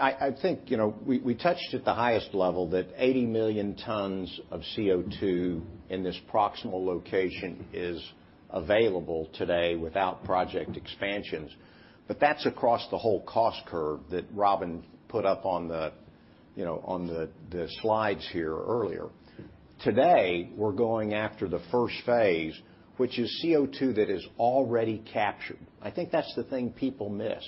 I think, you know, we touched at the highest level that 80 million tons of CO2 in this proximal location is available today without project expansions. That's across the whole cost curve that Robin put up on the, you know, on the slides here earlier. Today, we're going after the first phase, which is CO2 that is already captured. I think that's the thing people miss.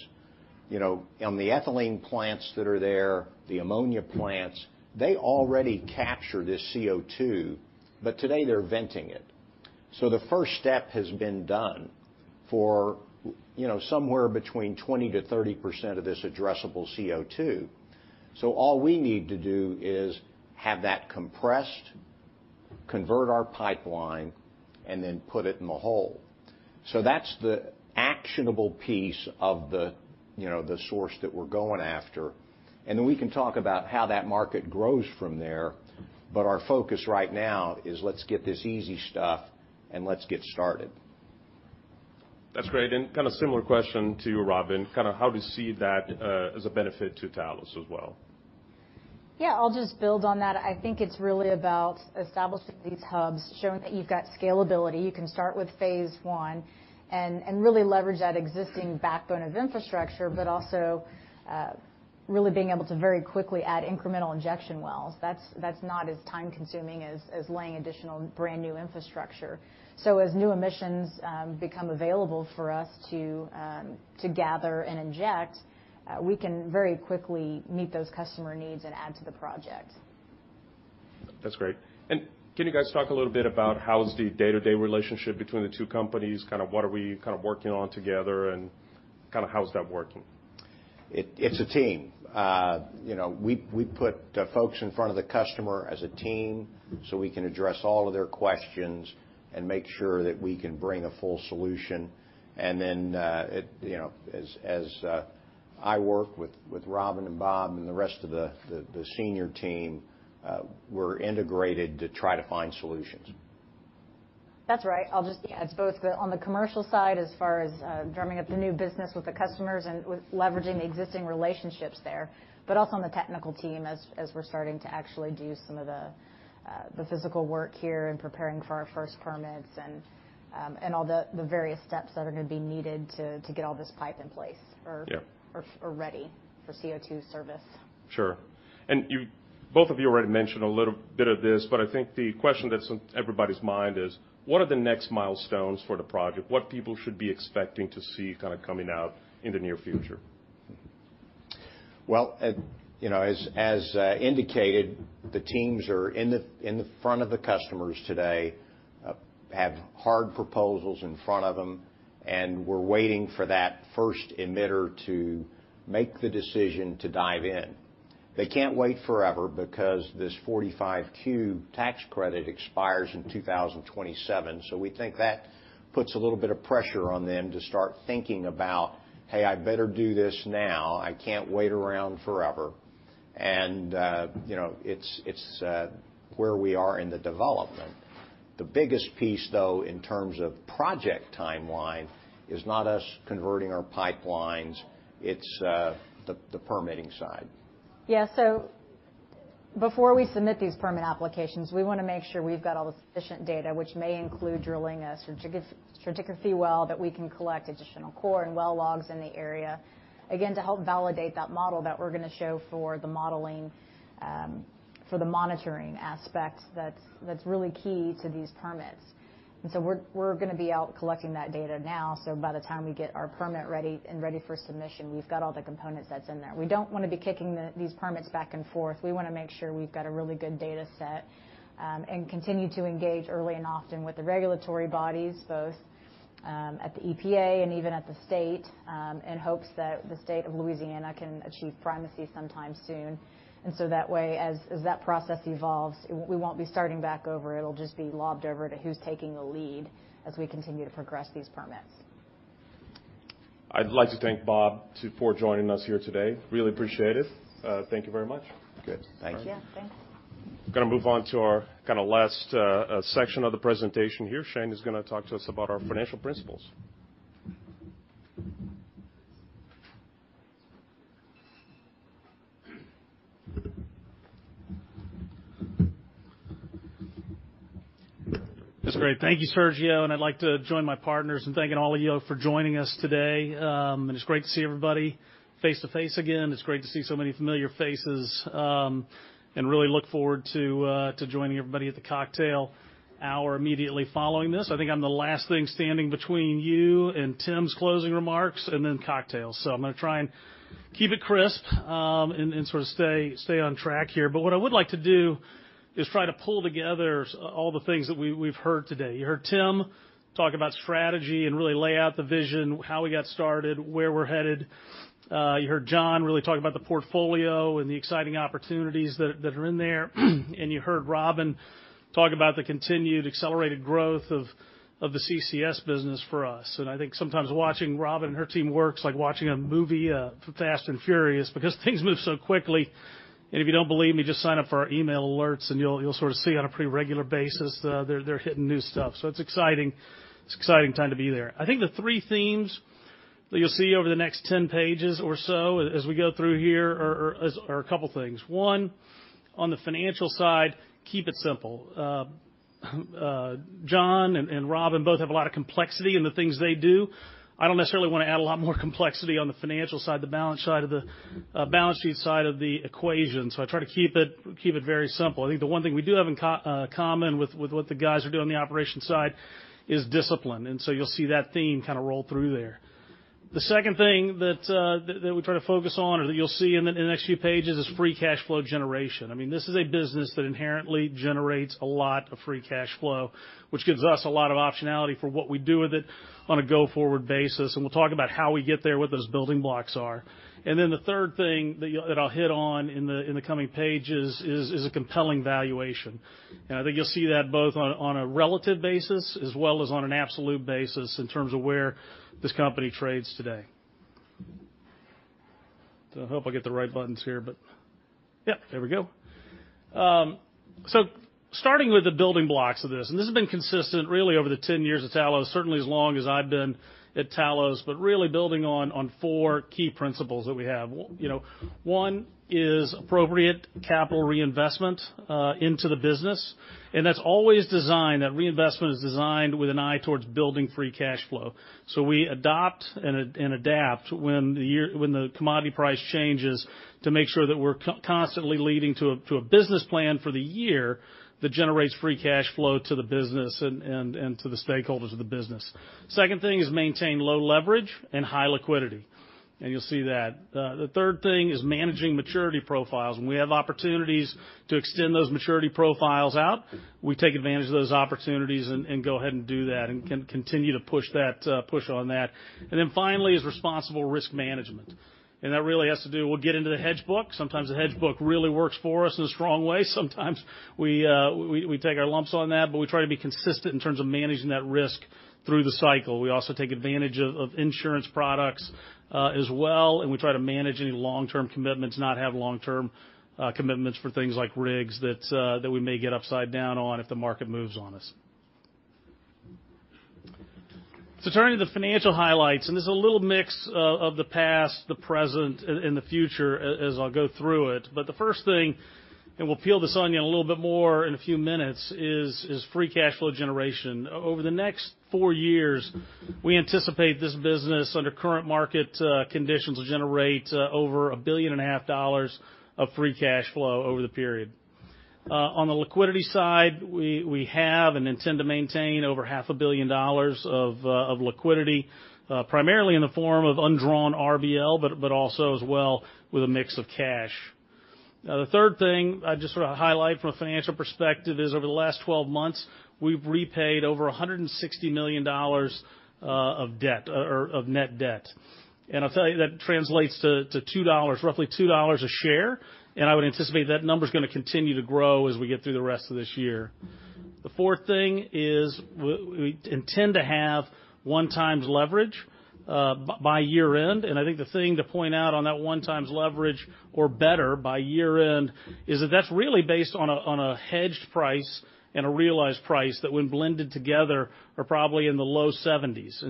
You know, on the ethylene plants that are there, the ammonia plants, they already capture this CO2, but today they're venting it. The first step has been done for, you know, somewhere between 20%-30% of this addressable CO2. All we need to do is have that compressed, convert our pipeline, and then put it in the hole. That's the actionable piece of the, you know, the source that we're going after. Then we can talk about how that market grows from there. Our focus right now is let's get this easy stuff, and let's get started. That's great. Kind of similar question to you, Robin, kind of how do you see that as a benefit to Talos as well? Yeah, I'll just build on that. I think it's really about establishing these hubs, showing that you've got scalability. You can start with phase one and really leverage that existing backbone of infrastructure, but also really being able to very quickly add incremental injection wells. That's not as time-consuming as laying additional brand-new infrastructure. As new emissions become available for us to gather and inject, we can very quickly meet those customer needs and add to the project. That's great. Can you guys talk a little bit about how's the day-to-day relationship between the two companies, kind of what are we kind of working on together and kind of how's that working? It's a team. You know, we put the folks in front of the customer as a team, so we can address all of their questions and make sure that we can bring a full solution. Then, you know, as I work with Robin and Bob and the rest of the senior team, we're integrated to try to find solutions. That's right. I'll just add both on the commercial side as far as drumming up the new business with the customers and with leveraging the existing relationships there, but also on the technical team as we're starting to actually do some of the physical work here and preparing for our first permits and all the various steps that are gonna be needed to get all this pipe in place or. Yeah. ready for CO2 service. Sure. You both already mentioned a little bit of this, but I think the question that's on everybody's mind is, what are the next milestones for the project? What people should be expecting to see kinda coming out in the near future? Well, you know, as indicated, the teams are in front of the customers today have hard proposals in front of them, and we're waiting for that first emitter to make the decision to dive in. They can't wait forever because this 45Q tax credit expires in 2027. We think that puts a little bit of pressure on them to start thinking about, "Hey, I better do this now. I can't wait around forever." You know, it's where we are in the development. The biggest piece, though, in terms of project timeline, is not us converting our pipelines, it's the permitting side. Yeah. Before we submit these permit applications, we wanna make sure we've got all the sufficient data which may include drilling a stratigraphy well that we can collect additional core and well logs in the area, again, to help validate that model that we're gonna show for the modeling, for the monitoring aspect that's really key to these permits. We're gonna be out collecting that data now, so by the time we get our permit ready for submission, we've got all the components that's in there. We don't wanna be kicking these permits back and forth. We wanna make sure we've got a really good data set, and continue to engage early and often with the regulatory bodies, both, at the EPA and even at the state, in hopes that the state of Louisiana can achieve primacy sometime soon. That way, as that process evolves, we won't be starting back over. It'll just be lobbed over to who's taking the lead as we continue to progress these permits. I'd like to thank Bob for joining us here today. Really appreciate it. Thank you very much. Good. Thank you. Yeah. Thanks. Gonna move on to our kinda last section of the presentation here. Shane is gonna talk to us about our financial principles. That's great. Thank you, Sergio, and I'd like to join my partners in thanking all of you for joining us today. It's great to see everybody face-to-face again. It's great to see so many familiar faces, and really look forward to joining everybody at the cocktail hour immediately following this. I think I'm the last thing standing between you and Tim's closing remarks and then cocktails. I'm gonna try and keep it crisp, and sort of stay on track here. What I would like to do is try to pull together all the things that we've heard today. You heard Tim talk about strategy and really lay out the vision, how we got started, where we're headed. You heard John really talk about the portfolio and the exciting opportunities that are in there. You heard Robin talk about the continued accelerated growth of the CCS business for us. I think sometimes watching Robin and her team work is like watching a movie, Fast & Furious because things move so quickly. If you don't believe me, just sign up for our email alerts, and you'll sort of see on a pretty regular basis, they're hitting new stuff. It's exciting time to be there. I think the three themes that you'll see over the next 10 pages or so as we go through here are a couple things. One, on the financial side, keep it simple. John and Robin both have a lot of complexity in the things they do. I don't necessarily wanna add a lot more complexity on the financial side, the balance side of the balance sheet side of the equation. I try to keep it very simple. I think the one thing we do have in common with what the guys are doing on the operations side is discipline. You'll see that theme kinda roll through there. The second thing that we try to focus on or that you'll see in the next few pages is free cash flow generation. I mean, this is a business that inherently generates a lot of free cash flow, which gives us a lot of optionality for what we do with it on a go-forward basis. We'll talk about how we get there, what those building blocks are. Then the third thing that I'll hit on in the coming pages is a compelling valuation. I think you'll see that both on a relative basis as well as on an absolute basis in terms of where this company trades today. I hope I get the right buttons here, but yeah, there we go. Starting with the building blocks of this has been consistent really over the 10 years of Talos, certainly as long as I've been at Talos, but really building on four key principles that we have. You know, one is appropriate capital reinvestment into the business, and that reinvestment is always designed with an eye towards building free cash flow. We adopt and adapt when the commodity price changes to make sure that we're constantly leading to a business plan for the year that generates free cash flow to the business and to the stakeholders of the business. Second thing is maintain low leverage and high liquidity, and you'll see that. The third thing is managing maturity profiles, and when we have opportunities to extend those maturity profiles out, we take advantage of those opportunities and go ahead and do that and continue to push that, push on that. Finally is responsible risk management, and that really has to do. We'll get into the hedge book. Sometimes the hedge book really works for us in a strong way. Sometimes we take our lumps on that, but we try to be consistent in terms of managing that risk through the cycle. We also take advantage of insurance products as well, and we try to manage any long-term commitments, not have long-term commitments for things like rigs that we may get upside down on if the market moves on us. Turning to the financial highlights, and there's a little mix of the past, the present, and the future as I'll go through it. The first thing, and we'll peel this onion a little bit more in a few minutes, is free cash flow generation. Over the next four years, we anticipate this business, under current market conditions, will generate over $1.5 billion of free cash flow over the period. On the liquidity side, we have and intend to maintain over half a billion dollars of liquidity, primarily in the form of undrawn RBL, but also as well with a mix of cash. Now, the third thing I just wanna highlight from a financial perspective is over the last 12 months, we've repaid over $160 million of debt or of net debt. I'll tell you, that translates to $2, roughly $2 a share, and I would anticipate that number's gonna continue to grow as we get through the rest of this year. The fourth thing is we intend to have 1x leverage by year-end, and I think the thing to point out on that 1x leverage or better by year-end is that that's really based on a hedged price and a realized price that when blended together are probably in the low 70s.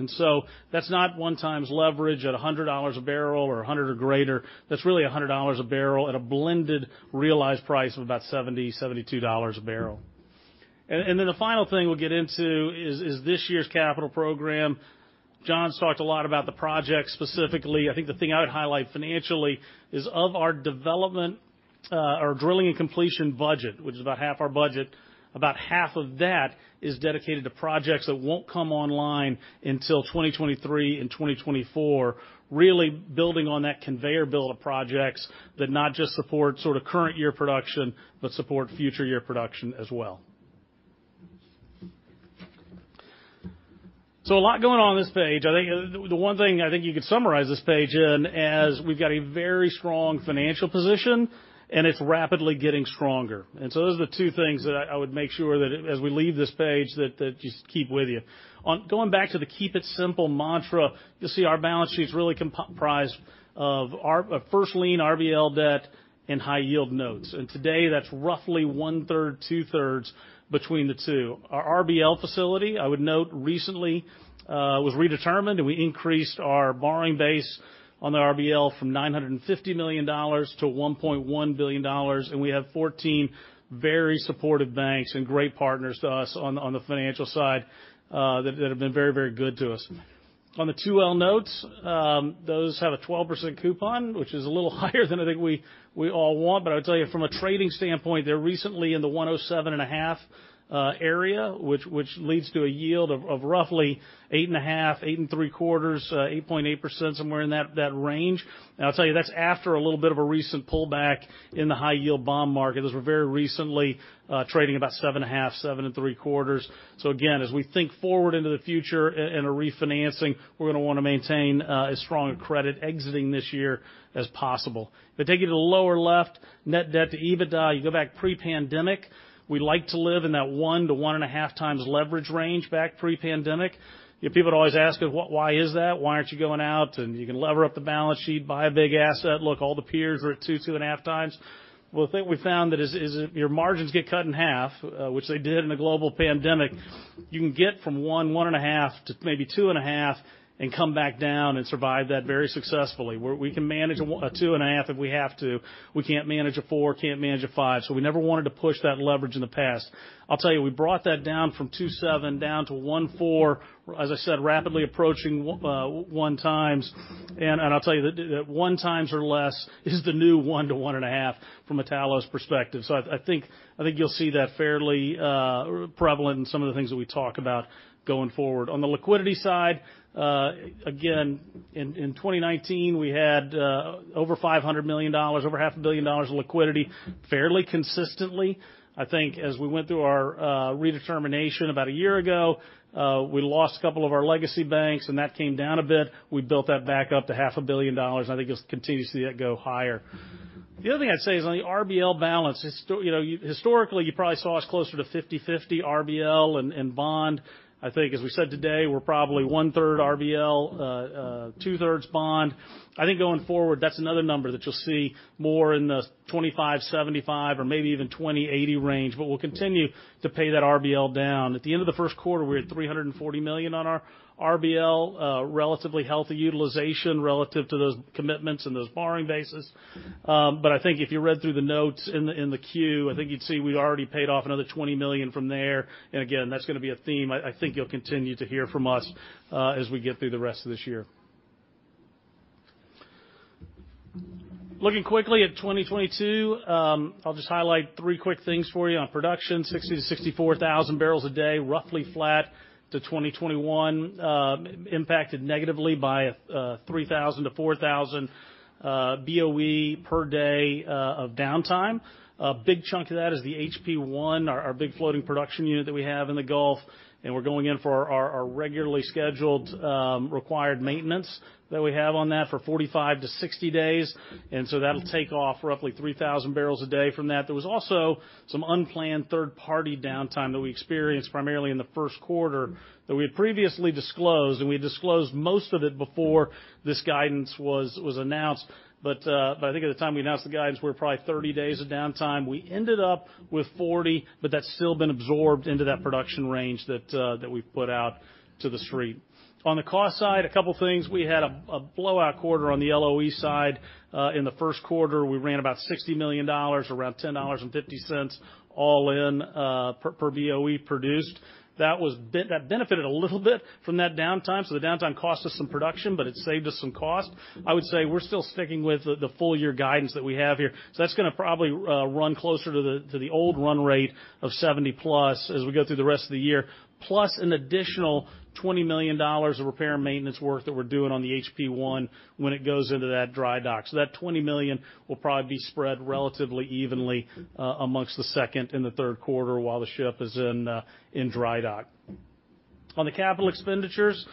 That's not 1x leverage at $100 a barrel or $100 or greater. That's really $100 a barrel at a blended realized price of about 70-72 dollars a barrel. The final thing we'll get into is this year's capital program. John's talked a lot about the projects specifically. I think the thing I would highlight financially is of our development or drilling and completion budget, which is about half our budget, about half of that is dedicated to projects that won't come online until 2023 and 2024, really building on that conveyor belt of projects that not just support sort of current year production, but support future year production as well. A lot going on this page. I think the one thing I think you could summarize this page in as we've got a very strong financial position, and it's rapidly getting stronger. Those are the two things that I would make sure that as we leave this page that just keep with you. Going back to the keep it simple mantra, you'll see our balance sheet's really comprised of our first lien RBL debt and high yield notes. Today, that's roughly one-third, two-thirds between the two. Our RBL facility, I would note recently, was redetermined, and we increased our borrowing base on the RBL from $950 million to $1.1 billion, and we have 14 very supportive banks and great partners to us on the financial side that have been very, very good to us. On the 2L notes, those have a 12% coupon, which is a little higher than I think we all want, but I would tell you from a trading standpoint, they're recently in the 107.5 area, which leads to a yield of roughly 8.5, 8.75, 8.8%, somewhere in that range. I'll tell you, that's after a little bit of a recent pullback in the high yield bond market. Those were very recently trading about 7.5, 7.75. Again, as we think forward into the future and a refinancing, we're gonna wanna maintain as strong a credit exiting this year as possible. If I take you to the lower left, net debt to EBITDA, you go back pre-pandemic, we like to live in that 1 to 1.5 times leverage range back pre-pandemic. Yet people would always ask us, what, why is that? Why aren't you going out and you can lever up the balance sheet, buy a big asset? Look, all the peers are at 2.5 times. Well, the thing we found that is, if your margins get cut in half, which they did in the global pandemic, you can get from 1.5 to maybe 2.5 and come back down and survive that very successfully, where we can manage a 1 to a 2.5 if we have to. We can't manage a 4x, can't manage a 5x, so we never wanted to push that leverage in the past. I'll tell you, we brought that down from 2.7x down to 1.4x. As I said, rapidly approaching 1x. I'll tell you that 1x or less is the new 1x to 1.5x from a Talos perspective. So I think you'll see that fairly prevalent in some of the things that we talk about going forward. On the liquidity side, again, in 2019, we had over $500 million, over half a billion dollars in liquidity fairly consistently. I think as we went through our redetermination about a year ago, we lost a couple of our legacy banks and that came down a bit. We built that back up to half a billion dollars, and I think you'll continue to see that go higher. The other thing I'd say is on the RBL balance, historically, you probably saw us closer to 50/50 RBL and bond. I think, as we said today, we're probably 1/3 RBL, 2/3 bond. I think going forward, that's another number that you'll see more in the 25/75 or maybe even 20/80 range, but we'll continue to pay that RBL down. At the end of the first quarter, we're at $340 million on our RBL, relatively healthy utilization relative to those commitments and those borrowing bases. I think if you read through the notes in the, in the Q, I think you'd see we already paid off another $20 million from there, and again, that's gonna be a theme I think you'll continue to hear from us, as we get through the rest of this year. Looking quickly at 2022, I'll just highlight three quick things for you. On production, 60-64 thousand barrels a day, roughly flat to 2021, impacted negatively by 3,000-4,000 BOE per day of downtime. A big chunk of that is the Helix Producer I, our big floating production unit that we have in the Gulf, and we're going in for our regularly scheduled required maintenance that we have on that for 45-60 days, and so that'll take off roughly 3,000 barrels a day from that. There was also some unplanned third-party downtime that we experienced primarily in the first quarter that we had previously disclosed, and we disclosed most of it before this guidance was announced. I think at the time we announced the guidance, we were probably 30 days of downtime. We ended up with 40, but that's still been absorbed into that production range that we've put out to The Street. On the cost side, a couple things. We had a blowout quarter on the LOE side. In the first quarter, we ran about $60 million, around $10.50 all in, per BOE produced. That benefited a little bit from that downtime, so the downtime cost us some production, but it saved us some cost. I would say we're still sticking with the full year guidance that we have here. That's gonna probably run closer to the old run rate of 70+ as we go through the rest of the year, plus an additional $20 million of repair and maintenance work that we're doing on the Helix Producer I when it goes into that dry dock. That $20 million will probably be spread relatively evenly among the second and the third quarter while the ship is in dry dock. On the capital expenditures,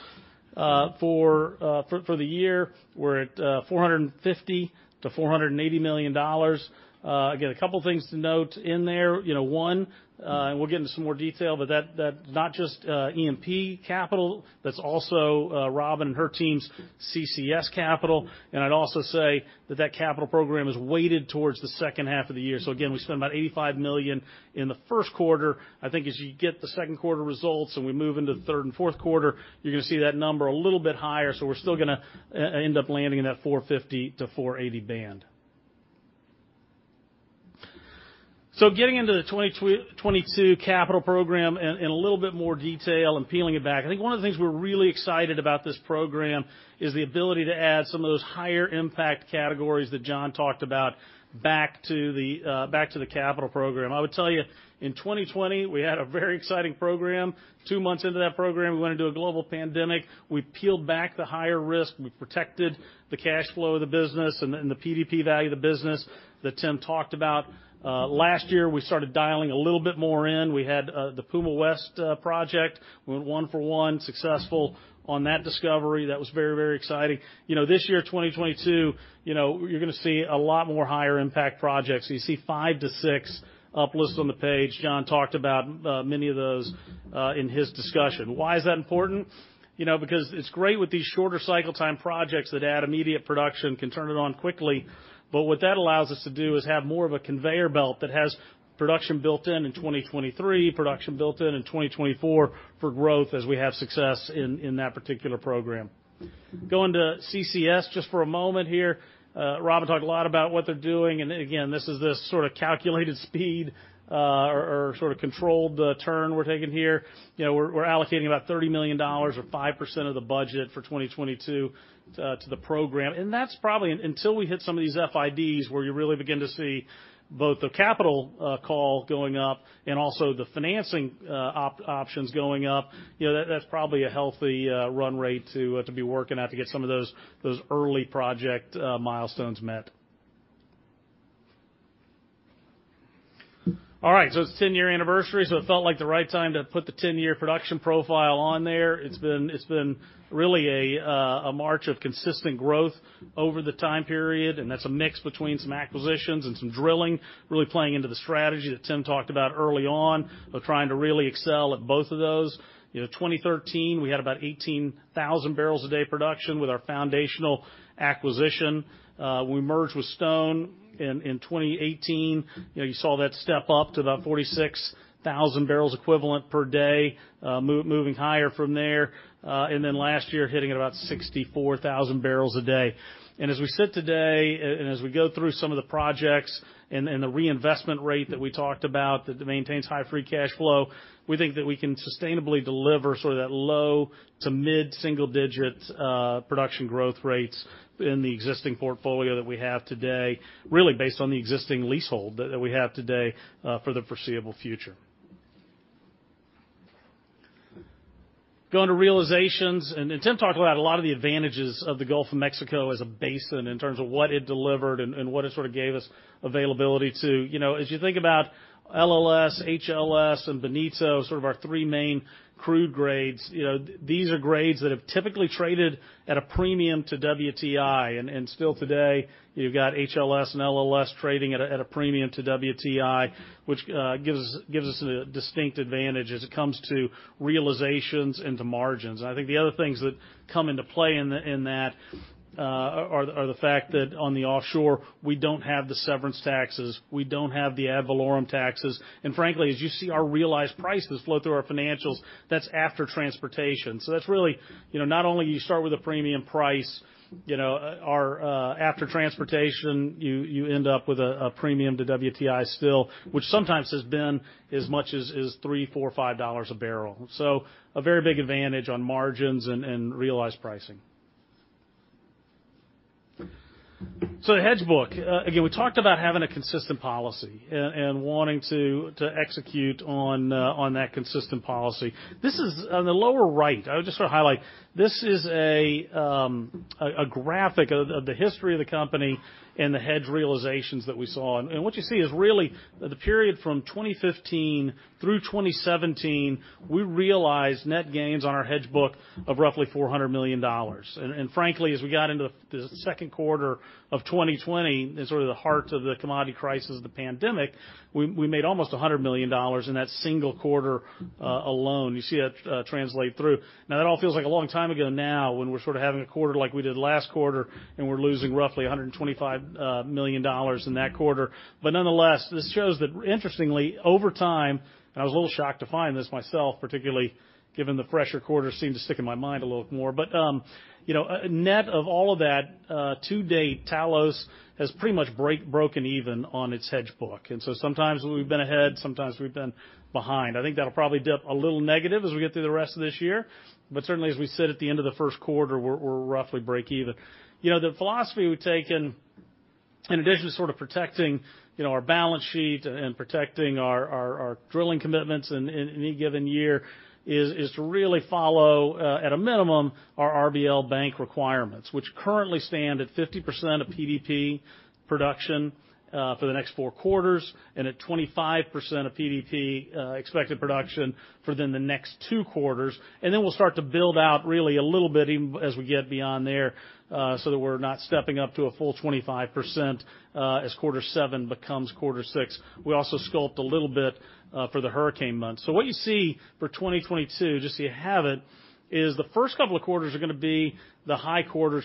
for the year, we're at $450 million-$480 million. Again, a couple of things to note in there. You know, one, and we'll get into some more detail, but that's not just E&P capital, that's also Robin and her team's CCS capital. I'd also say that capital program is weighted towards the second half of the year. Again, we spent about $85 million in the first quarter. I think as you get the second quarter results, and we move into the third and fourth quarter, you're gonna see that number a little bit higher. We're still gonna end up landing in that $450-$480 band. Getting into the 2022 capital program in a little bit more detail and peeling it back. I think one of the things we're really excited about this program is the ability to add some of those higher impact categories that John talked about back to the capital program. I would tell you, in 2020, we had a very exciting program. Two months into that program, we went into a global pandemic. We peeled back the higher risk. We protected the cash flow of the business and the PDP value of the business that Tim talked about. Last year, we started dialing a little bit more in. We had the Puma West project. We went one for one, successful on that discovery. That was very, very exciting. You know, this year, 2022, you know, you're gonna see a lot more higher impact projects. You see 5-6 up listed on the page. John talked about many of those in his discussion. Why is that important? You know, because it's great with these shorter cycle time projects that add immediate production, can turn it on quickly. What that allows us to do is have more of a conveyor belt that has production built in in 2023, production built in in 2024 for growth as we have success in that particular program. Going to CCS just for a moment here. Robin talked a lot about what they're doing, and again, this is this sort of calculated speed, or sort of controlled turn we're taking here. You know, we're allocating about $30 million or 5% of the budget for 2022 to the program, and that's probably until we hit some of these FIDs, where you really begin to see both the capital call going up and also the financing options going up, you know, that's probably a healthy run rate to be working at to get some of those early project milestones met. All right, it's the ten-year anniversary, it felt like the right time to put the ten-year production profile on there. It's been really a march of consistent growth over the time period, and that's a mix between some acquisitions and some drilling, really playing into the strategy that Tim talked about early on of trying to really excel at both of those. You know, 2013, we had about 18,000 barrels a day production with our foundational acquisition. We merged with Stone in 2018. You know, you saw that step up to about 46,000 barrels equivalent per day, moving higher from there, and then last year hitting at about 64,000 barrels a day. As we sit today, as we go through some of the projects and the reinvestment rate that we talked about that maintains high free cash flow, we think that we can sustainably deliver sort of that low- to mid-single-digit production growth rates in the existing portfolio that we have today, really based on the existing leasehold that we have today, for the foreseeable future. Going to realizations, Tim talked about a lot of the advantages of the Gulf of Mexico as a basin in terms of what it delivered and what it sort of gave us availability to. You know, as you think about LLS, HLS, and Bonito, sort of our three main crude grades, you know, these are grades that have typically traded at a premium to WTI. Still today, you've got HLS and LLS trading at a premium to WTI, which gives us a distinct advantage as it comes to realizations into margins. I think the other things that come into play in that are the fact that on the offshore, we don't have the severance taxes, we don't have the ad valorem taxes. Frankly, as you see our realized prices flow through our financials, that's after transportation. So that's really, you know, not only you start with a premium price, you know, our after transportation, you end up with a premium to WTI still, which sometimes has been as much as three, four, five dollars a barrel. So a very big advantage on margins and realized pricing. So the hedge book. Again, we talked about having a consistent policy and wanting to execute on that consistent policy. This is on the lower right. I just wanna highlight, this is a graphic of the history of the company and the hedge realizations that we saw. What you see is really the period from 2015 through 2017, we realized net gains on our hedge book of roughly $400 million. Frankly, as we got into the second quarter of 2020, in sort of the heart of the commodity crisis of the pandemic, we made almost $100 million in that single quarter alone. You see that translate through. Now, that all feels like a long time ago now when we're sort of having a quarter like we did last quarter, and we're losing roughly $125 million in that quarter. Nonetheless, this shows that interestingly, over time, and I was a little shocked to find this myself, particularly given the fresher quarter seemed to stick in my mind a little more. You know, net of all of that, to date, Talos has pretty much broken even on its hedge book. Sometimes we've been ahead, sometimes we've been behind. I think that'll probably dip a little negative as we get through the rest of this year. Certainly, as we sit at the end of the first quarter, we're roughly break even. You know, the philosophy we've taken, in addition to sort of protecting, you know, our balance sheet and protecting our drilling commitments in any given year is to really follow, at a minimum, our RBL bank requirements, which currently stand at 50% of PDP production for the next four quarters and at 25% of PDP expected production for then the next two quarters. We'll start to build out really a little bit even as we get beyond there, so that we're not stepping up to a full 25%, as quarter seven becomes quarter six. We also sculpt a little bit for the hurricane months. What you see for 2022, just so you have it, is the first couple of quarters are gonna be the high quarters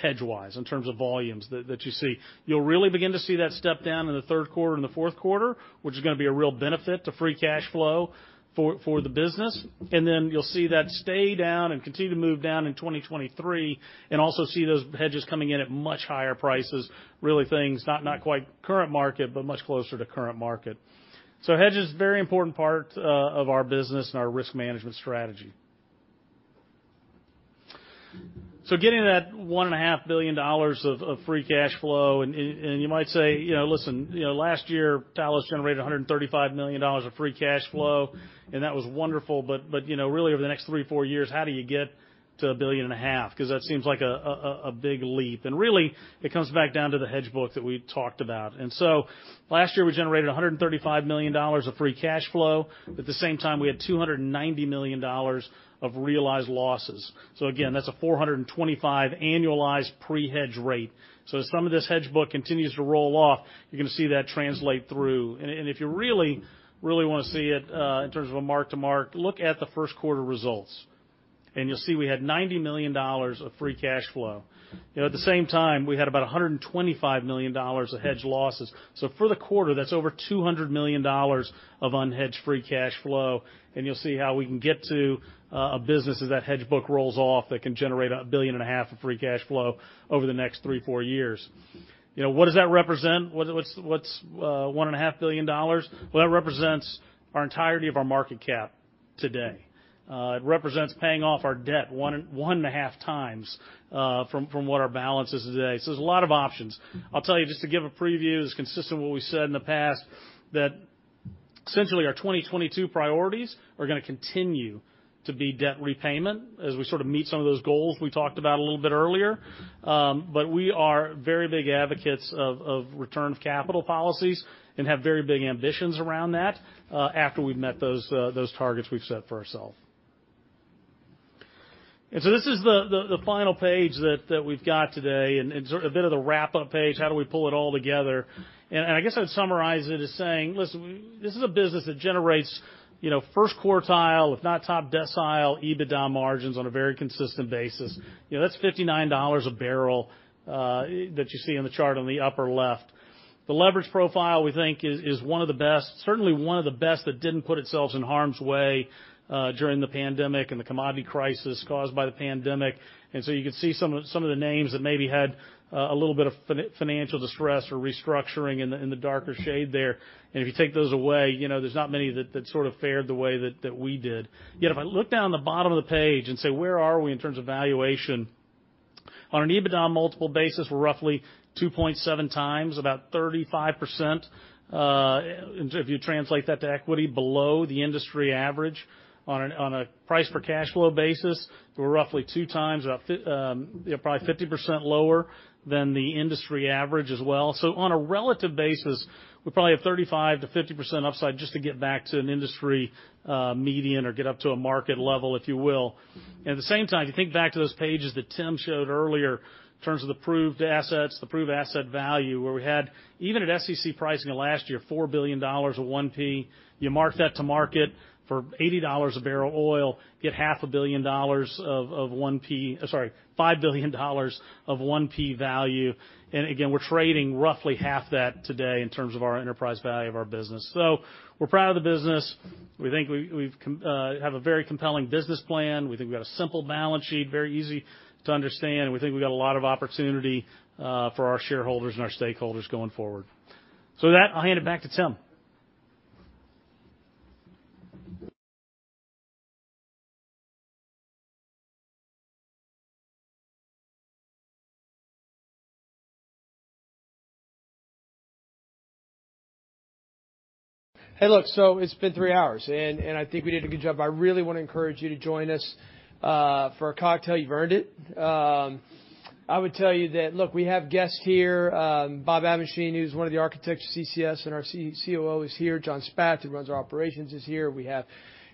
hedge-wise in terms of volumes that you see. You'll really begin to see that step down in the third quarter and the fourth quarter, which is gonna be a real benefit to free cash flow for the business. Then you'll see that stay down and continue to move down in 2023, and also see those hedges coming in at much higher prices, really things not quite current market, but much closer to current market. Hedge is a very important part of our business and our risk management strategy. Getting that $1.5 billion of free cash flow, and you might say, you know, listen, you know, last year, Talos generated $135 million of free cash flow, and that was wonderful. You know, really over the next three, four years, how do you get to $1.5 billion? Because that seems like a big leap. Really, it comes back down to the hedge book that we talked about. Last year, we generated $135 million of free cash flow, but at the same time, we had $290 million of realized losses. Again, that's a 425 annualized pre-hedge rate. As some of this hedge book continues to roll off, you're gonna see that translate through. If you really wanna see it in terms of a mark-to-market, look at the first quarter results, and you'll see we had $90 million of free cash flow. You know, at the same time, we had about $125 million of hedge losses. For the quarter, that's over $200 million of unhedged free cash flow, and you'll see how we can get to a business as that hedge book rolls off that can generate $1.5 billion of free cash flow over the next three, four years. You know, what does that represent? What is one and a half billion dollars? Well, that represents our entirety of our market cap today. It represents paying off our debt one and a half times from what our balance is today. There's a lot of options. I'll tell you, just to give a preview, it's consistent with what we said in the past, that essentially our 2022 priorities are gonna continue to be debt repayment as we sort of meet some of those goals we talked about a little bit earlier. We are very big advocates of return of capital policies and have very big ambitions around that after we've met those targets we've set for ourselves. This is the final page that we've got today and sort of a bit of the wrap-up page. How do we pull it all together? I guess I would summarize it as saying, listen, this is a business that generates, you know, first quartile, if not top decile EBITDA margins on a very consistent basis. You know, that's $59 a barrel that you see in the chart on the upper left. The leverage profile, we think is one of the best, certainly one of the best that didn't put itself in harm's way during the pandemic and the commodity crisis caused by the pandemic. You can see some of the names that maybe had a little bit of financial distress or restructuring in the darker shade there. If you take those away, you know, there's not many that sort of fared the way that we did. Yet, if I look down the bottom of the page and say, where are we in terms of valuation? On an EBITDA multiple basis, we're roughly 2.7x, about 35%, if you translate that to equity below the industry average. On a price for cash flow basis, we're roughly 2x, about 50% lower than the industry average as well. On a relative basis, we probably have 35%-50% upside just to get back to an industry median or get up to a market level, if you will. At the same time, you think back to those pages that Tim showed earlier in terms of the proved assets, the proved asset value, where we had even at SEC pricing of last year, $4 billion of 1P. You mark that to market for $80 a barrel oil, get $5 billion of NPV value. Again, we're trading roughly half that today in terms of our enterprise value of our business. We're proud of the business. We think we have a very compelling business plan. We think we've got a simple balance sheet, very easy to understand, and we think we've got a lot of opportunity for our shareholders and our stakeholders going forward. With that, I'll hand it back to Tim. Hey, look, it's been three hours and I think we did a good job. I really wanna encourage you to join us for a cocktail. You've earned it. I would tell you that, look, we have guests here, Bob Abendschein, who's one of the architects of CCS, and our CEO is here. John Spath, who runs our operations, is here. We have,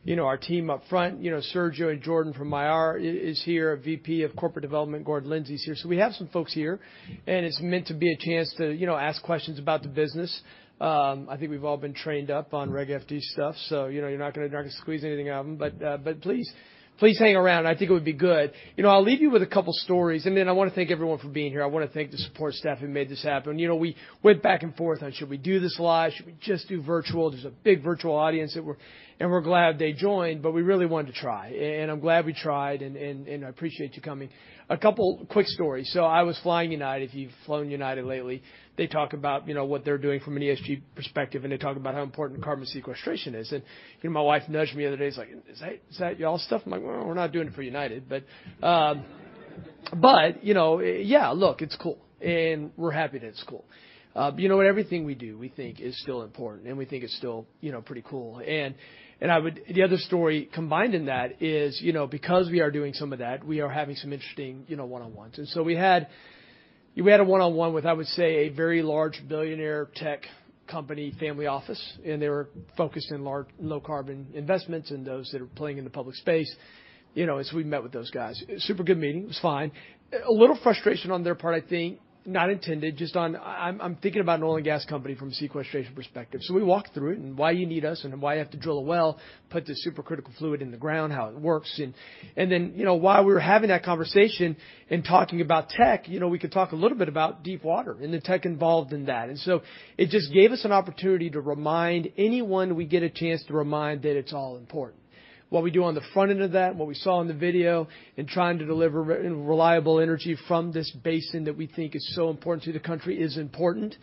you know, our team up front. You know, Sergio Maiworm and Jordan from Mayer is here. Our VP of Corporate Development, Gordon Lindsey's here. We have some folks here, and it's meant to be a chance to, you know, ask questions about the business. I think we've all been trained up on Reg FD stuff, so you know you're not gonna squeeze anything out of them. Please hang around. I think it would be good. You know, I'll leave you with a couple stories, and then I wanna thank everyone for being here. I wanna thank the support staff who made this happen. You know, we went back and forth on should we do this live? Should we just do virtual? There's a big virtual audience and we're glad they joined, but we really wanted to try. I'm glad we tried and I appreciate you coming. A couple quick stories. I was flying United. If you've flown United lately, they talk about, you know, what they're doing from an ESG perspective, and they talk about how important carbon sequestration is. You know, my wife nudged me the other day, she's like, "Is that y'all's stuff?" I'm like, "Well, we're not doing it for United." You know, yeah, look, it's cool. We're happy that it's cool. You know, everything we do, we think is still important, and we think it's still, you know, pretty cool. I would the other story combined in that is, you know, because we are doing some of that, we are having some interesting, you know, one-on-ones. We had a one-on-one with, I would say, a very large billionaire tech company family office, and they were focused in large low carbon investments and those that are playing in the public space. You know, we met with those guys. Super good meeting. It was fine. A little frustration on their part, I think, not intended, just on I'm thinking about an oil and gas company from a sequestration perspective. We walked through it and why you need us and why you have to drill a well, put the supercritical fluid in the ground, how it works, and then, you know, while we were having that conversation and talking about tech, you know, we could talk a little bit about deep water and the tech involved in that. It just gave us an opportunity to remind anyone we get a chance to remind that it's all important. What we do on the front end of that, what we saw in the video, and trying to deliver reliable energy from this basin that we think is so important to the country is important.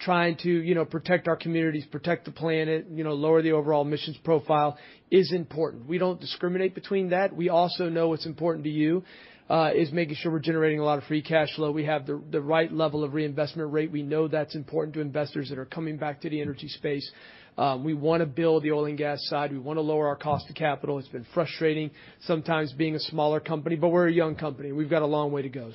Trying to, you know, protect our communities, protect the planet, you know, lower the overall emissions profile is important. We don't discriminate between that. We also know what's important to you is making sure we're generating a lot of free cash flow. We have the right level of reinvestment rate. We know that's important to investors that are coming back to the energy space. We wanna build the oil and gas side. We wanna lower our cost of capital. It's been frustrating sometimes being a smaller company, but we're a young company. We've got a long way to go.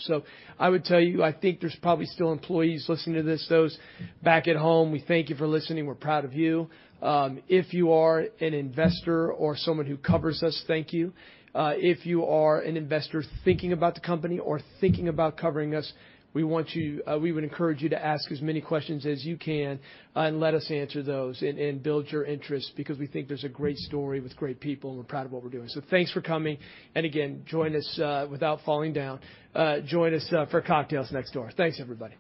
I would tell you, I think there's probably still employees listening to this. Those back at home, we thank you for listening. We're proud of you. If you are an investor or someone who covers us, thank you. If you are an investor thinking about the company or thinking about covering us, we would encourage you to ask as many questions as you can, and let us answer those and build your interest because we think there's a great story with great people, and we're proud of what we're doing. Thanks for coming. Again, join us without falling down. Join us for cocktails next door. Thanks, everybody.